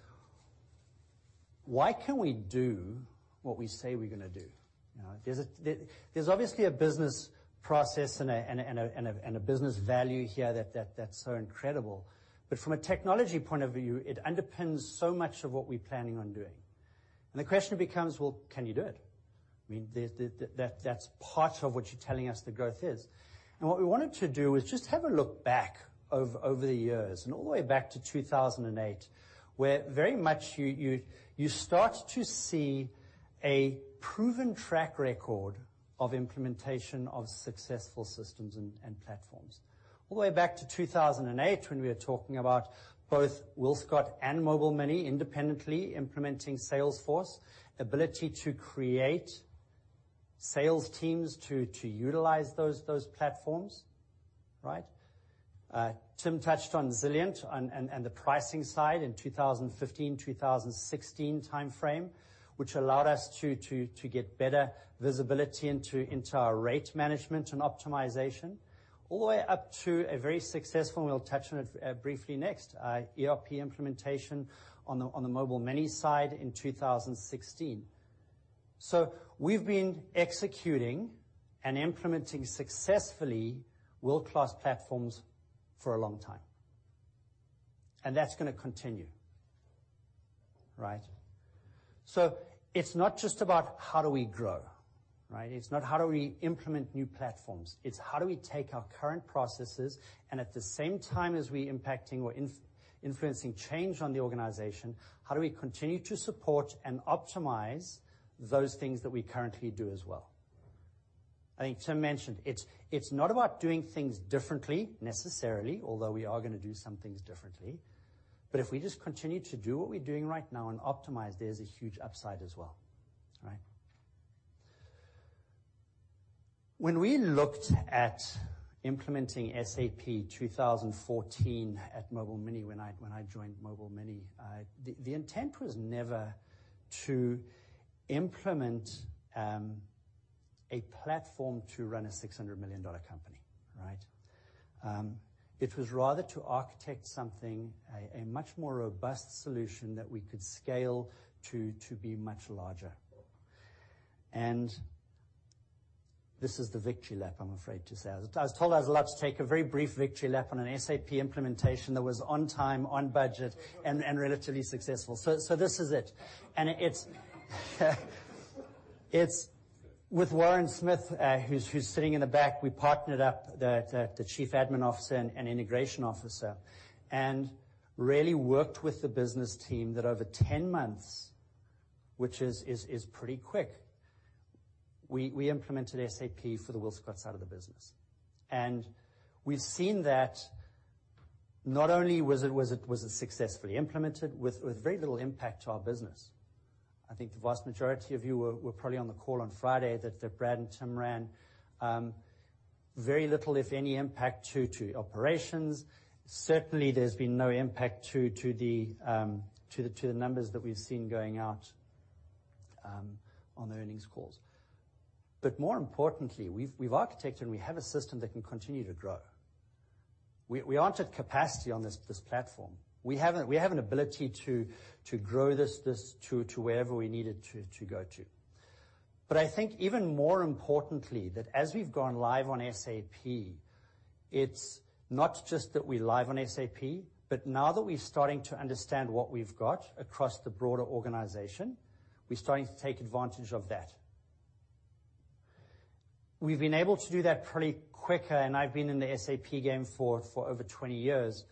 why can we do what we say we're gonna do, you know? There's a There's obviously a business process and a business value here that's so incredible. From a technology point of view, it underpins so much of what we're planning on doing. The question becomes, well, can you do it? I mean, that's part of what you're telling us the growth is. What we wanted to do was just have a look back over the years and all the way back to 2008, where very much you start to see a proven track record of implementation of successful systems and platforms. All the way back to 2008 when we were talking about both WillScot and Mobile Mini independently implementing Salesforce, ability to create sales teams to utilize those platforms, right? Timothy touched on Zilliant and the pricing side in 2015-2016 timeframe, which allowed us to get better visibility into our rate management and optimization, all the way up to a very successful, and we'll touch on it briefly next, ERP implementation on the Mobile Mini side in 2016. We've been executing and implementing successfully world-class platforms for a long time, and that's gonna continue, right? It's not just about how do we grow, right? It's not how do we implement new platforms. It's how do we take our current processes and at the same time as we impacting or influencing change on the organization, how do we continue to support and optimize those things that we currently do as well? I think Timothy mentioned it's not about doing things differently necessarily, although we are gonna do some things differently. If we just continue to do what we're doing right now and optimize, there's a huge upside as well, right? When we looked at implementing SAP in 2014 at Mobile Mini, when I joined Mobile Mini, the intent was never to implement a platform to run a $600 million company, right? It was rather to architect something, a much more robust solution that we could scale to be much larger. This is the victory lap, I'm afraid to say. I was told I was allowed to take a very brief victory lap on an SAP implementation that was on time, on budget, and relatively successful. This is it. It's With Warren Smith, who's sitting in the back, we partnered with the Chief Admin Officer and integration officer, and really worked with the business team that over 10 months, which is pretty quick, we implemented SAP for the WillScot side of the business. We've seen that not only was it successfully implemented with very little impact to our business. I think the vast majority of you were probably on the call on Friday that Bradley and Timothy ran. Very little, if any impact to operations. Certainly there's been no impact to the numbers that we've seen going out on the earnings calls. More importantly, we've architected and we have a system that can continue to grow. We aren't at capacity on this platform. We have an ability to grow this to wherever we need it to go to. I think even more importantly that as we've gone live on SAP, it's not just that we're live on SAP, but now that we're starting to understand what we've got across the broader organization, we're starting to take advantage of that. We've been able to do that pretty quickly, and I've been in the SAP game for over 20 years.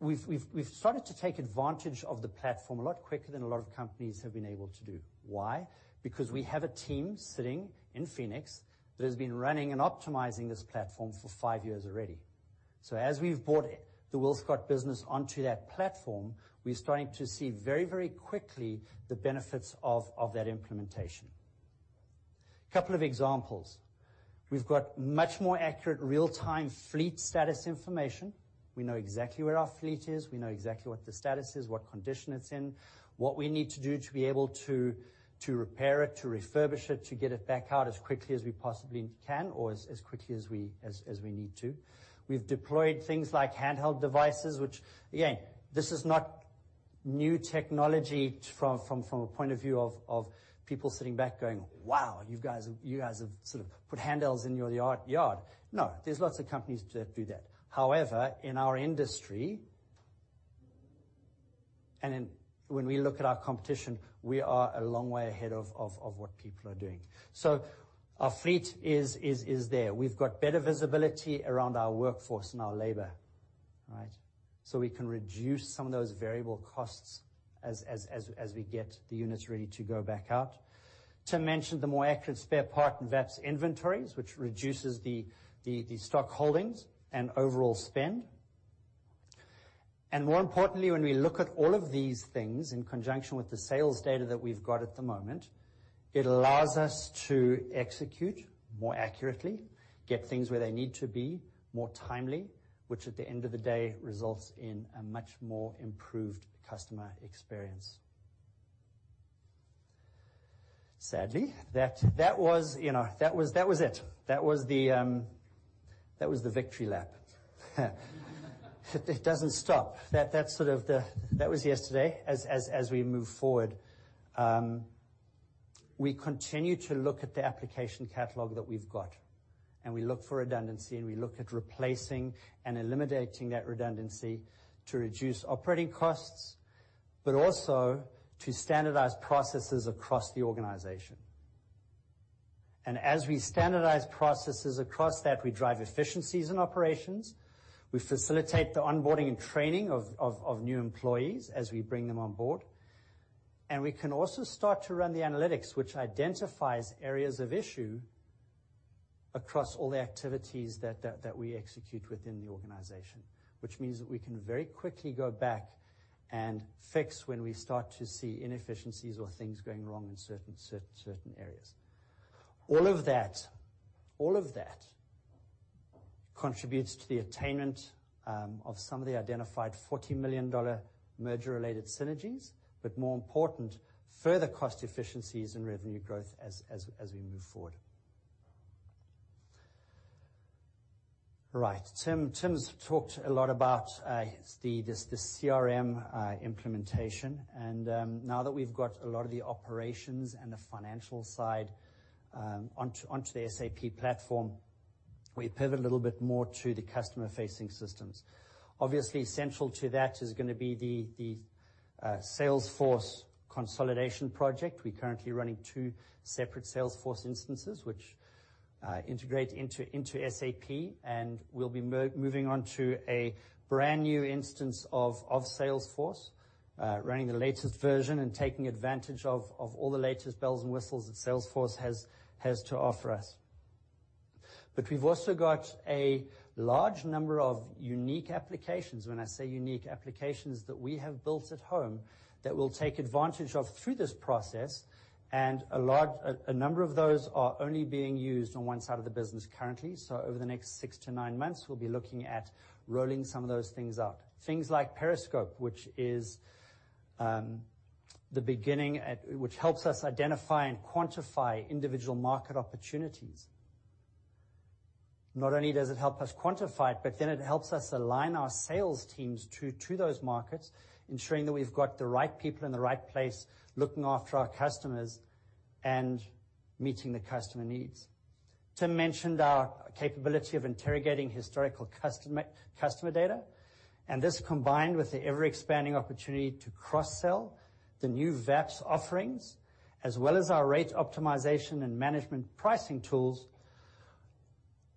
We've started to take advantage of the platform a lot quickly than a lot of companies have been able to do. Why? Because we have a team sitting in Phoenix that has been running and optimizing this platform for five years already. As we've brought it, the WillScot business onto that platform, we're starting to see very, very quickly the benefits of that implementation. Couple of examples. We've got much more accurate real-time fleet status information. We know exactly where our fleet is. We know exactly what the status is, what condition it's in, what we need to do to be able to to repair it, to refurbish it, to get it back out as quickly as we possibly can, or as quickly as we need to. We've deployed things like handheld devices, which again, this is not new technology from a point of view of people sitting back going, "Wow, you guys have sort of put handhelds in your yard." No, there's lots of companies that do that. However, in our industry, when we look at our competition, we are a long way ahead of what people are doing. Our fleet is there. We've got better visibility around our workforce and our labor, right? We can reduce some of those variable costs as we get the units ready to go back out. Timothy mentioned the more accurate spare part and VAPS inventories, which reduces the stock holdings and overall spend. More importantly, when we look at all of these things in conjunction with the sales data that we've got at the moment, it allows us to execute more accurately, get things where they need to be, more timely, which at the end of the day, results in a much more improved customer experience. Sadly, that was, you know, that was it. That was the victory lap. It doesn't stop. That's sort of the. That was yesterday. As we move forward, we continue to look at the application catalog that we've got, and we look for redundancy, and we look at replacing and eliminating that redundancy to reduce operating costs, but also to standardize processes across the organization. As we standardize processes across that, we drive efficiencies in operations, we facilitate the onboarding and training of new employees as we bring them on board, and we can also start to run the analytics which identifies areas of issue across all the activities that we execute within the organization. Which means that we can very quickly go back and fix when we start to see inefficiencies or things going wrong in certain areas. All of that contributes to the attainment of some of the identified $40 million merger-related synergies, but more important, further cost efficiencies and revenue growth as we move forward. Right. Tim's talked a lot about the CRM implementation, and now that we've got a lot of the operations and the financial side onto the SAP platform, we pivot a little bit more to the customer-facing systems. Obviously, central to that is gonna be the Salesforce consolidation project. We're currently running two separate Salesforce instances which integrate into SAP, and we'll be moving on to a brand-new instance of Salesforce running the latest version and taking advantage of all the latest bells and whistles that Salesforce has to offer us. We've also got a large number of unique applications. When I say unique applications that we have built at home that we'll take advantage of through this process, and a large number of those are only being used on one side of the business currently. Over the next six-nine months, we'll be looking at rolling some of those things out. Things like Periscope, which helps us identify and quantify individual market opportunities. Not only does it help us quantify it, but then it helps us align our sales teams to those markets, ensuring that we've got the right people in the right place looking after our customers and meeting the customer needs. Timothy mentioned our capability of interrogating historical customer data, and this combined with the ever-expanding opportunity to cross-sell the new VAPS offerings, as well as our rate optimization and management pricing tools,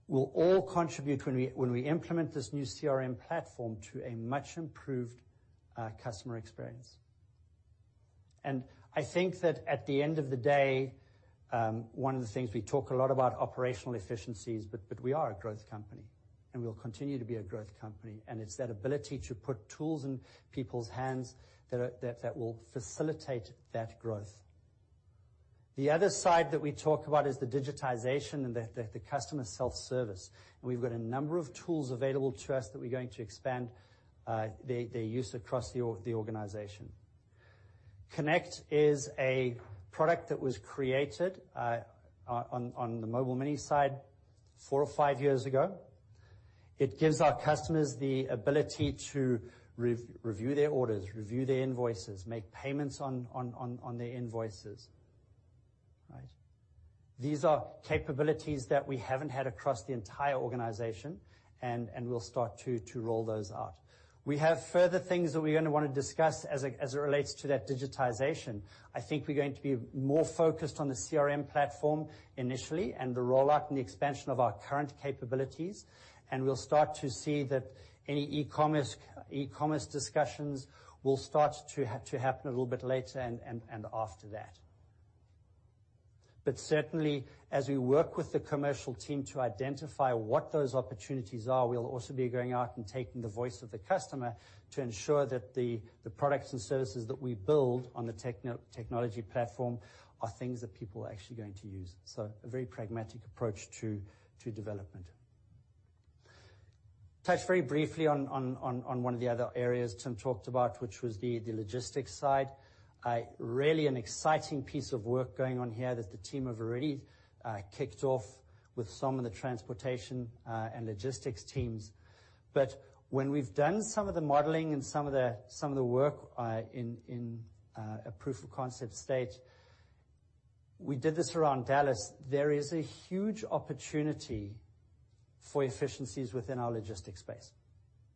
will all contribute when we implement this new CRM platform to a much improved customer experience. I think that at the end of the day, one of the things we talk a lot about operational efficiencies, but we are a growth company. We'll continue to be a growth company, and it's that ability to put tools in people's hands that will facilitate that growth. The other side that we talk about is the digitization and the customer self-service. We've got a number of tools available to us that we're going to expand their use across the organization. Connect is a product that was created on the Mobile Mini side four or five years ago. It gives our customers the ability to review their orders, review their invoices, make payments on their invoices, right? These are capabilities that we haven't had across the entire organization and we'll start to roll those out. We have further things that we're gonna wanna discuss as it relates to that digitization. I think we're going to be more focused on the CRM platform initially, and the rollout and the expansion of our current capabilities. We'll start to see that any e-commerce discussions will start to happen a little bit later and after that. Certainly, as we work with the commercial team to identify what those opportunities are, we'll also be going out and taking the voice of the customer to ensure that the products and services that we build on the technology platform are things that people are actually going to use. So a very pragmatic approach to development. Touch very briefly on one of the other areas Timothy talked about, which was the logistics side. Really an exciting piece of work going on here that the team have already kicked off with some of the transportation and logistics teams. When we've done some of the modeling and some of the work in a proof of concept stage, we did this around Dallas. There is a huge opportunity for efficiencies within our logistics space.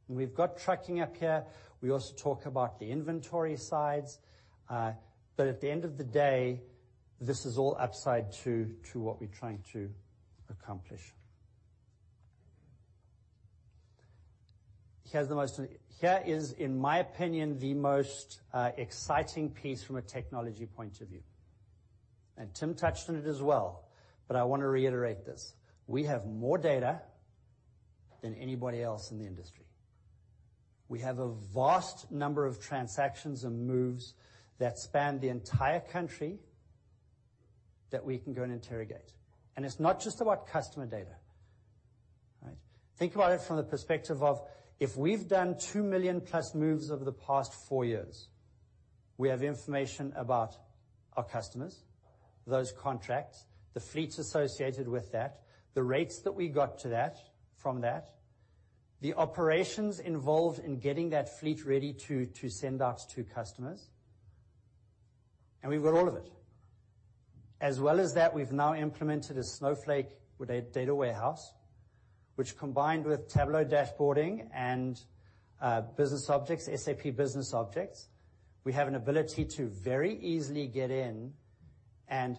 We've got tracking up here. We also talk about the inventory sides. But at the end of the day, this is all upside to what we're trying to accomplish. Here is, in my opinion, the most exciting piece from a technology point of view. Timothy touched on it as well, but I wanna reiterate this. We have more data than anybody else in the industry. We have a vast number of transactions and moves that span the entire country that we can go and interrogate. It's not just about customer data, right? Think about it from the perspective of, if we've done two million plus moves over the past four years, we have information about our customers, those contracts, the fleets associated with that, the rates that we got to that from that, the operations involved in getting that fleet ready to send out to customers. We've got all of it. As well as that, we've now implemented a Snowflake with a data warehouse, which combined with Tableau dashboarding and BusinessObjects, SAP BusinessObjects. We have an ability to very easily get in and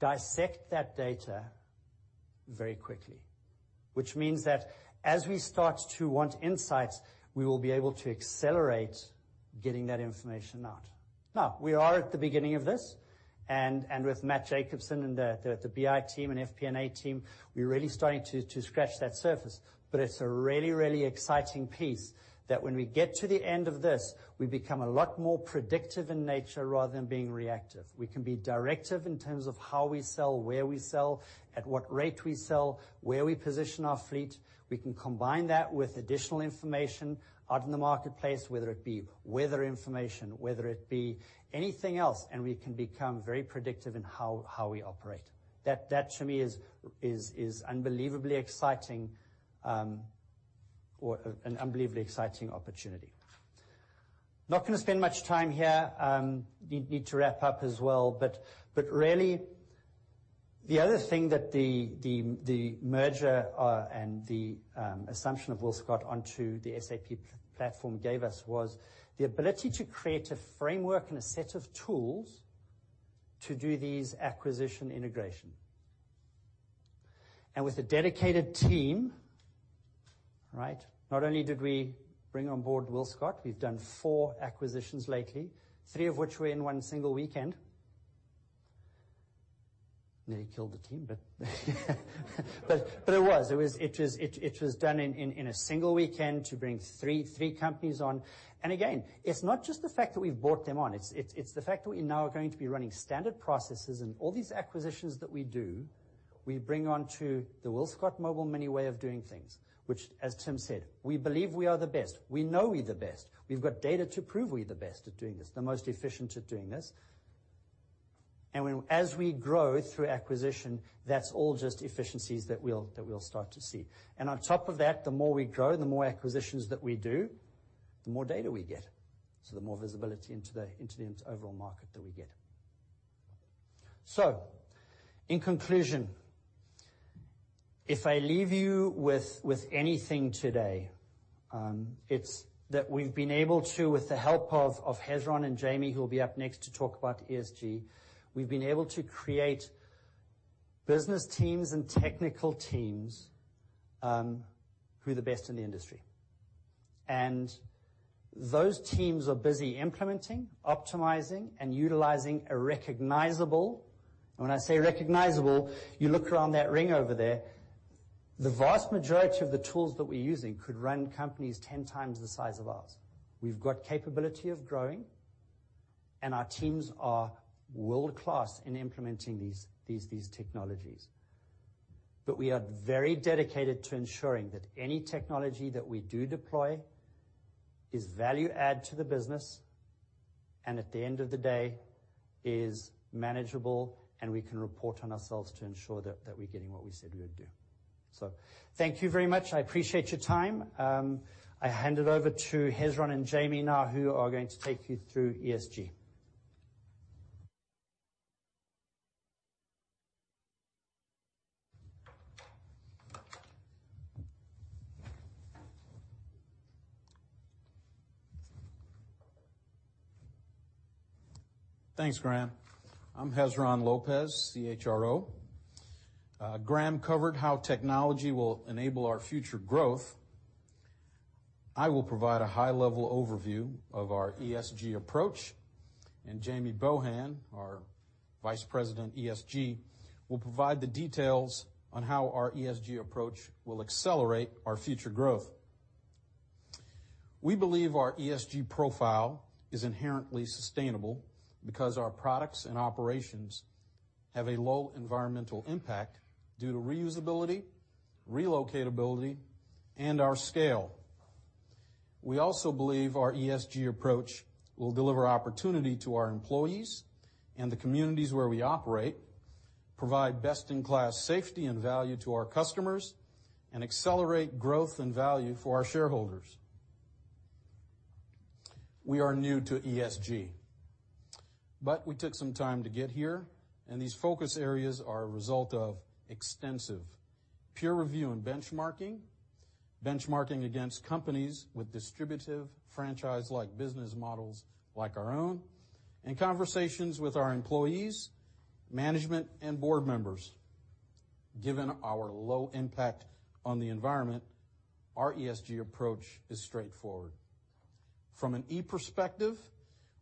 dissect that data very quickly. Which means that as we start to want insights, we will be able to accelerate getting that information out. Now, we are at the beginning of this, and with Matt Jacobsen and the BI team and FP&A team, we're really starting to scratch that surface. It's a really, really exciting piece that when we get to the end of this, we become a lot more predictive in nature rather than being reactive. We can be directive in terms of how we sell, where we sell, at what rate we sell, where we position our fleet. We can combine that with additional information out in the marketplace, whether it be weather information, whether it be anything else, and we can become very predictive in how we operate. That to me is unbelievably exciting or an unbelievably exciting opportunity. Not gonna spend much time here. Need to wrap up as well. Really the other thing that the merger and the assumption of WillScot onto the SAP platform gave us was the ability to create a framework and a set of tools to do these acquisition integration. With a dedicated team, right? Not only did we bring on board WillScot, we've done four acquisitions lately, three of which were in one single weekend. Nearly killed the team, but it was done in a single weekend to bring three companies on. Again, it's not just the fact that we've brought them on, it's the fact that we now are going to be running standard processes and all these acquisitions that we do, we bring onto the WillScot Mobile Mini way of doing things, which as Timothy said, we believe we are the best. We know we're the best. We've got data to prove we're the best at doing this, the most efficient at doing this. When, as we grow through acquisition, that's all just efficiencies that we'll start to see. On top of that, the more we grow, the more acquisitions that we do, the more data we get. The more visibility into the overall market that we get. In conclusion, if I leave you with anything today, it's that we've been able to, with the help of Hezron and Jamie, who'll be up next to talk about ESG, create business teams and technical teams who are the best in the industry. Those teams are busy implementing, optimizing, and utilizing a recognizable. When I say recognizable, you look around that ring over there, the vast majority of the tools that we're using could run companies ten times the size of ours. We've got capability of growing, and our teams are world-class in implementing these technologies. We are very dedicated to ensuring that any technology that we do deploy is value add to the business, and at the end of the day, is manageable, and we can report on ourselves to ensure that we're getting what we said we would do. Thank you very much. I appreciate your time. I hand it over to Hezron and Jamie now, who are going to take you through ESG.
Thanks, Graeme. I'm Hezron Lopez, CHRO. Graeme covered how technology will enable our future growth. I will provide a high-level overview of our ESG approach, and Jamie Bohan, our Vice President, ESG, will provide the details on how our ESG approach will accelerate our future growth. We believe our ESG profile is inherently sustainable because our products and operations have a low environmental impact due to reusability, relocatability, and our scale. We also believe our ESG approach will deliver opportunity to our employees and the communities where we operate, provide best-in-class safety and value to our customers, and accelerate growth and value for our shareholders. We are new to ESG, but we took some time to get here, and these focus areas are a result of extensive peer review and benchmarking against companies with distributive franchise-like business models like our own, and conversations with our employees, management, and board members. Given our low impact on the environment, our ESG approach is straightforward. From an E perspective,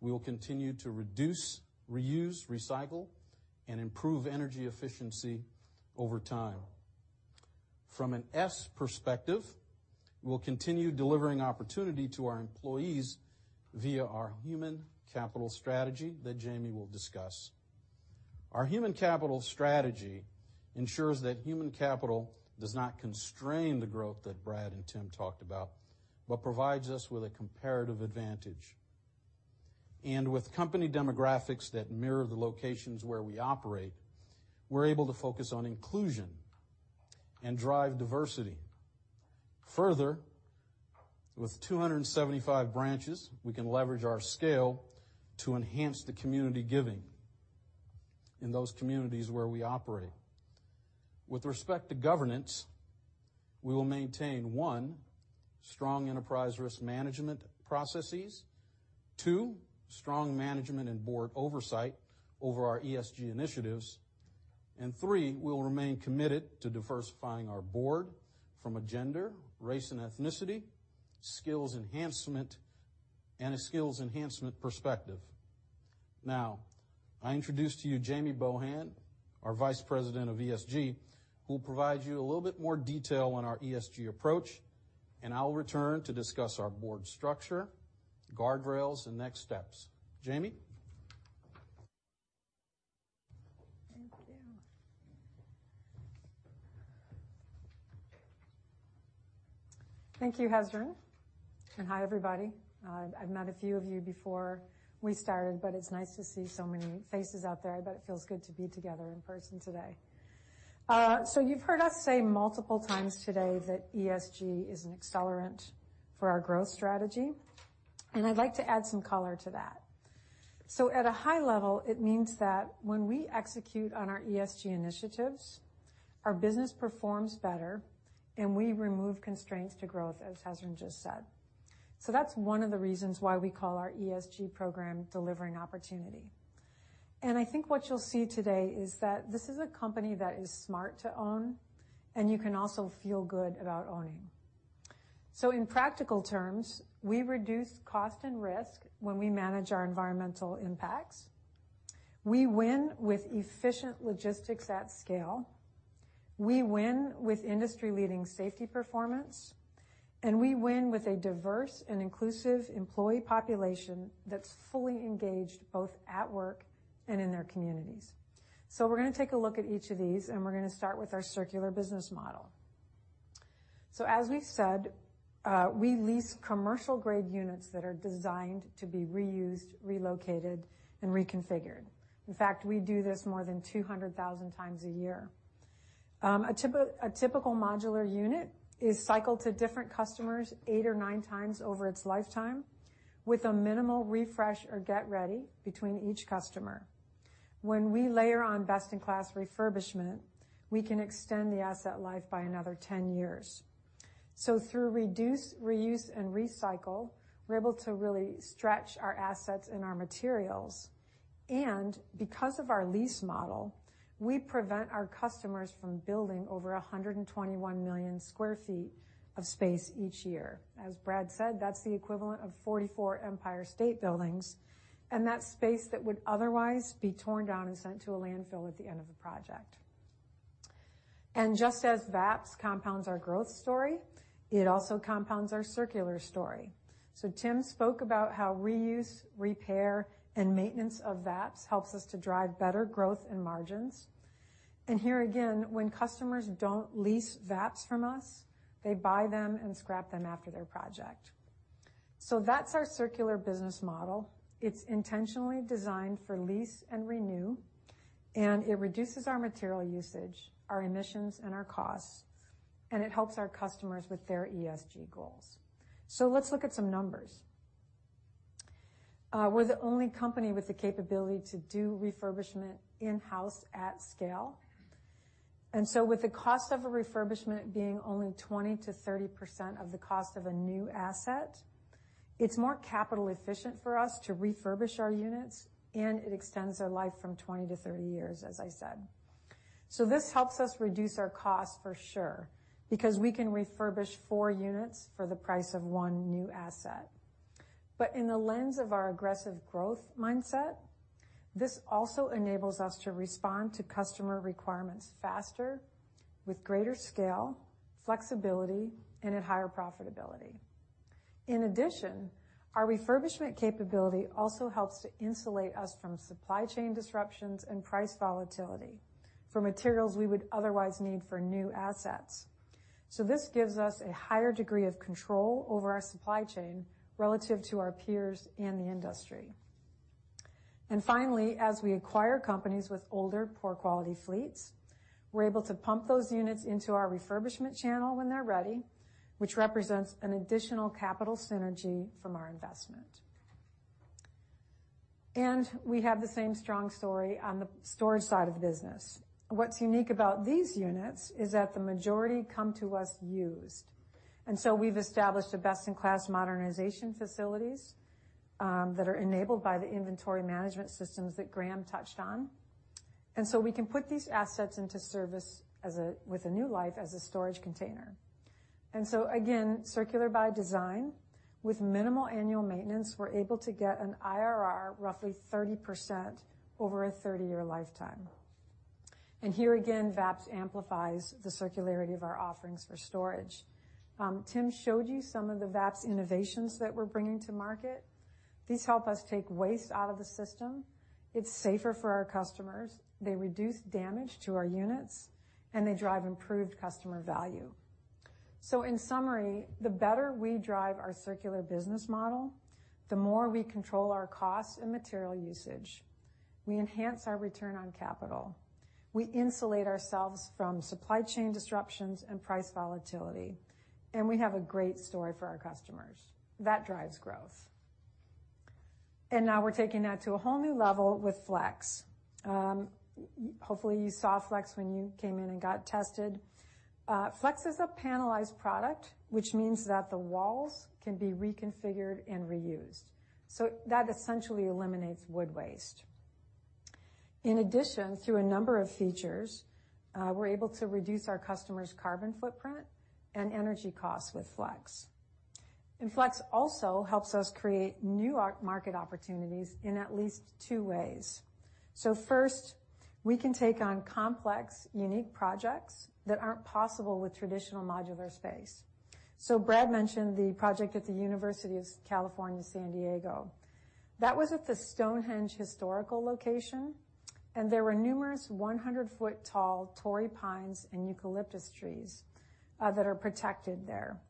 we will continue to reduce, reuse, recycle, and improve energy efficiency over time. From an S perspective, we'll continue Delivering Opportunity to our employees via our human capital strategy that Jamie will discuss. Our human capital strategy ensures that human capital does not constrain the growth that Bradley and Timothy talked about, but provides us with a comparative advantage. With company demographics that mirror the locations where we operate, we're able to focus on inclusion and drive diversity. Further, with 275 branches, we can leverage our scale to enhance the community giving in those communities where we operate. With respect to governance, we will maintain one, strong enterprise risk management processes, two, strong management and board oversight over our ESG initiatives, and three, we'll remain committed to diversifying our board from a gender, race, and ethnicity, skills enhancement, and a skills enhancement perspective. Now, I introduce to you Jamie Bohan, our Vice President of ESG, who will provide you a little bit more detail on our ESG approach, and I'll return to discuss our board structure, guardrails, and next steps. Jamie.
Thank you. Thank you, Hezron. Hi, everybody. I've met a few of you before we started, but it's nice to see so many faces out there. I bet it feels good to be together in person today. You've heard us say multiple times today that ESG is an accelerant for our growth strategy, and I'd like to add some color to that. At a high level, it means that when we execute on our ESG initiatives, our business performs better, and we remove constraints to growth, as Hezron just said. That's one of the reasons why we call our ESG program Delivering Opportunity. I think what you'll see today is that this is a company that is smart to own and you can also feel good about owning. In practical terms, we reduce cost and risk when we manage our environmental impacts. We win with efficient logistics at scale. We win with industry-leading safety performance, and we win with a diverse and inclusive employee population that's fully engaged both at work and in their communities. We're gonna take a look at each of these, and we're gonna start with our circular business model. As we said, we lease commercial grade units that are designed to be reused, relocated, and reconfigured. In fact, we do this more than 200,000 times a year. A typical modular unit is cycled to different customers 8x or 9x over its lifetime with a minimal refresh or get ready between each customer. When we layer on best-in-class refurbishment, we can extend the asset life by another 10 years. Through reduce, reuse, and recycle, we're able to really stretch our assets and our materials. Because of our lease model, we prevent our customers from building over 121 million sq ft of space each year. As Bradley said, that's the equivalent of 44 Empire State Buildings, and that's space that would otherwise be torn down and sent to a landfill at the end of the project. Just as VAPS compounds our growth story, it also compounds our circular story. Timothy spoke about how reuse, repair, and maintenance of VAPS helps us to drive better growth and margins. Here again, when customers don't lease VAPS from us, they buy them and scrap them after their project. That's our circular business model. It's intentionally designed for lease and renew, and it reduces our material usage, our emissions, and our costs, and it helps our customers with their ESG goals. Let's look at some numbers. We're the only company with the capability to do refurbishment in-house at scale. With the cost of a refurbishment being only 20%-30% of the cost of a new asset, it's more capital efficient for us to refurbish our units, and it extends their life from 20-30 years, as I said. This helps us reduce our costs for sure, because we can refurbish four units for the price of one new asset. In the lens of our aggressive growth mindset, this also enables us to respond to customer requirements faster with greater scale, flexibility, and at higher profitability. In addition, our refurbishment capability also helps to insulate us from supply chain disruptions and price volatility for materials we would otherwise need for new assets. This gives us a higher degree of control over our supply chain relative to our peers in the industry. Finally, as we acquire companies with older, poor quality fleets, we're able to pump those units into our refurbishment channel when they're ready, which represents an additional capital synergy from our investment. We have the same strong story on the storage side of the business. What's unique about these units is that the majority come to us used. We've established a best-in-class modernization facilities that are enabled by the inventory management systems that Graeme touched on. We can put these assets into service with a new life as a storage container. Again, circular by design. With minimal annual maintenance, we're able to get an IRR roughly 30% over a 30-year lifetime. Here again, VAPS amplifies the circularity of our offerings for storage. Timothy showed you some of the VAPS innovations that we're bringing to market. These help us take waste out of the system. It's safer for our customers. They reduce damage to our units, and they drive improved customer value. In summary, the better we drive our circular business model, the more we control our costs and material usage. We enhance our return on capital. We insulate ourselves from supply chain disruptions and price volatility, and we have a great story for our customers. That drives growth. Now we're taking that to a whole new level with FLEX. Hopefully you saw FLEX when you came in and got tested. FLEX is a panelized product, which means that the walls can be reconfigured and reused. That essentially eliminates wood waste. In addition, through a number of features, we're able to reduce our customers' carbon footprint and energy costs with FLEX. FLEX also helps us create new market opportunities in at least two ways. First, we can take on complex, unique projects that aren't possible with traditional modular space. Bradley mentioned the project at the University of California, San Diego. That was at the Stonehenge historical location, and there were numerous 100-foot-tall Torrey pines and eucalyptus trees that are protected there.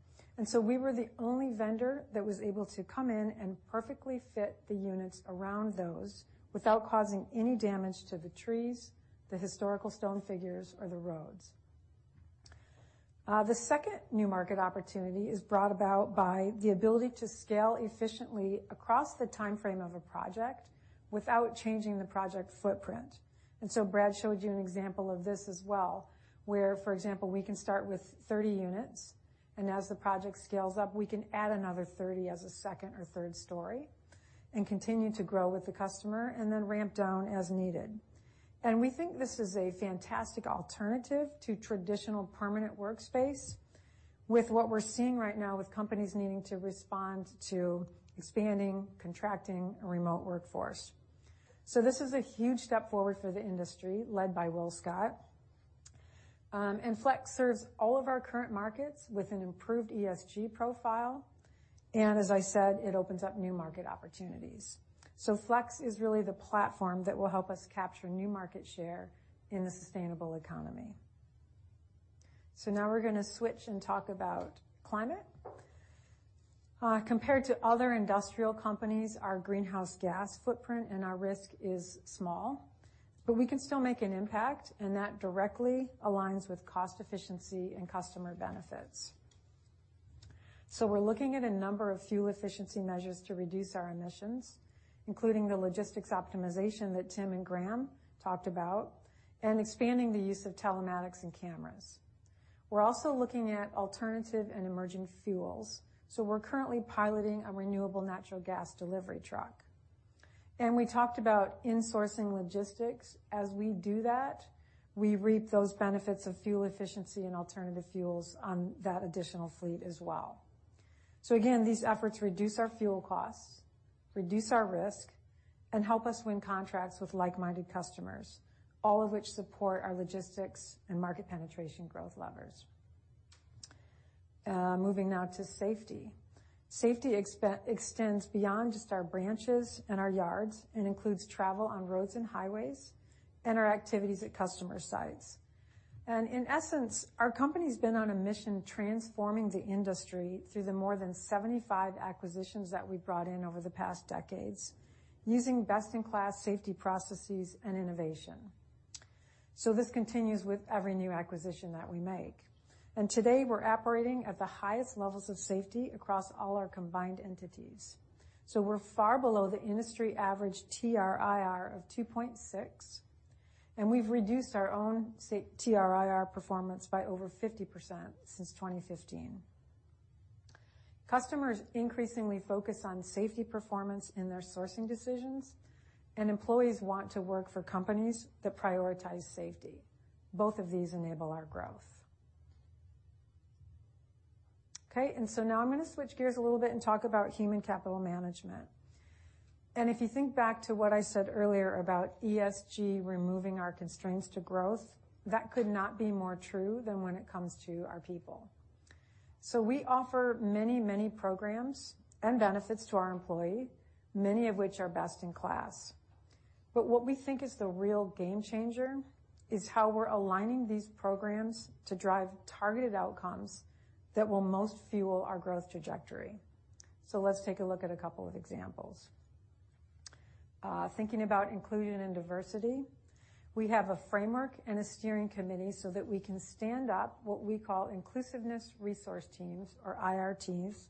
We were the only vendor that was able to come in and perfectly fit the units around those without causing any damage to the trees, the historical stone figures or the roads. The second new market opportunity is brought about by the ability to scale efficiently across the timeframe of a project without changing the project footprint. Bradley showed you an example of this as well, where, for example, we can start with 30 units, and as the project scales up, we can add another 30 as a second or third story and continue to grow with the customer and then ramp down as needed. We think this is a fantastic alternative to traditional permanent workspace with what we're seeing right now with companies needing to respond to expanding, contracting a remote workforce. This is a huge step forward for the industry, led by WillScot. FLEX serves all of our current markets with an improved ESG profile. As I said, it opens up new market opportunities. FLEX is really the platform that will help us capture new market share in the sustainable economy. Now we're gonna switch and talk about climate. Compared to other industrial companies, our greenhouse gas footprint and our risk is small, but we can still make an impact, and that directly aligns with cost efficiency and customer benefits. We're looking at a number of fuel efficiency measures to reduce our emissions, including the logistics optimization that Timothy and Graeme talked about, and expanding the use of telematics and cameras. We're also looking at alternative and emerging fuels, so we're currently piloting a renewable natural gas delivery truck. We talked about insourcing logistics. As we do that, we reap those benefits of fuel efficiency and alternative fuels on that additional fleet as well. Again, these efforts reduce our fuel costs, reduce our risk, and help us win contracts with like-minded customers, all of which support our logistics and market penetration growth levers. Moving now to safety. Safety extends beyond just our branches and our yards and includes travel on roads and highways and our activities at customer sites. In essence, our company's been on a mission transforming the industry through the more than 75 acquisitions that we've brought in over the past decades using best-in-class safety processes and innovation. This continues with every new acquisition that we make. Today, we're operating at the highest levels of safety across all our combined entities. We're far below the industry average TRIR of 2.6, and we've reduced our own TRIR performance by over 50% since 2015. Customers increasingly focus on safety performance in their sourcing decisions, and employees want to work for companies that prioritize safety. Both of these enable our growth. Okay, now I'm gonna switch gears a little bit and talk about human capital management. If you think back to what I said earlier about ESG removing our constraints to growth, that could not be more true than when it comes to our people. We offer many, many programs and benefits to our employee, many of which are best in class. What we think is the real game changer is how we're aligning these programs to drive targeted outcomes that will most fuel our growth trajectory. Let's take a look at a couple of examples. Thinking about inclusion and diversity, we have a framework and a steering committee so that we can stand up what we call inclusiveness resource teams or IRTs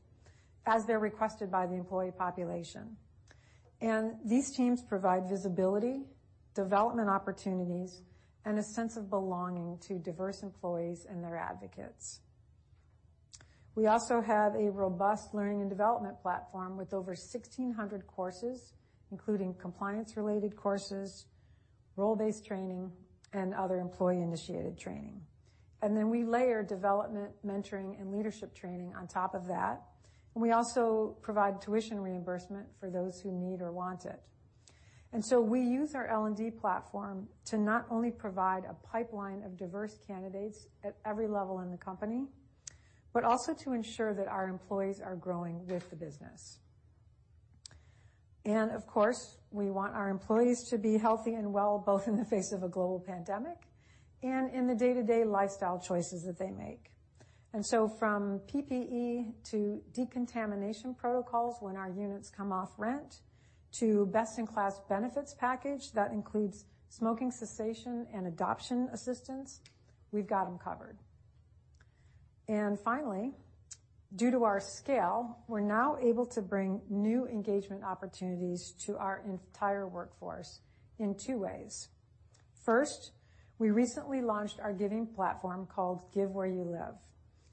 as they're requested by the employee population. These teams provide visibility, development opportunities, and a sense of belonging to diverse employees and their advocates. We also have a robust learning and development platform with over 1,600 courses, including compliance-related courses, role-based training, and other employee-initiated training. We layer development, mentoring, and leadership training on top of that. We also provide tuition reimbursement for those who need or want it. We use our L&D platform to not only provide a pipeline of diverse candidates at every level in the company, but also to ensure that our employees are growing with the business. Of course, we want our employees to be healthy and well, both in the face of a global pandemic and in the day-to-day lifestyle choices that they make. From PPE to decontamination protocols when our units come off rent to best-in-class benefits package that includes smoking cessation and adoption assistance, we've got them covered. Finally, due to our scale, we're now able to bring new engagement opportunities to our entire workforce in two ways. First, we recently launched our giving platform called Give Where You Live.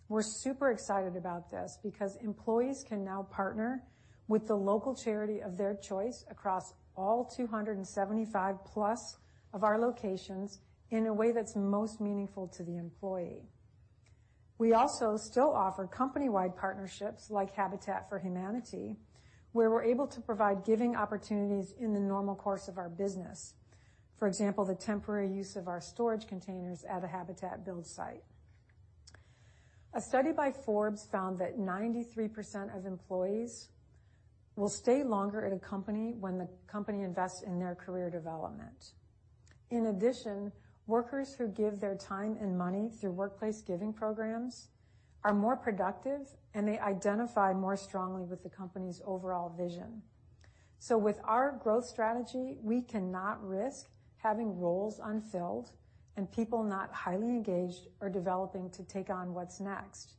We're super excited about this because employees can now partner with the local charity of their choice across all 275+ of our locations in a way that's most meaningful to the employee. We also still offer company-wide partnerships like Habitat for Humanity, where we're able to provide giving opportunities in the normal course of our business. For example, the temporary use of our storage containers at a Habitat build site. A study by Forbes found that 93% of employees will stay longer at a company when the company invests in their career development. In addition, workers who give their time and money through workplace giving programs are more productive, and they identify more strongly with the company's overall vision. With our growth strategy, we cannot risk having roles unfilled and people not highly engaged or developing to take on what's next.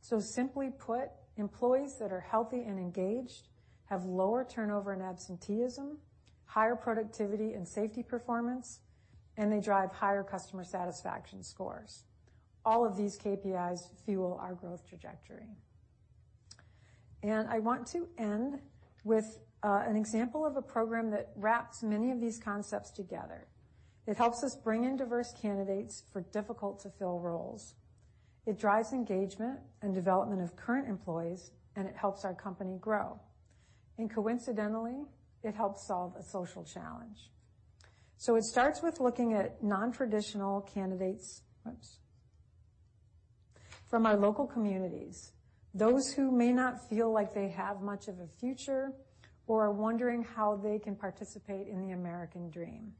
Simply put, employees that are healthy and engaged have lower turnover and absenteeism, higher productivity and safety performance, and they drive higher customer satisfaction scores. All of these KPIs fuel our growth trajectory. I want to end with an example of a program that wraps many of these concepts together. It helps us bring in diverse candidates for difficult to fill roles. It drives engagement and development of current employees, and it helps our company grow. Coincidentally, it helps solve a social challenge. It starts with looking at non-traditional candidates from our local communities, those who may not feel like they have much of a future or are wondering how they can participate in the American dream.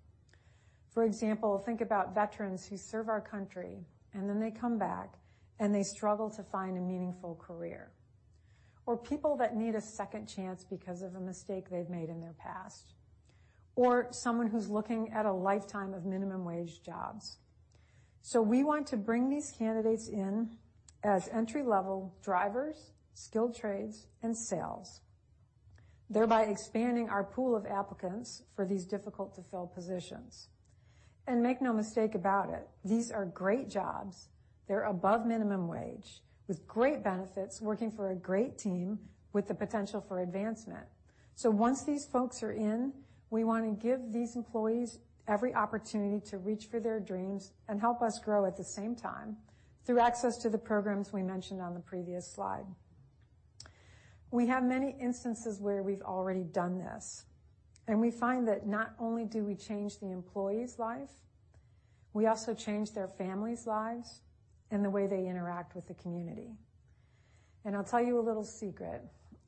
For example, think about veterans who serve our country, and then they come back, and they struggle to find a meaningful career. Or people that need a second chance because of a mistake they've made in their past. Or someone who's looking at a lifetime of minimum wage jobs. We want to bring these candidates in as entry-level drivers, skilled trades, and sales, thereby expanding our pool of applicants for these difficult to fill positions. Make no mistake about it, these are great jobs. They're above minimum wage with great benefits, working for a great team with the potential for advancement. Once these folks are in, we wanna give these employees every opportunity to reach for their dreams and help us grow at the same time through access to the programs we mentioned on the previous slide. We have many instances where we've already done this, and we find that not only do we change the employee's life, we also change their family's lives and the way they interact with the community. I'll tell you a little secret.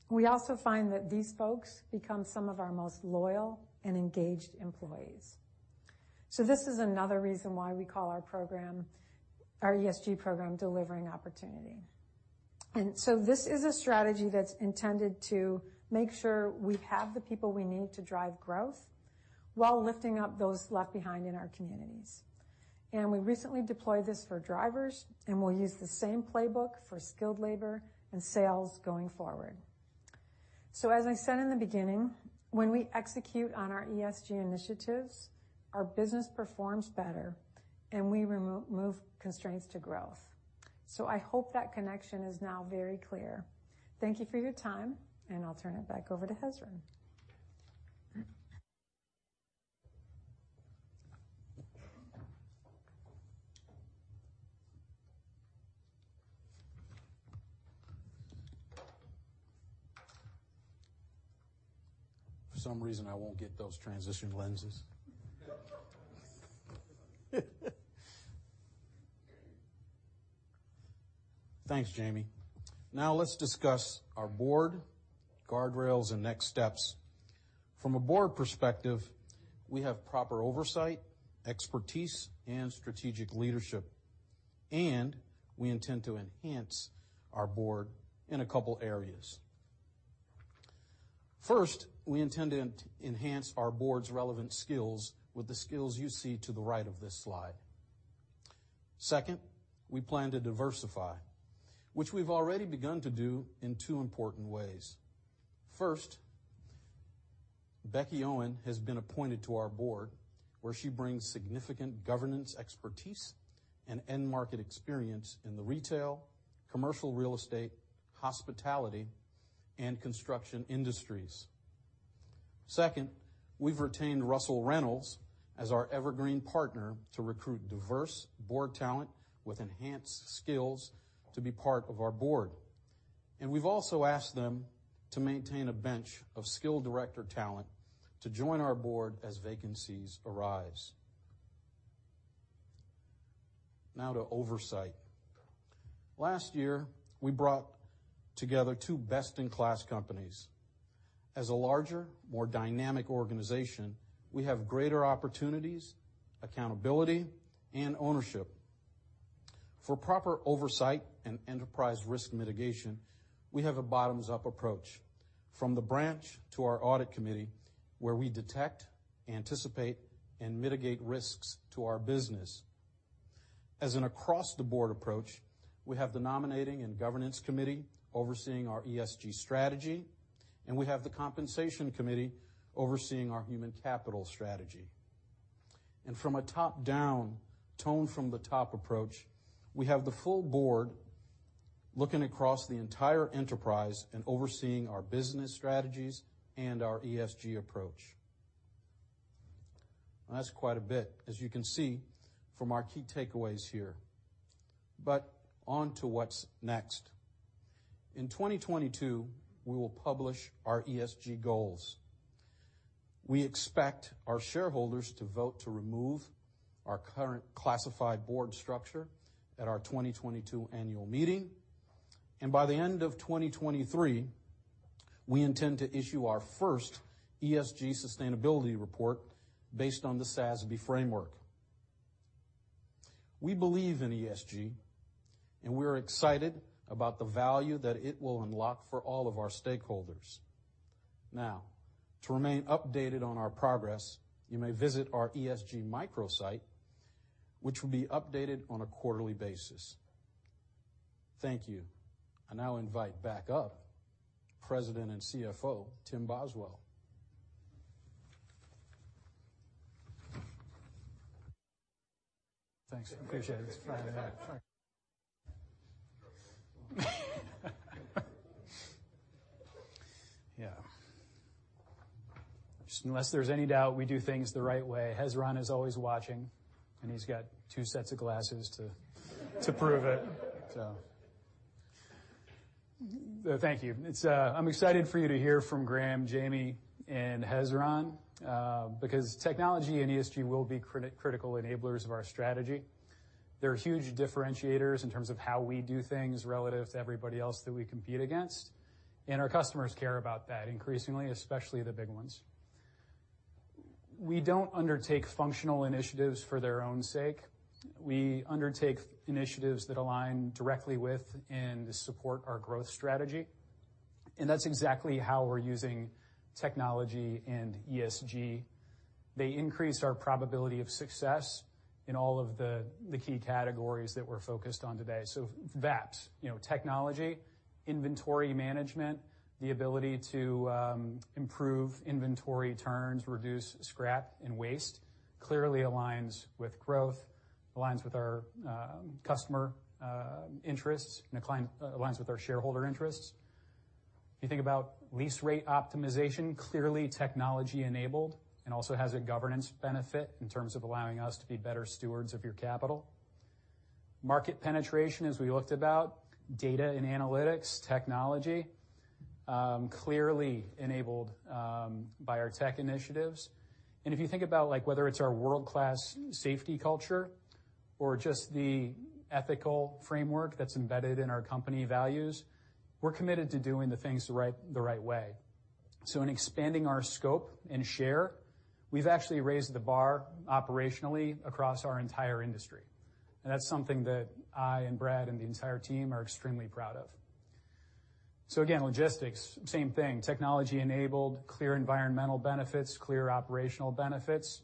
We also find that these folks become some of our most loyal and engaged employees. This is another reason why we call our program, our ESG program Delivering Opportunity. This is a strategy that's intended to make sure we have the people we need to drive growth while lifting up those left behind in our communities. We recently deployed this for drivers, and we'll use the same playbook for skilled labor and sales going forward. As I said in the beginning, when we execute on our ESG initiatives, our business performs better, and we remove constraints to growth. I hope that connection is now very clear. Thank you for your time, and I'll turn it back over to Hezron.
For some reason, I won't get those transition lenses. Thanks, Jamie. Now let's discuss our board, guardrails, and next steps. From a board perspective, we have proper oversight, expertise, and strategic leadership, and we intend to enhance our board in a couple areas. First, we intend to enhance our board's relevant skills with the skills you see to the right of this slide. Second, we plan to diversify, which we've already begun to do in two important ways. First, Becky Owen has been appointed to our board, where she brings significant governance expertise and end market experience in the retail, commercial real estate, hospitality, and construction industries. Second, we've retained Russell Reynolds as our Evergreen partner to recruit diverse board talent with enhanced skills to be part of our board. We've also asked them to maintain a bench of skilled director talent to join our board as vacancies arise. Now to oversight. Last year, we brought together two best-in-class companies. As a larger, more dynamic organization, we have greater opportunities, accountability, and ownership. For proper oversight and enterprise risk mitigation, we have a bottoms-up approach from the branch to our Audit Committee, where we detect, anticipate, and mitigate risks to our business. As an across-the-board approach, we have the Nominating and Governance Committee overseeing our ESG strategy, and we have the compensation committee overseeing our human capital strategy. From a top-down tone from the top approach, we have the full board looking across the entire enterprise and overseeing our business strategies and our ESG approach. That's quite a bit, as you can see from our key takeaways here. On to what's next. In 2022, we will publish our ESG goals. We expect our shareholders to vote to remove our current classified board structure at our 2022 annual meeting. By the end of 2023, we intend to issue our first ESG sustainability report based on the SASB framework. We believe in ESG, and we're excited about the value that it will unlock for all of our stakeholders. Now, to remain updated on our progress, you may visit our ESG micro site, which will be updated on a quarterly basis. Thank you. I now invite back our President and CFO, Timothy D. Boswell.
Thanks. I appreciate it. Yeah. Just unless there's any doubt, we do things the right way. Hezron is always watching, and he's got two sets of glasses to prove it. Thank you. I'm excited for you to hear from Graeme, Jamie, and Hezron because technology and ESG will be critical enablers of our strategy. They're huge differentiators in terms of how we do things relative to everybody else that we compete against, and our customers care about that increasingly, especially the big ones. We don't undertake functional initiatives for their own sake. We undertake initiatives that align directly with and support our growth strategy. That's exactly how we're using technology and ESG. They increased our probability of success in all of the key categories that we're focused on today. VAPS, you know, technology, inventory management, the ability to improve inventory turns, reduce scrap and waste clearly aligns with growth, aligns with our customer interests, and aligns with our shareholder interests. If you think about lease rate optimization, clearly technology-enabled and also has a governance benefit in terms of allowing us to be better stewards of your capital. Market penetration, as we looked about data and analytics technology, clearly enabled by our tech initiatives. If you think about, like whether it's our world-class safety culture or just the ethical framework that's embedded in our company values, we're committed to doing the things the right way. In expanding our scope and share, we've actually raised the bar operationally across our entire industry. That's something that I and Bradley and the entire team are extremely proud of. Again, logistics, same thing, technology-enabled, clear environmental benefits, clear operational benefits.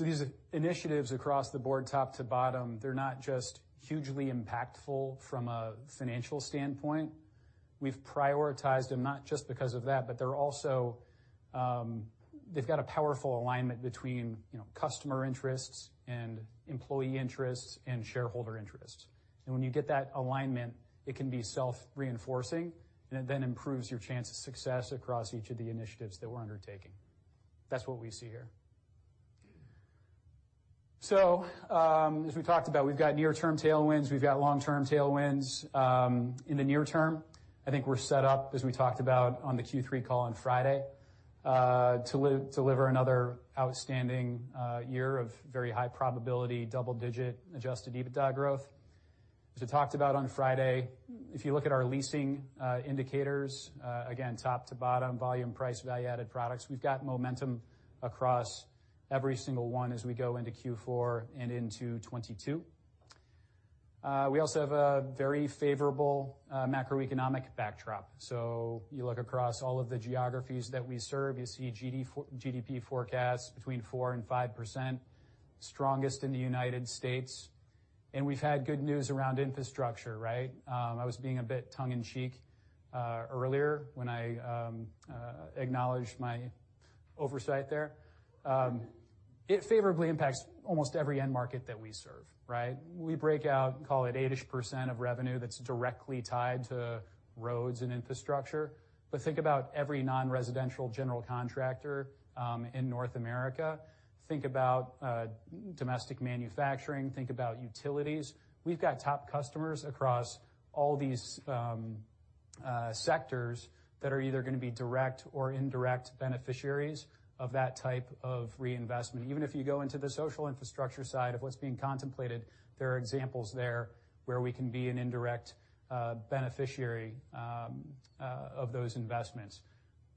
These initiatives across the board, top to bottom, they're not just hugely impactful from a financial standpoint. We've prioritized them not just because of that, but they're also, they've got a powerful alignment between, you know, customer interests and employee interests and shareholder interests. When you get that alignment, it can be self-reinforcing, and it then improves your chance of success across each of the initiatives that we're undertaking. That's what we see here. As we talked about, we've got near-term tailwinds. We've got long-term tailwinds. In the near term, I think we're set up, as we talked about on the Q3 call on Friday, to deliver another outstanding year of very high probability, double-digit adjusted EBITDA growth. As we talked about on Friday, if you look at our leasing indicators, again, top to bottom, volume, price, value-added products, we've got momentum across every single one as we go into Q4 and into 2022. We also have a very favorable macroeconomic backdrop. You look across all of the geographies that we serve, you see GDP forecast between 4% and 5%, strongest in the United States. We've had good news around infrastructure, right? I was being a bit tongue-in-cheek earlier when I acknowledged my oversight there. It favorably impacts almost every end market that we serve, right? We break out, call it 8-ish% of revenue that's directly tied to roads and infrastructure. Think about every non-residential general contractor in North America. Think about domestic manufacturing, think about utilities. We've got top customers across all these sectors that are either gonna be direct or indirect beneficiaries of that type of reinvestment. Even if you go into the social infrastructure side of what's being contemplated, there are examples there where we can be an indirect beneficiary of those investments.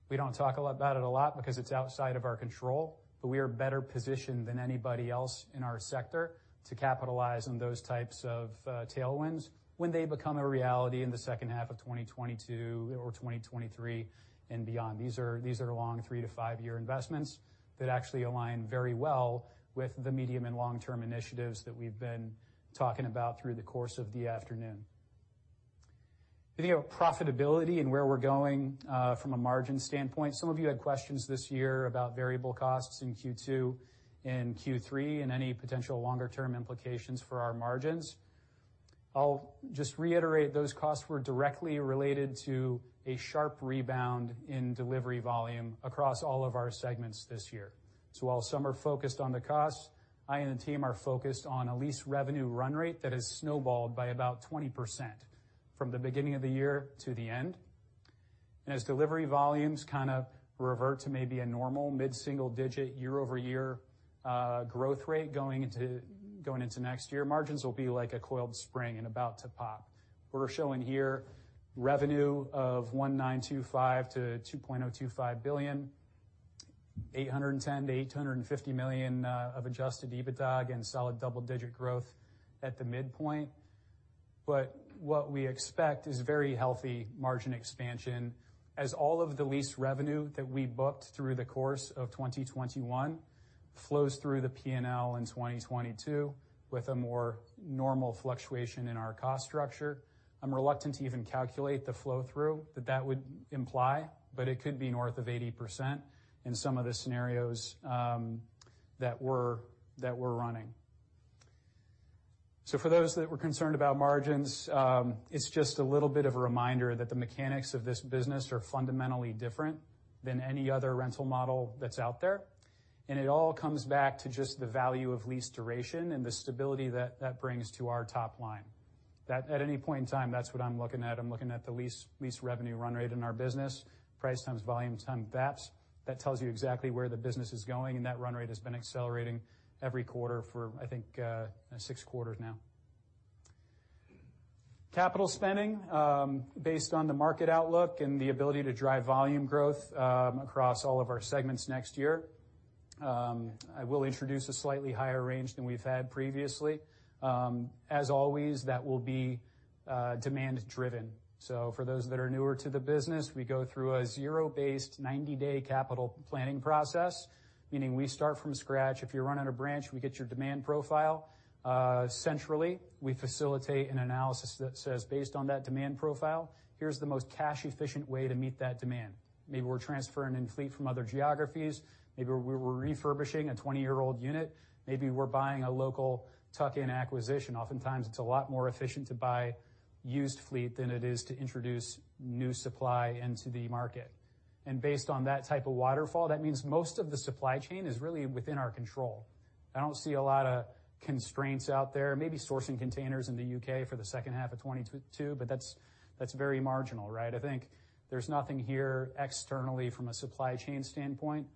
We don't talk a lot about it because it's outside of our control, but we are better positioned than anybody else in our sector to capitalize on those types of tailwinds when they become a reality in the second half of 2022 or 2023 and beyond. These are long three-five year investments that actually align very well with the medium- and long-term initiatives that we've been talking about through the course of the afternoon. Think of profitability and where we're going from a margin standpoint. Some of you had questions this year about variable costs in Q2 and Q3 and any potential longer-term implications for our margins. I'll just reiterate, those costs were directly related to a sharp rebound in delivery volume across all of our segments this year. While some are focused on the costs, I and the team are focused on a lease revenue run rate that has snowballed by about 20% from the beginning of the year to the end. As delivery volumes kinda revert to maybe a normal mid-single digit year-over-year growth rate going into next year, margins will be like a coiled spring and about to pop. We're showing here revenue of $1.925 billion-$2.025 billion, $810 million-$850 million of adjusted EBITDA and solid double-digit growth at the midpoint. What we expect is very healthy margin expansion as all of the lease revenue that we booked through the course of 2021 flows through the P&L in 2022 with a more normal fluctuation in our cost structure. I'm reluctant to even calculate the flow-through that that would imply, but it could be north of 80% in some of the scenarios that we're running. For those that were concerned about margins, it's just a little bit of a reminder that the mechanics of this business are fundamentally different than any other rental model that's out there. It all comes back to just the value of lease duration and the stability that that brings to our top line. That at any point in time, that's what I'm looking at. I'm looking at the lease revenue run rate in our business, price times volume times VAPS. That tells you exactly where the business is going, and that run rate has been accelerating every quarter for, I think, six quarters now. Capital spending, based on the market outlook and the ability to drive volume growth, across all of our segments next year. I will introduce a slightly higher range than we've had previously. As always, that will be, demand-driven. For those that are newer to the business, we go through a zero-based 90-day capital planning process, meaning we start from scratch. If you run out of branch, we get your demand profile. Centrally, we facilitate an analysis that says, based on that demand profile, here's the most cash-efficient way to meet that demand. Maybe we're transferring in fleet from other geographies, maybe we're refurbishing a 20-year-old unit, maybe we're buying a local tuck-in acquisition. Oftentimes, it's a lot more efficient to buy used fleet than it is to introduce new supply into the market. Based on that type of waterfall, that means most of the supply chain is really within our control. I don't see a lot of constraints out there, maybe sourcing containers in the U.K. for the second half of 2022, but that's very marginal, right? I think there's nothing here externally from a supply chain standpoint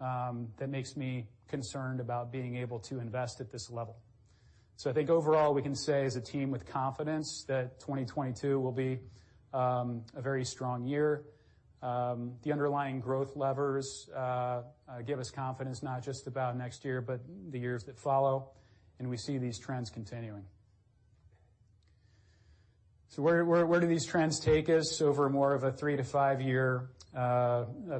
that makes me concerned about being able to invest at this level. I think overall, we can say as a team with confidence that 2022 will be a very strong year. The underlying growth levers give us confidence not just about next year, but the years that follow, and we see these trends continuing. Where do these trends take us over more of a three to five-year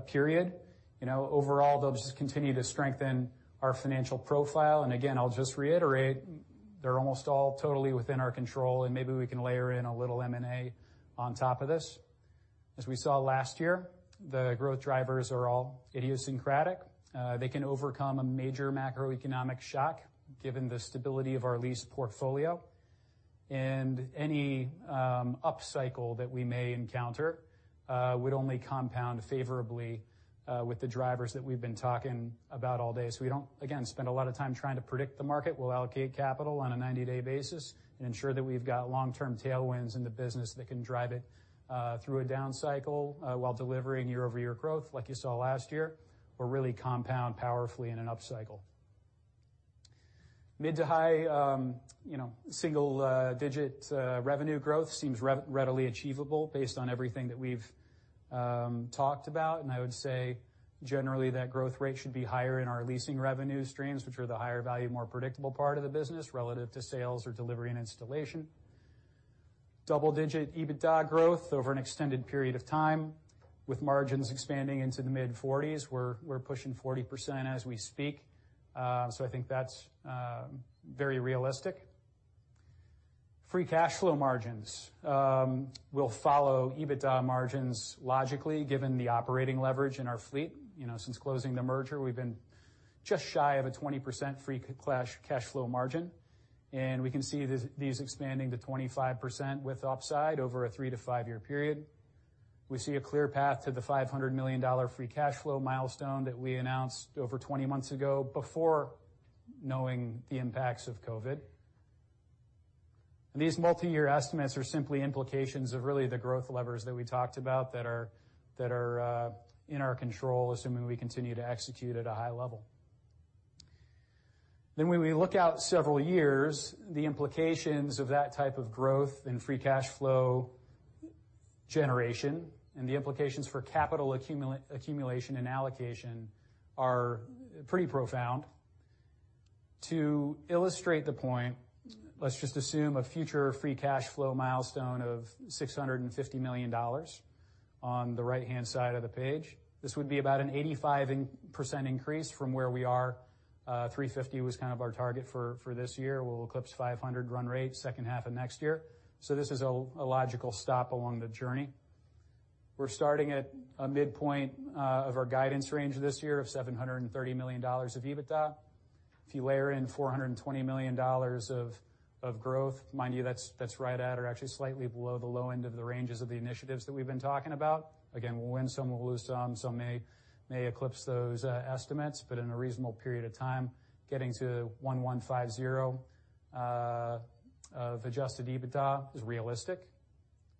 period? You know, overall, they'll just continue to strengthen our financial profile. Again, I'll just reiterate, they're almost all totally within our control, and maybe we can layer in a little M&A on top of this. As we saw last year, the growth drivers are all idiosyncratic. They can overcome a major macroeconomic shock given the stability of our lease portfolio. Any upcycle that we may encounter would only compound favorably with the drivers that we've been talking about all day. We don't, again, spend a lot of time trying to predict the market. We'll allocate capital on a 90-day basis and ensure that we've got long-term tailwinds in the business that can drive it through a down cycle while delivering year-over-year growth like you saw last year, or really compound powerfully in an upcycle. Mid- to high, you know, single-digit revenue growth seems readily achievable based on everything that we've talked about. I would say generally that growth rate should be higher in our leasing revenue streams, which are the higher value, more predictable part of the business relative to sales or delivery and installation. Double-digit EBITDA growth over an extended period of time with margins expanding into the mid-40s. We're pushing 40% as we speak, so I think that's very realistic. Free cash flow margins will follow EBITDA margins logically, given the operating leverage in our fleet. You know, since closing the merger, we've been just shy of a 20% free cash flow margin, and we can see these expanding to 25% with upside over a three-five year period. We see a clear path to the $500 million free cash flow milestone that we announced over 20 months ago before knowing the impacts of COVID. These multiyear estimates are simply implications of really the growth levers that we talked about that are in our control, assuming we continue to execute at a high level. When we look out several years, the implications of that type of growth and free cash flow generation and the implications for capital accumulation and allocation are pretty profound. To illustrate the point, let's just assume a future free cash flow milestone of $650 million on the right-hand side of the page. This would be about an 85% increase from where we are. Three fifty was kind of our target for this year. We'll eclipse five hundred run rate second half of next year. This is a logical stop along the journey. We're starting at a midpoint of our guidance range this year of $730 million of EBITDA. If you layer in $420 million of growth, mind you, that's right at or actually slightly below the low end of the ranges of the initiatives that we've been talking about. Again, we'll win some, we'll lose some. Some may eclipse those estimates, but in a reasonable period of time, getting to $1.150 billion of Adjusted EBITDA is realistic.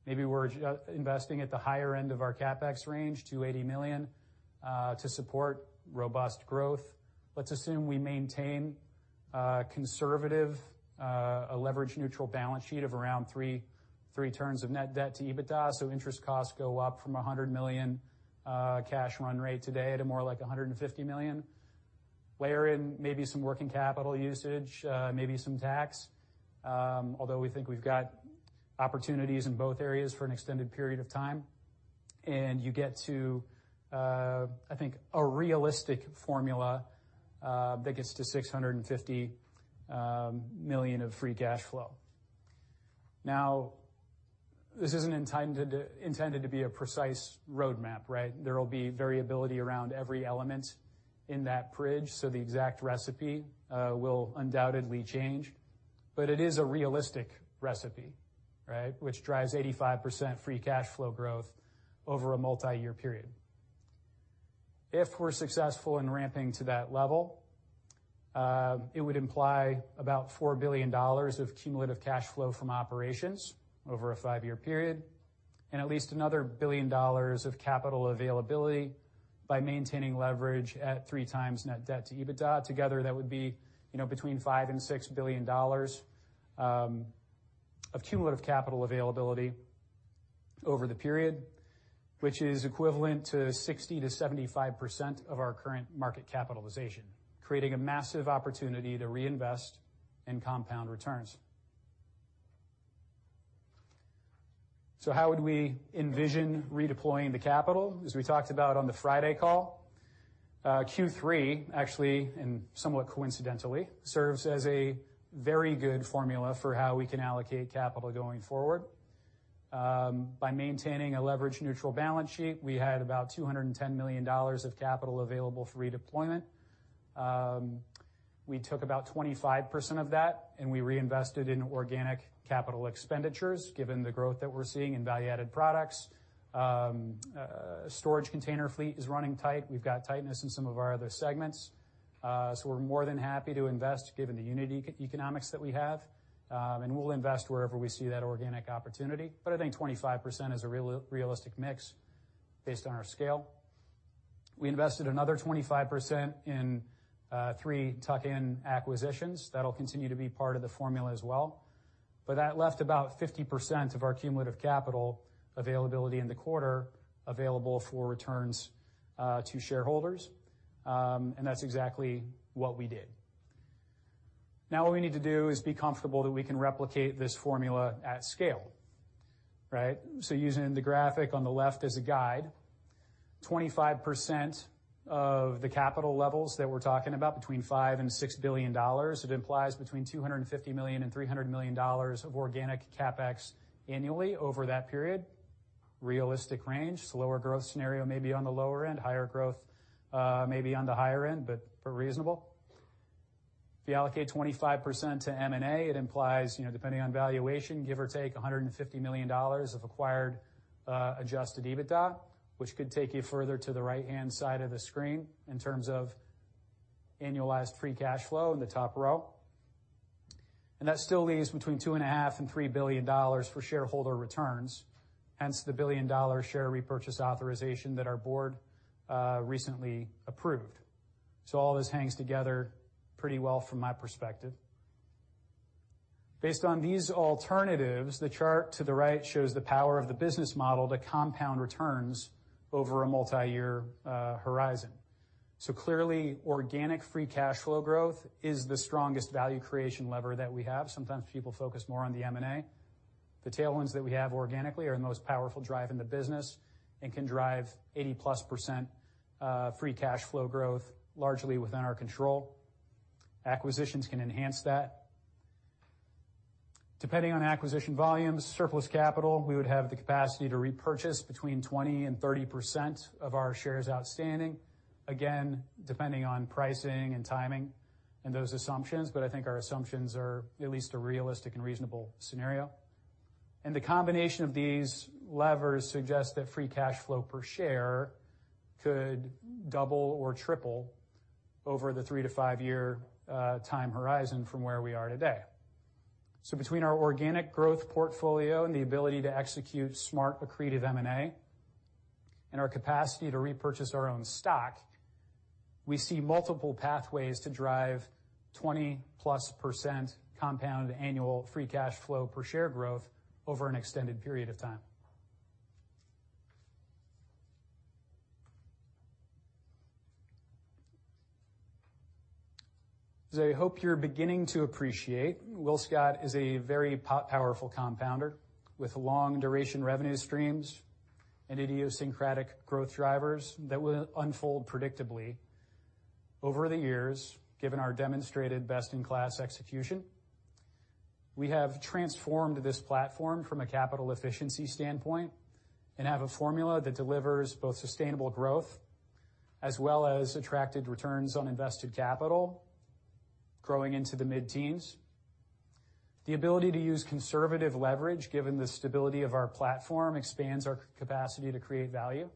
Maybe we're investing at the higher end of our CapEx range, $280 million, to support robust growth. Let's assume we maintain conservative, leverage-neutral balance sheet of around three turns of net debt to EBITDA, so interest costs go up from $100 million cash run rate today to more like $150 million. Layer in maybe some working capital usage, maybe some tax, although we think we've got opportunities in both areas for an extended period of time. You get to, I think a realistic formula, that gets to $650 million of free cash flow. Now, this isn't intended to be a precise roadmap, right? There will be variability around every element in that bridge, so the exact recipe will undoubtedly change. But it is a realistic recipe, right, which drives 85% free cash flow growth over a multi-year period. If we're successful in ramping to that level, it would imply about $4 billion of cumulative cash flow from operations over a five-year period and at least another $1 billion of capital availability by maintaining leverage at 3x net debt to EBITDA. Together, that would be, you know, between $5 billion and $6 billion of cumulative capital availability over the period, which is equivalent to 60%-75% of our current market capitalization, creating a massive opportunity to reinvest and compound returns. How would we envision redeploying the capital? As we talked about on the Friday call, Q3, actually, and somewhat coincidentally, serves as a very good formula for how we can allocate capital going forward. By maintaining a leverage-neutral balance sheet, we had about $210 million of capital available for redeployment. We took about 25% of that, and we reinvested in organic capital expenditures, given the growth that we're seeing in value-added products. Storage container fleet is running tight. We've got tightness in some of our other segments. So we're more than happy to invest given the unit economics that we have. And we'll invest wherever we see that organic opportunity. But I think 25% is a realistic mix based on our scale. We invested another 25% in three tuck-in acquisitions. That'll continue to be part of the formula as well. That left about 50% of our cumulative capital availability in the quarter available for returns to shareholders, and that's exactly what we did. Now what we need to do is be comfortable that we can replicate this formula at scale, right? Using the graphic on the left as a guide, 25% of the capital levels that we're talking about, between $5 billion and $6 billion, it implies between $250 million and $300 million of organic CapEx annually over that period. Realistic range. Slower growth scenario may be on the lower end, higher growth may be on the higher end, but reasonable. If you allocate 25% to M&A, it implies, you know, depending on valuation, give or take, $150 million of acquired Adjusted EBITDA, which could take you further to the right-hand side of the screen in terms of annualized free cash flow in the top row. That still leaves between $2.5 billion and $3 billion for shareholder returns, hence the billion-dollar share repurchase authorization that our board recently approved. All this hangs together pretty well from my perspective. Based on these alternatives, the chart to the right shows the power of the business model to compound returns over a multiyear horizon. Clearly, organic free cash flow growth is the strongest value creation lever that we have. Sometimes people focus more on the M&A. The tailwinds that we have organically are the most powerful drive in the business and can drive 80%+ free cash flow growth largely within our control. Acquisitions can enhance that. Depending on acquisition volumes, surplus capital, we would have the capacity to repurchase between 20%-30% of our shares outstanding, again, depending on pricing and timing and those assumptions, but I think our assumptions are at least a realistic and reasonable scenario. The combination of these levers suggest that free cash flow per share could double or triple over the three-five year time horizon from where we are today. Between our organic growth portfolio and the ability to execute smart accretive M&A, and our capacity to repurchase our own stock, we see multiple pathways to drive 20%+ compound annual free cash flow per share growth over an extended period of time. As I hope you're beginning to appreciate, WillScot is a very powerful compounder with long-duration revenue streams and idiosyncratic growth drivers that will unfold predictably over the years, given our demonstrated best-in-class execution. We have transformed this platform from a capital efficiency standpoint and have a formula that delivers both sustainable growth as well as attractive returns on invested capital growing into the mid-teens. The ability to use conservative leverage, given the stability of our platform, expands our capacity to create value.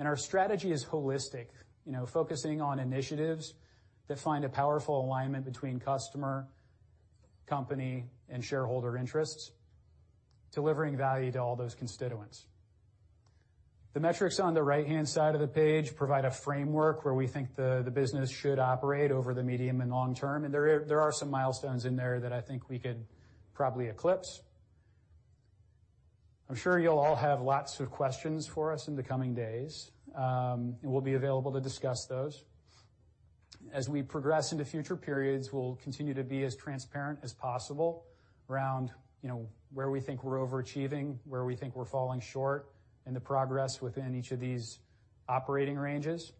Our strategy is holistic, you know, focusing on initiatives that find a powerful alignment between customer, company, and shareholder interests, delivering value to all those constituents. The metrics on the right-hand side of the page provide a framework where we think the business should operate over the medium and long term, and there are some milestones in there that I think we could probably eclipse. I'm sure you'll all have lots of questions for us in the coming days, and we'll be available to discuss those. As we progress into future periods, we'll continue to be as transparent as possible around, you know, where we think we're overachieving, where we think we're falling short in the progress within each of these operating ranges.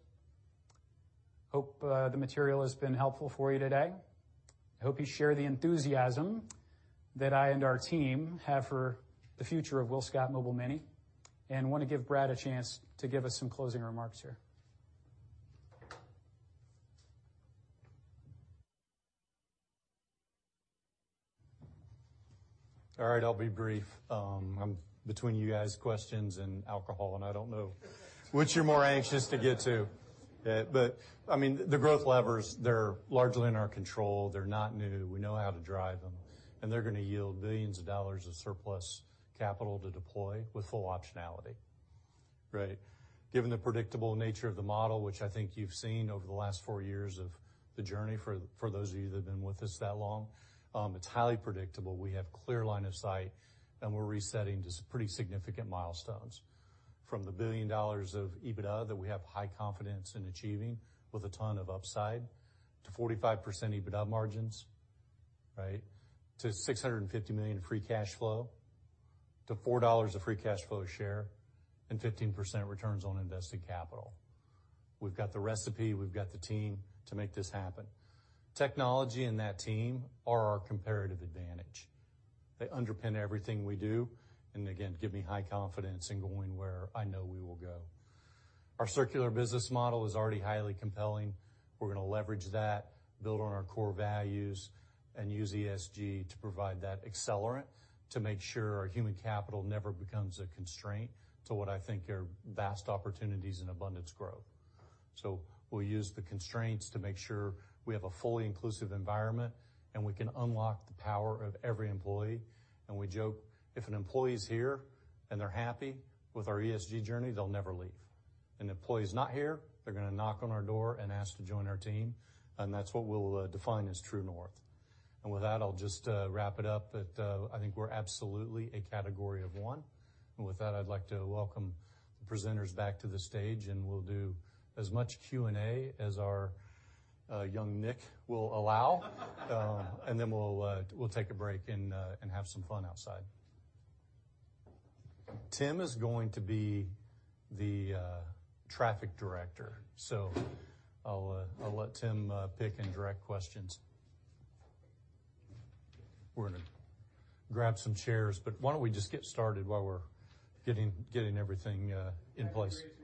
I hope the material has been helpful for you today. I hope you share the enthusiasm that I and our team have for the future of WillScot Mobile Mini, and wanna give Bradley a chance to give us some closing remarks here.
All right, I'll be brief. I'm between you guys' questions and alcohol, and I don't know which you're more anxious to get to. I mean, the growth levers, they're largely in our control. They're not new. We know how to drive them, and they're gonna yield billions of dollars of surplus capital to deploy with full optionality. Right. Given the predictable nature of the model, which I think you've seen over the last four years of the journey for those of you that have been with us that long, it's highly predictable. We have clear line of sight, and we're resetting to a pretty significant milestones. From the $1 billion of EBITDA that we have high confidence in achieving with a ton of upside to 45% EBITDA margins, right, to $650 million free cash flow, to $4 of free cash flow a share and 15% returns on invested capital. We've got the recipe, we've got the team to make this happen. Technology and that team are our comparative advantage. They underpin everything we do, and again, give me high confidence in going where I know we will go. Our circular business model is already highly compelling. We're gonna leverage that, build on our core values, and use ESG to provide that accelerant to make sure our human capital never becomes a constraint to what I think are vast opportunities and abundance growth. We'll use the constraints to make sure we have a fully inclusive environment, and we can unlock the power of every employee. We joke, if an employee is here, and they're happy with our ESG journey, they'll never leave. An employee's not here, they're gonna knock on our door and ask to join our team, and that's what we'll define as true north. With that, I'll just wrap it up. I think we're absolutely a category of one. With that, I'd like to welcome the presenters back to the stage, and we'll do as much Q&A as our young Nick will allow. Then we'll take a break and have some fun outside. Timothy is going to be the traffic director. I'll let Timothy pick and direct questions. We're gonna grab some chairs, but why don't we just get started while we're getting everything in place. Raise your hand first, so...
The last time I'm on, so. I'll narrow it down. What's kinda interesting is I think, folks, that starting with you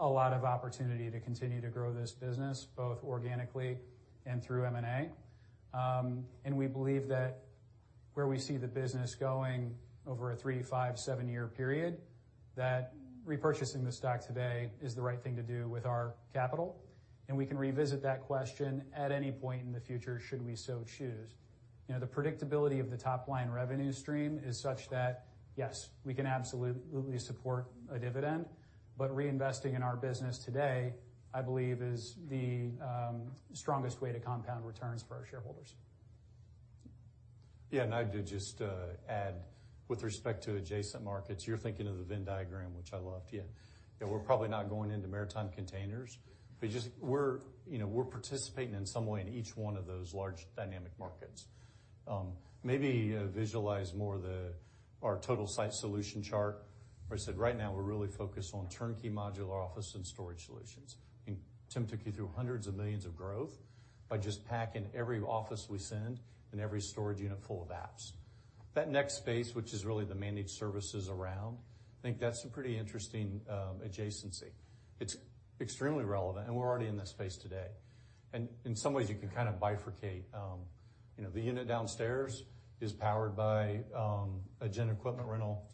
a lot of opportunity to continue to grow this business, both organically and through M&A. We believe that where we see the business going over a three, five, seven-year period, that repurchasing the stock today is the right thing to do with our capital, and we can revisit that question at any point in the future, should we so choose. You know, the predictability of the top-line revenue stream is such that, yes, we can absolutely support a dividend. Reinvesting in our business today, I believe, is the strongest way to compound returns for our shareholders.
Yeah. I'd just add with respect to adjacent markets, you're thinking of the Venn diagram, which I loved. Yeah, we're probably not going into maritime containers, but just we're, you know, we're participating in some way in each one of those large dynamic markets. Maybe visualize more our total site solution chart, where I said, right now we're really focused on turnkey modular office and storage solutions. Timothy took you through hundreds of millions of growth by just packing every office we send and every storage unit full of apps. That next space, which is really the managed services around, I think that's a pretty interesting adjacency. It's extremely relevant, and we're already in that space today. In some ways you can kind of bifurcate. You know, the unit downstairs is powered by a gen equipment rental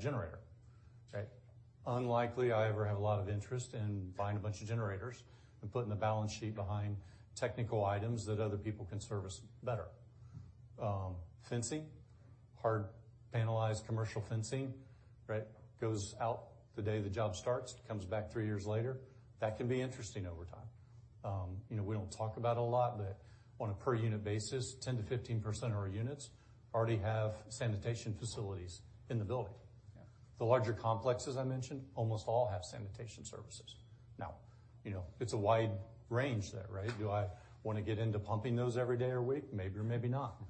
generator. Unlikely I ever have a lot of interest in buying a bunch of generators and putting the balance sheet behind technical items that other people can service better. Fencing, hard panelized commercial fencing, right? Goes out the day the job starts, comes back three years later. That can be interesting over time. You know, we don't talk about it a lot, but on a per unit basis, 10%-15% of our units already have sanitation facilities in the building. Yeah. The larger complexes I mentioned, almost all have sanitation services. Now, you know, it's a wide range there, right? Do I wanna get into pumping those every day or week? Maybe or maybe not.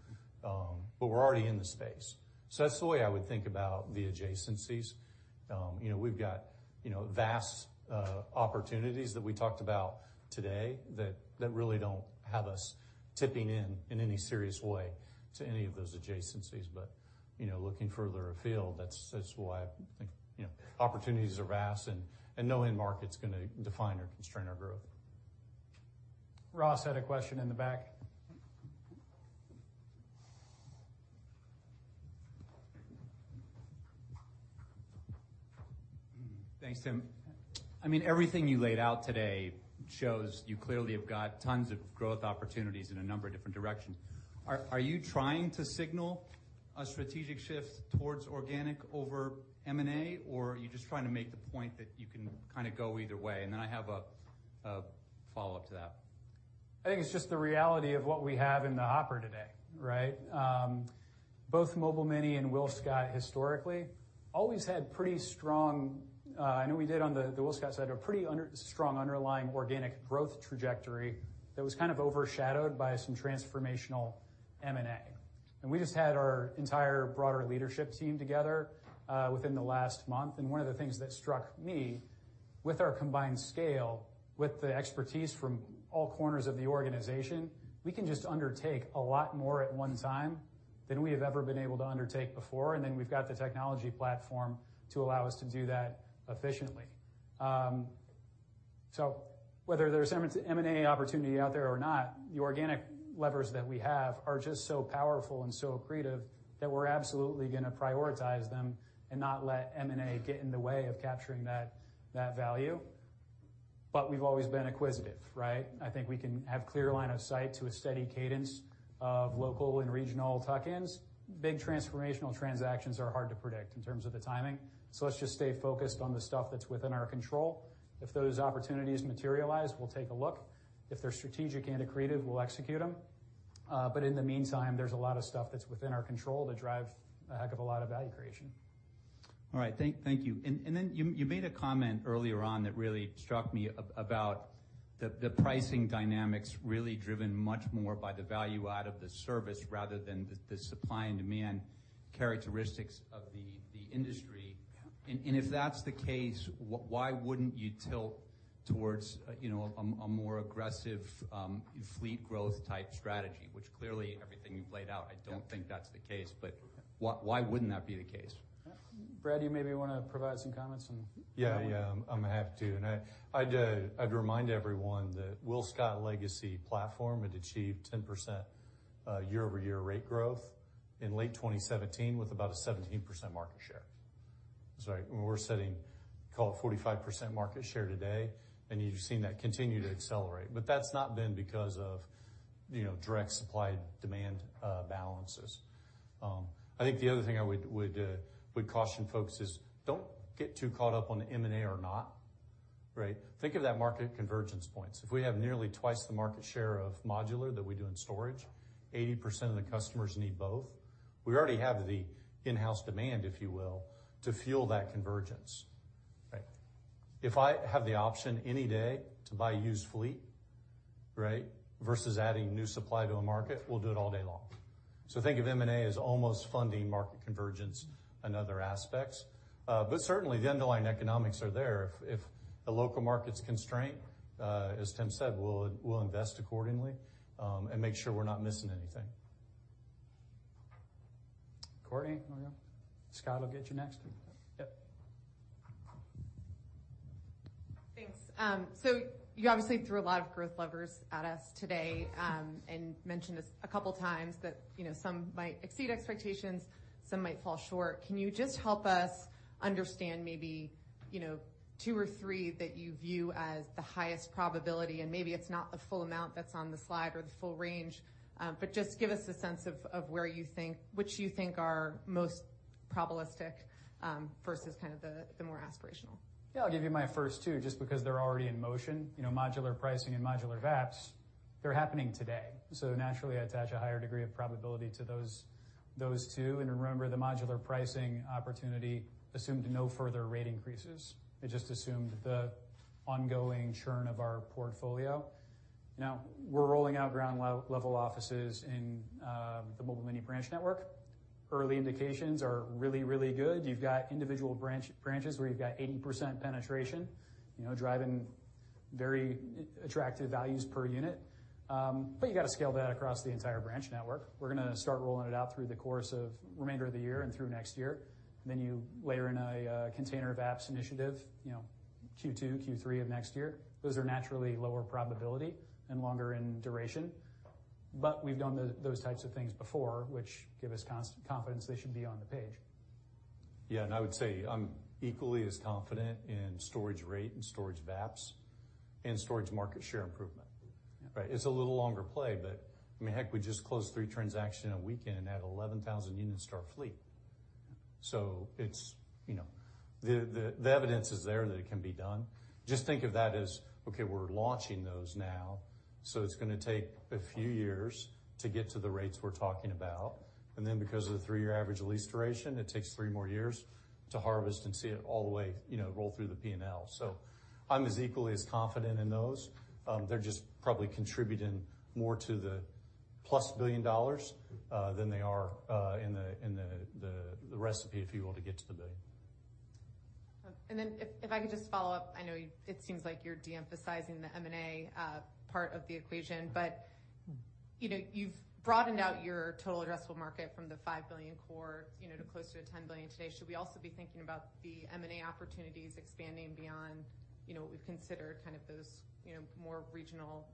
We're already in the space. That's the way I would think about the adjacencies. You know, we've got vast opportunities that we talked about today that really don't have us tipping in in any serious way to any of those adjacencies. You know, looking further afield, that's why I think, you know, opportunities are vast and no end market's gonna define or constrain our growth.
Ross Gilardi had a question in the back.
Thanks, Tim. I mean, everything you laid out today shows you clearly have got tons of growth opportunities in a number of different directions. Are you trying to signal a strategic shift towards organic over M&A, or are you just trying to make the point that you can kind of go either way? Then I have a follow-up to that.
I think it's just the reality of what we have in the hopper today, right? Both Mobile Mini and WillScot historically always had pretty strong. I know we did on the WillScot side, a pretty strong underlying organic growth trajectory that was kind of overshadowed by some transformational M&A. We just had our entire broader leadership team together within the last month, and one of the things that struck me with our combined scale, with the expertise from all corners of the organization, we can just undertake a lot more at one time than we have ever been able to undertake before. Then we've got the technology platform to allow us to do that efficiently. Whether there's M&A opportunity out there or not, the organic levers that we have are just so powerful and so accretive that we're absolutely gonna prioritize them and not let M&A get in the way of capturing that value. We've always been inquisitive, right? I think we can have clear line of sight to a steady cadence of local and regional tuck-ins. Big transformational transactions are hard to predict in terms of the timing, so let's just stay focused on the stuff that's within our control. If those opportunities materialize, we'll take a look. If they're strategic and accretive, we'll execute them. In the meantime, there's a lot of stuff that's within our control to drive a heck of a lot of value creation.
All right. Thank you. You made a comment earlier on that really struck me about the pricing dynamics really driven much more by the value add of the service rather than the supply and demand characteristics of the industry.
Yeah.
If that's the case, why wouldn't you tilt towards, you know, a more aggressive fleet growth type strategy, which clearly everything you've laid out, I don't think that's the case. Why wouldn't that be the case?
Brad, do you maybe wanna provide some comments on that one?
Yeah. Yeah. I'm happy to. I'd remind everyone that WillScot legacy platform had achieved 10% year-over-year rate growth in late 2017 with about a 17% market share. We're sitting at, call it, 45% market share today, and you've seen that continue to accelerate. That's not been because of, you know, direct supply-demand balances. I think the other thing I would caution folks is don't get too caught up on the M&A or not, right? Think of that market convergence points. If we have nearly twice the market share of modular that we do in storage, 80% of the customers need both. We already have the in-house demand, if you will, to fuel that convergence. If I have the option any day to buy used fleet, right, versus adding new supply to a market, we'll do it all day long. Think of M&A as almost funding market convergence in other aspects. Certainly the underlying economics are there. If the local market's constrained, as Timothy said, we'll invest accordingly, and make sure we're not missing anything.
Courtney. Scott, I'll get you next. Yep.
Thanks. You obviously threw a lot of growth levers at us today, and mentioned this a couple of times that, you know, some might exceed expectations, some might fall short. Can you just help us understand maybe, you know, two or three that you view as the highest probability? Maybe it's not the full amount that's on the slide or the full range. Just give us a sense of which you think are most probabilistic versus kind of the more aspirational.
Yeah. I'll give you my first two, just because they're already in motion. You know, modular pricing and modular VAPS, they're happening today. Naturally, I attach a higher degree of probability to those two. Remember, the modular pricing opportunity assumed no further rate increases. It just assumed the ongoing churn of our portfolio. Now, we're rolling out ground level offices in the Mobile Mini branch network. Early indications are really, really good. You've got individual branches where you've got 80% penetration, you know, driving very attractive values per unit. But you gotta scale that across the entire branch network. We're gonna start rolling it out through the course of the remainder of the year and through next year. You layer in a container VAPS initiative, you know, Q2, Q3 of next year. Those are naturally lower probability and longer in duration. We've done those types of things before, which give us confidence they should be on the page.
Yeah. I would say I'm equally as confident in storage rate and storage VAPS and storage market share improvement.
Yeah.
Right? It's a little longer play, but I mean, heck, we just closed three transactions in a weekend and added 11,000 units to our fleet. It's, you know. The evidence is there that it can be done. Just think of that as, okay, we're launching those now, so it's gonna take a few years to get to the rates we're talking about. Then because of the three-year average lease duration, it takes three more years to harvest and see it all the way, you know, roll through the P&L. I'm as equally as confident in those. They're just probably contributing more to the $1+ billion than they are in the recipe, if you will, to get to the $1 billion.
If I could just follow up. I know it seems like you're de-emphasizing the M&A part of the equation, but you know, you've broadened out your total addressable market from the $5 billion core, you know, to close to a $10 billion today. Should we also be thinking about the M&A opportunities expanding beyond, you know, what we've considered kind of those, you know, more regional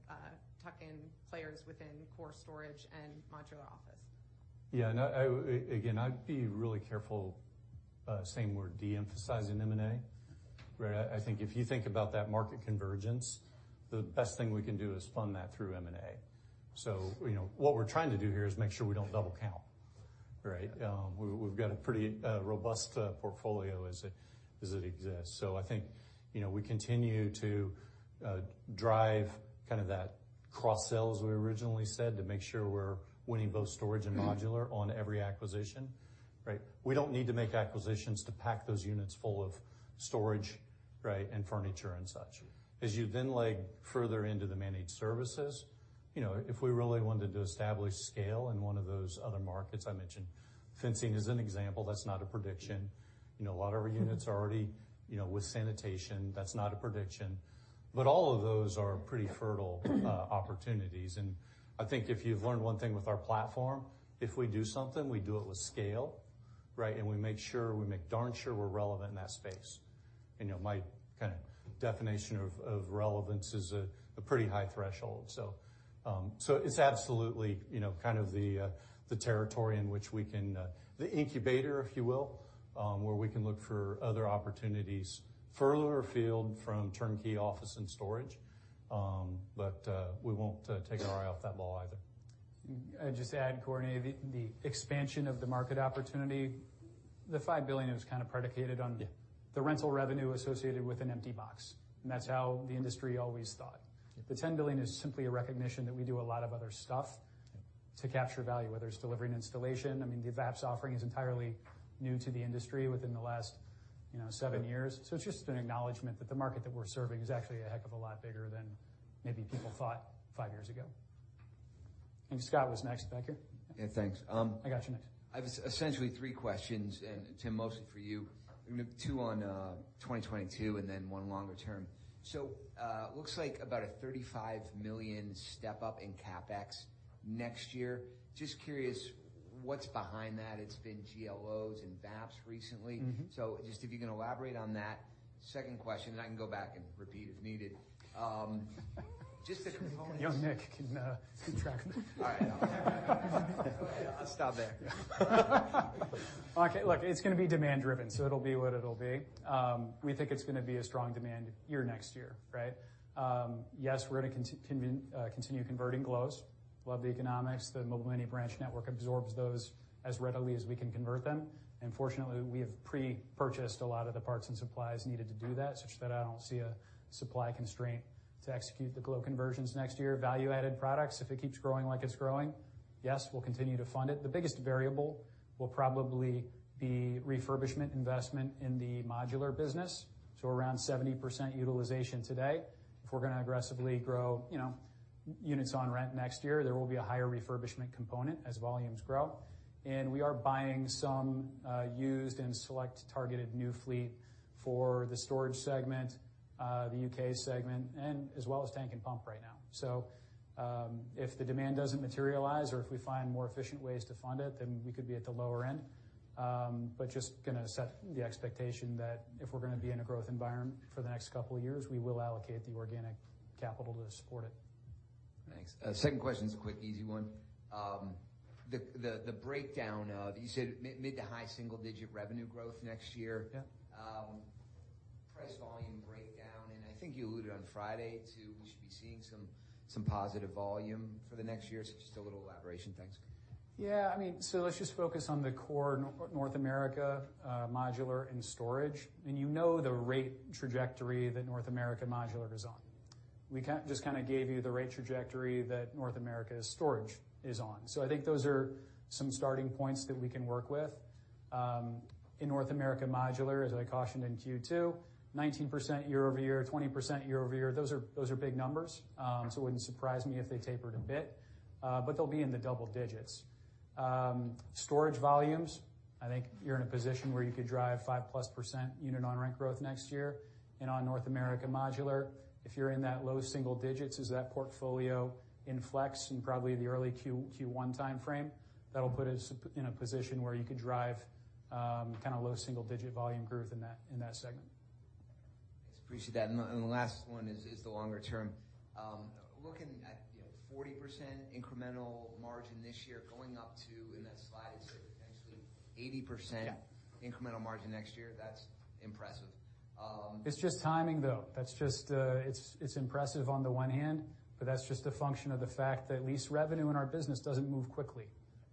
tuck-in players within core storage and modular office?
Yeah. No, again, I'd be really careful saying we're de-emphasizing M&A, where I think if you think about that market convergence, the best thing we can do is fund that through M&A. You know, what we're trying to do here is make sure we don't double count, right? We've got a pretty robust portfolio as it exists. I think, you know, we continue to drive kind of that cross sell, as we originally said, to make sure we're winning both storage and modular on every acquisition, right? We don't need to make acquisitions to pack those units full of storage, right, and furniture and such. As you then leg further into the managed services, you know, if we really wanted to establish scale in one of those other markets I mentioned, fencing as an example, that's not a prediction. You know, a lot of our units are already, you know, with sanitation. That's not a prediction. All of those are pretty fertile opportunities. I think if you've learned one thing with our platform, if we do something, we do it with scale, right? We make sure, we make darn sure we're relevant in that space. You know, my kinda definition of relevance is a pretty high threshold. It's absolutely, you know, kind of the territory in which we can, the incubator, if you will, where we can look for other opportunities further afield from turnkey office and storage. We won't take our eye off that ball either.
I’d just add, Courtney, the expansion of the market opportunity, the $5 billion is kind of predicated on. The rental revenue associated with an empty box, and that's how the industry always thought. The $10 billion is simply a recognition that we do a lot of other stuff to capture value, whether it's delivery and installation. I mean, the VAPS offering is entirely new to the industry within the last, you know, seven years. So it's just an acknowledgement that the market that we're serving is actually a heck of a lot bigger than maybe people thought five years ago. I think Scott was next back here.
Yeah, thanks.
I got you next.
I have essentially three questions, and Timothy, mostly for you. Two on 2022, and then one longer term. Looks like about a $35 million step-up in CapEx next year. Just curious what's behind that. It's been GLOs and VAPS recently.
Mm-hmm.
Just if you can elaborate on that. Second question, and I can go back and repeat as needed. Just the components-
Young Nick can track that.
All right. I'll stop there.
Okay, look, it's gonna be demand driven, so it'll be what it'll be. We think it's gonna be a strong demand year next year, right? Yes, we're gonna continue converting GLOs. Love the economics. The Mobile Mini branch network absorbs those as readily as we can convert them. Fortunately, we have pre-purchased a lot of the parts and supplies needed to do that, such that I don't see a supply constraint to execute the GLO conversions next year. Value-added products, if it keeps growing like it's growing, yes, we'll continue to fund it. The biggest variable will probably be refurbishment investment in the modular business, so around 70% utilization today. If we're gonna aggressively grow, you know, units on rent next year, there will be a higher refurbishment component as volumes grow. We are buying some used and select targeted new fleet for the storage segment, the U.K. segment, and as well as tank and pump right now. If the demand doesn't materialize or if we find more efficient ways to fund it, then we could be at the lower end. Just gonna set the expectation that if we're gonna be in a growth environment for the next couple of years, we will allocate the organic capital to support it.
Thanks. Second question's a quick, easy one. The breakdown of you said mid to high single digit revenue growth next year.
Yeah.
Price volume breakdown, and I think you alluded on Friday to we should be seeing some positive volume for the next year. Just a little elaboration. Thanks.
Yeah. I mean, let's just focus on the core North America modular and storage. You know the rate trajectory that North America modular is on. We just kinda gave you the rate trajectory that North America storage is on. I think those are some starting points that we can work with. In North America modular, as I cautioned in Q2, 19% year-over-year, 20% year-over-year, those are big numbers. It wouldn't surprise me if they tapered a bit, but they'll be in the double digits. Storage volumes, I think you're in a position where you could drive 5%+ unit on rent growth next year. On North America modular, if you're in that low single digits has that portfolio in FLEX™ in probably the early Q1 timeframe, that'll put us in a position where you could drive kinda low single digit volume growth in that segment.
Yes, appreciate that. The last one is the longer term. Looking at, you know, 40% incremental margin this year, going up to, in that slide, you said potentially 80%-
Yeah.
incremental margin next year. That's impressive.
It's just timing, though. That's just, it's impressive on the one hand, but that's just a function of the fact that lease revenue in our business doesn't move quickly,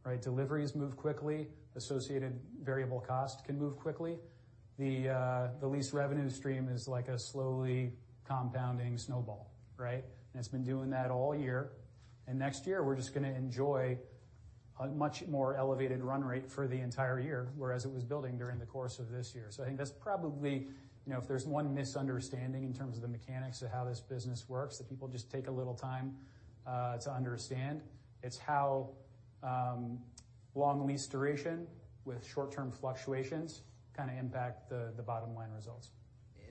right? Deliveries move quickly. Associated variable cost can move quickly. The lease revenue stream is like a slowly compounding snowball, right? It's been doing that all year. Next year, we're just gonna enjoy a much more elevated run rate for the entire year, whereas it was building during the course of this year. I think that's probably, you know, if there's one misunderstanding in terms of the mechanics of how this business works, that people just take a little time to understand, it's how long lease duration with short-term fluctuations kinda impact the bottom line results.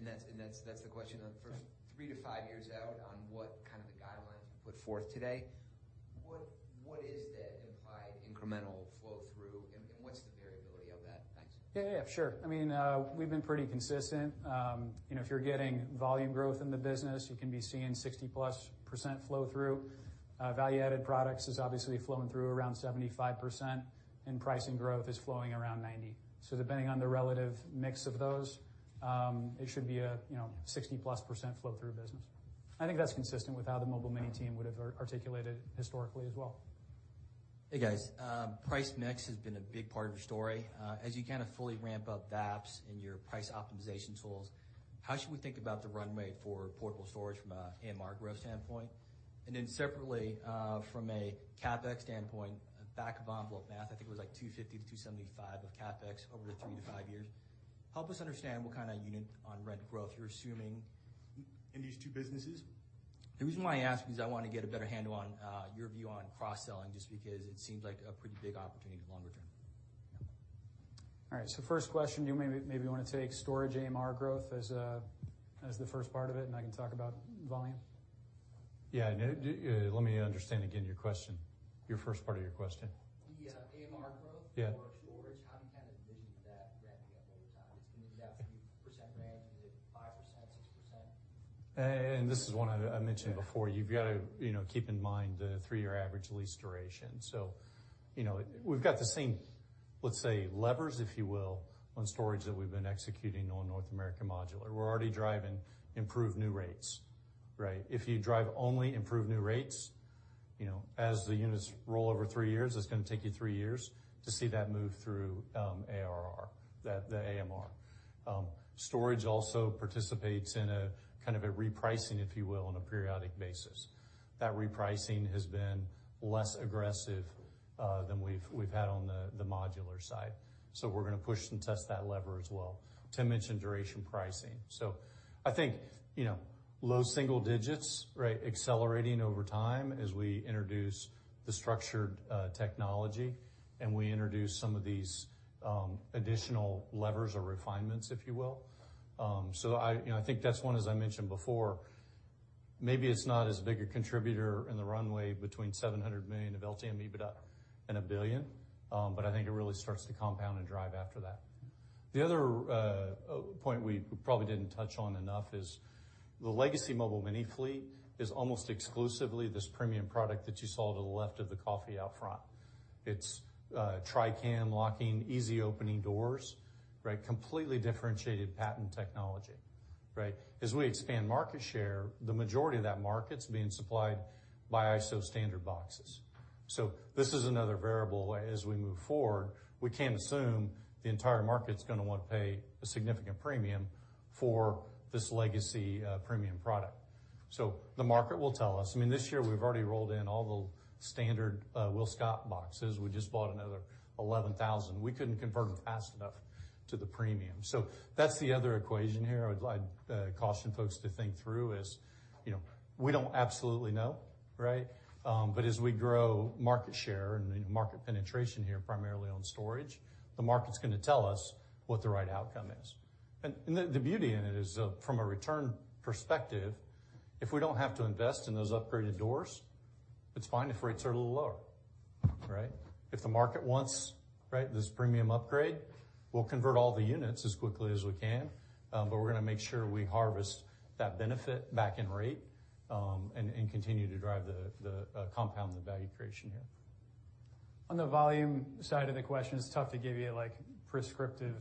That's the question on for three-five years out on what kind of- Put forth today. What is that implied incremental flow through and what's the variability of that? Thanks.
Yeah, yeah, sure. I mean, we've been pretty consistent. You know, if you're getting volume growth in the business, you can be seeing 60%+ flow through. Value-added products is obviously flowing through around 75%, and pricing growth is flowing around 90%. Depending on the relative mix of those, it should be a, you know, 60%+ flow through business. I think that's consistent with how the Mobile Mini team would have articulated historically as well.
Hey, guys. Price mix has been a big part of your story. As you kind of fully ramp up VAPS and your price optimization tools, how should we think about the runway for portable storage from AMR growth standpoint? And then separately, from a CapEx standpoint, back of envelope math, I think it was like $250-$275 of CapEx over the three to five years. Help us understand what kind of unit on rent growth you're assuming in these two businesses. The reason why I ask is I wanna get a better handle on your view on cross-selling, just because it seems like a pretty big opportunity longer term.
All right. First question, you maybe wanna take storage AMR growth as the first part of it, and I can talk about volume.
Yeah. Let me understand again your question. Your first part of your question.
The AMR growth
Yeah.
for storage, how do you kind of envision that ramping up over time? Is it gonna be that percent range? Is it 5%, 6%?
This is one I mentioned before. You've got to, you know, keep in mind the three-year average lease duration. You know, we've got the same, let's say, levers, if you will, on storage that we've been executing on North American modular. We're already driving improved new rates, right? If you drive only improved new rates, you know, as the units roll over three years, it's gonna take you three years to see that move through ARR, the AMR. Storage also participates in a kind of a repricing, if you will, on a periodic basis. That repricing has been less aggressive than we've had on the modular side. We're gonna push and test that lever as well. Timothy mentioned duration pricing. I think, you know, low single digits, right, accelerating over time as we introduce the structured technology, and we introduce some of these additional levers or refinements, if you will. I, you know, I think that's one, as I mentioned before, maybe it's not as big a contributor in the runway between $700 million of LTM EBITDA, but and $1 billion, but I think it really starts to compound and drive after that. The other point we probably didn't touch on enough is the legacy Mobile Mini fleet is almost exclusively this premium product that you saw to the left of the coffee out front. It's Tri-Cam locking, easy opening doors, right? Completely differentiated patented technology, right? As we expand market share, the majority of that market's being supplied by ISO standard boxes. This is another variable as we move forward. We can't assume the entire market's gonna want to pay a significant premium for this legacy premium product. The market will tell us. I mean, this year we've already rolled in all the standard WillScot boxes. We just bought another 11,000. We couldn't convert them fast enough to the premium. That's the other equation here I'd like caution folks to think through is, you know, we don't absolutely know, right? But as we grow market share and market penetration here, primarily on storage, the market's gonna tell us what the right outcome is. And the beauty in it is, from a return perspective, if we don't have to invest in those upgraded doors, it's fine if rates are a little lower, right? If the market wants, right, this premium upgrade, we'll convert all the units as quickly as we can, but we're gonna make sure we harvest that benefit back in rate, and continue to drive the compound the value creation here.
On the volume side of the question, it's tough to give you like prescriptive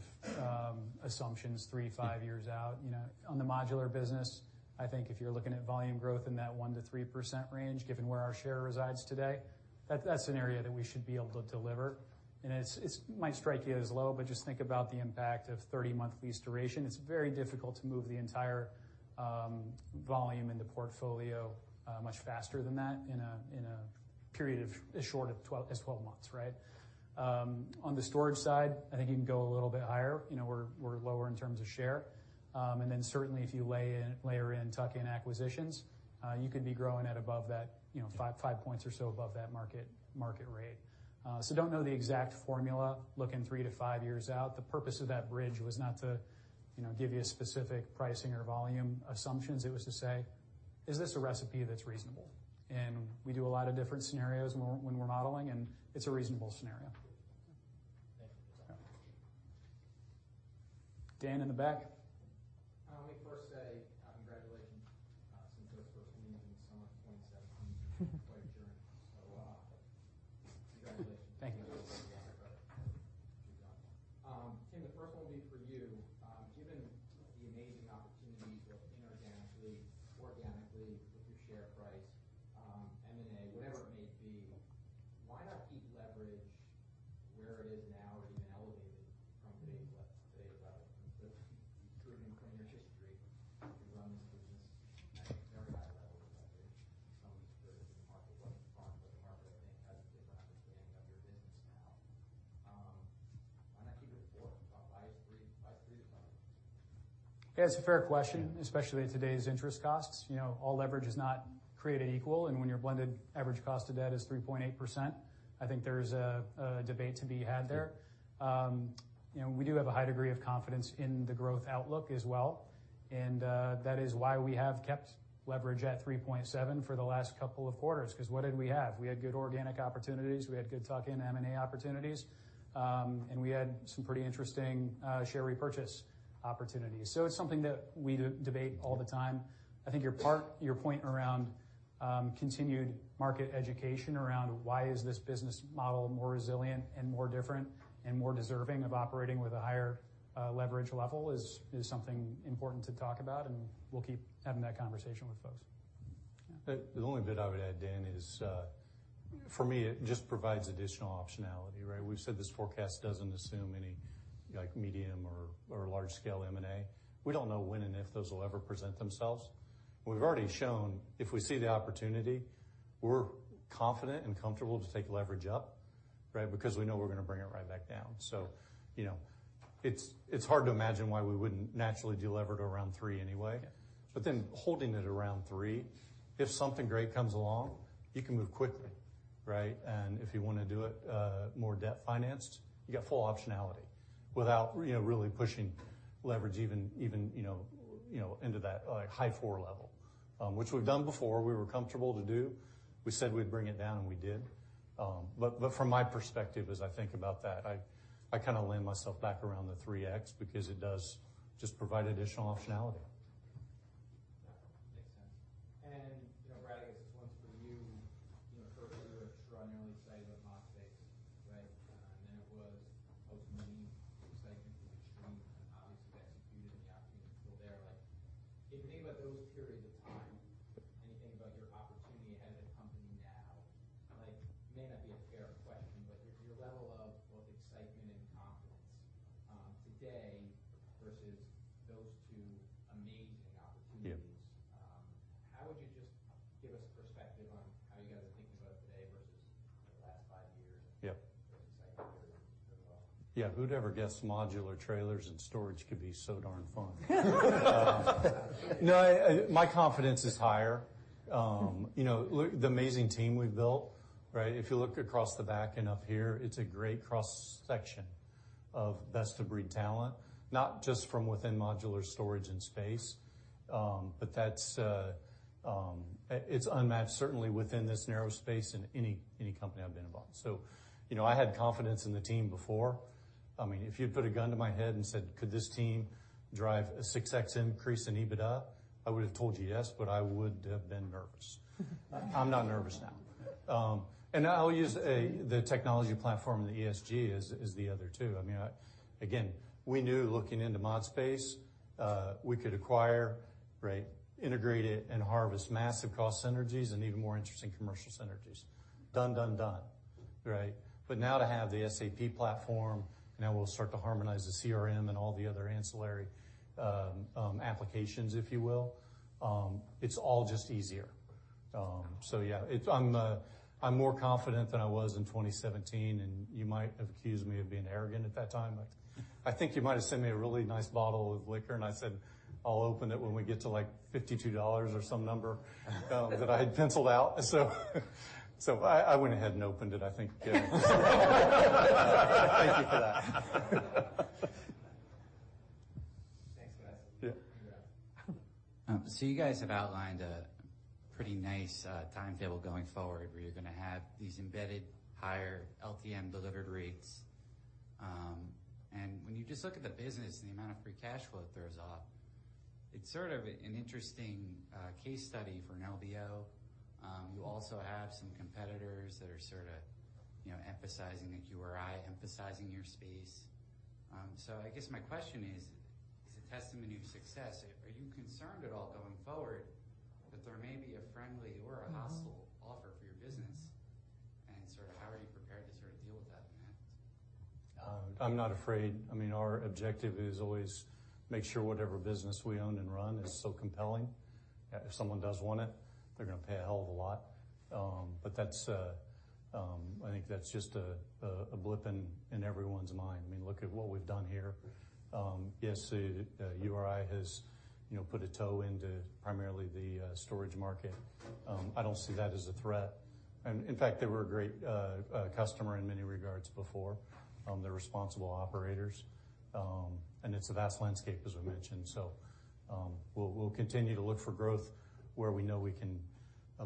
assumptions three, five years out. You know, on the modular business, I think if you're looking at volume growth in that 1%-3% range, given where our share resides today, that's an area that we should be able to deliver. It might strike you as low, but just think about the impact of 30-month lease duration. It's very difficult to move the entire volume in the portfolio much faster than that in a period of as short as 12 months, right? On the storage side, I think you can go a little bit higher. You know, we're lower in terms of share. Certainly, if you layer in, tuck in acquisitions, you could be growing at above that, you know, 5% or so above that market rate. I don't know the exact formula looking three-five years out. The purpose of that bridge was not to, you know, give you a specific pricing or volume assumptions. It was to say, is this a recipe that's reasonable? We do a lot of different scenarios when we're modeling, and it's a reasonable scenario.
Thank you.
Dan, in the back. opportunities. It's something that we debate all the time. I think your point around continued market education around why is this business model more resilient and more different and more deserving of operating with a higher leverage level is something important to talk about, and we'll keep having that conversation with folks.
The only bit I would add, Dan, is for me, it just provides additional optionality, right? We've said this forecast doesn't assume any, like, medium or large scale M&A. We don't know when and if those will ever present themselves. We've already shown if we see the opportunity, we're confident and comfortable to take leverage up, right? Because we know we're gonna bring it right back down. You know, it's hard to imagine why we wouldn't naturally delever to around three anyway. Holding it around three, if something great comes along, you can move quickly, right? If you wanna do it more debt financed, you got full optionality without, you know, really pushing leverage even, you know, into that, like, high four level. Which we've done before. We were comfortable to do. We said we'd bring it down, and we did. From my perspective, as I think about that, I kinda land myself back around the 3x because it does just provide additional optionality. I mean, if you'd put a gun to my head and said, "Could this team drive a 6x increase in EBITDA?" I would have told you yes, but I would have been nervous. I'm not nervous now. I'll use the technology platform and the ESG as the other two. I mean, again, we knew looking into ModSpace, we could acquire, right, integrate it, and harvest massive cost synergies and even more interesting commercial synergies. Done, done, right? Now to have the SAP platform, now we'll start to harmonize the CRM and all the other ancillary applications, if you will. It's all just easier. Yeah, it's. I'm more confident than I was in 2017, and you might have accused me of being arrogant at that time. I think you might have sent me a really nice bottle of liquor, and I said, "I'll open it when we get to, like, $52," or some number that I had penciled out. I went ahead and opened it, I think. Thank you for that.
Thanks, guys.
Yeah.
Congrats. You guys have outlined a pretty nice timetable going forward, where you're gonna have these embedded higher LTM delivered rates. When you just look at the business and the amount of free cash flow it throws off, it's sort of an interesting case study for an LBO. You also have some competitors that are sorta, you know, emphasizing the URI, emphasizing your space. I guess my question is: As a testament of your success, are you concerned at all going forward that there may be a friendly or a hostile offer for your business? And sort of how are you prepared to sort of deal with that in that case?
I'm not afraid. I mean, our objective is always make sure whatever business we own and run is so compelling that if someone does want it, they're gonna pay a hell of a lot. I think that's just a blip in everyone's mind. I mean, look at what we've done here. Yes, URI has, you know, put a toe into primarily the storage market. I don't see that as a threat. In fact, they were a great customer in many regards before. They're responsible operators. It's a vast landscape, as we mentioned. We'll continue to look for growth where we know we can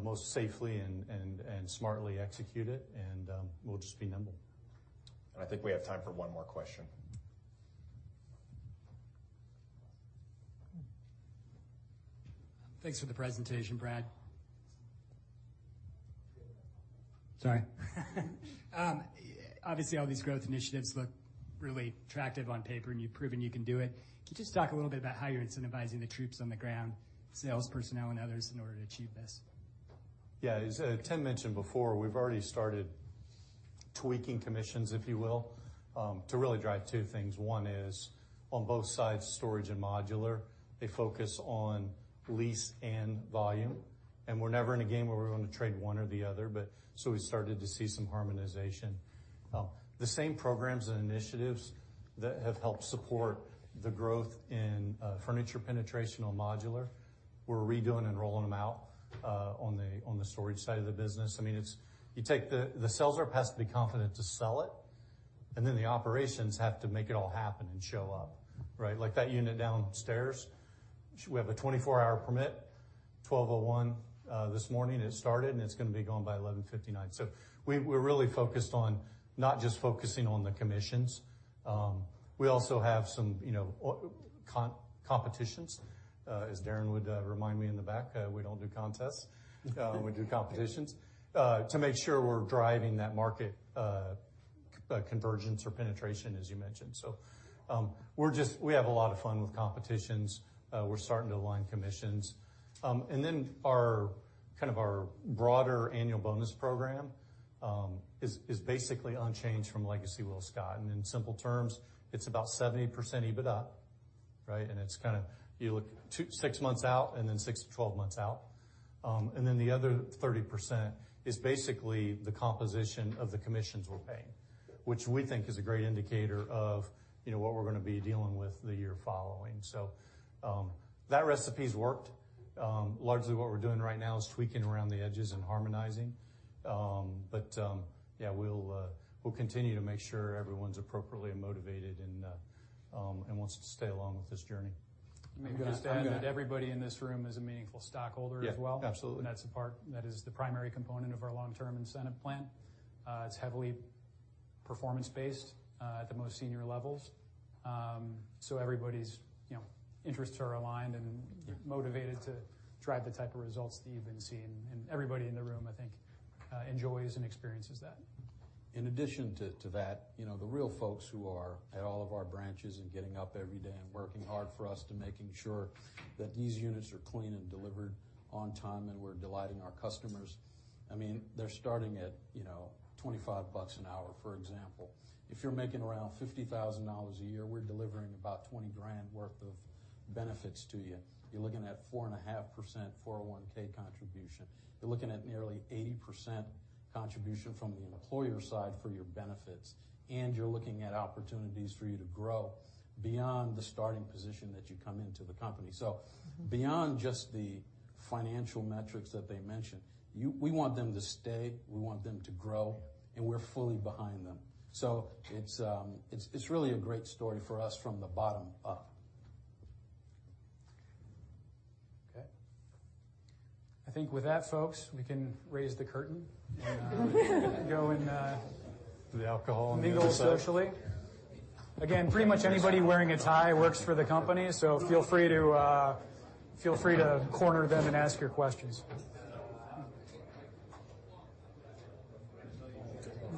most safely and smartly execute it, and we'll just be nimble.
I think we have time for one more question. Thanks for the presentation, Brad. Sorry. Obviously, all these growth initiatives look really attractive on paper, and you've proven you can do it. Can you just talk a little bit about how you're incentivizing the troops on the ground, sales personnel and others, in order to achieve this?
Yeah. As Timothy mentioned before, we've already started tweaking commissions, if you will, to really drive two things. One is on both sides, storage and modular, a focus on lease and volume. We're never in a game where we're going to trade one or the other, but so we started to see some harmonization. The same programs and initiatives that have helped support the growth in furniture penetration on modular, we're redoing and rolling them out on the storage side of the business. I mean, it's you take the sales rep has to be confident to sell it, and then the operations have to make it all happen and show up, right? Like that unit downstairs, we have a 24-hour permit, 12:01 A.M. this morning it started, and it's gonna be gone by 11:59 P.M. We're really focused on not just focusing on the commissions. We also have some, you know, competitions, as Darren would remind me in the back, we don't do contests, we do competitions, to make sure we're driving that market convergence or penetration as you mentioned. We're just having a lot of fun with competitions. We're starting to align commissions. Our kind of broader annual bonus program is basically unchanged from legacy WillScot. In simple terms, it's about 70% EBITDA, right? It's kind of you look two-six months out and then six-12 months out. The other 30% is basically the composition of the commissions we're paying, which we think is a great indicator of, you know, what we're gonna be dealing with the year following. That recipe's worked. Largely what we're doing right now is tweaking around the edges and harmonizing. Yeah, we'll continue to make sure everyone's appropriately motivated and wants to stay along with this journey.
Let me just add that everybody in this room is a meaningful stockholder as well.
Yeah. Absolutely.
That is the primary component of our long-term incentive plan. It's heavily performance based, at the most senior levels. Everybody's, you know, interests are aligned and motivated to drive the type of results that you've been seeing. Everybody in the room, I think, enjoys and experiences that.
In addition to that, you know, the real folks who are at all of our branches and getting up every day and working hard for us to making sure that these units are clean and delivered on time, and we're delighting our customers. I mean, they're starting at, you know, $25 an hour, for example. If you're making around $50,000 a year, we're delivering about $20,000 worth of benefits to you. You're looking at 4.5% 401(k) contribution. You're looking at nearly 80% contribution from the employer side for your benefits, and you're looking at opportunities for you to grow beyond the starting position that you come into the company. Beyond just the financial metrics that they mentioned, you we want them to stay, we want them to grow, and we're fully behind them. It's really a great story for us from the bottom up.
Okay. I think with that, folks, we can raise the curtain.
The alcohol on the other side.
Mingle socially. Again, pretty much anybody wearing a tie works for the company, so feel free to corner them and ask your questions.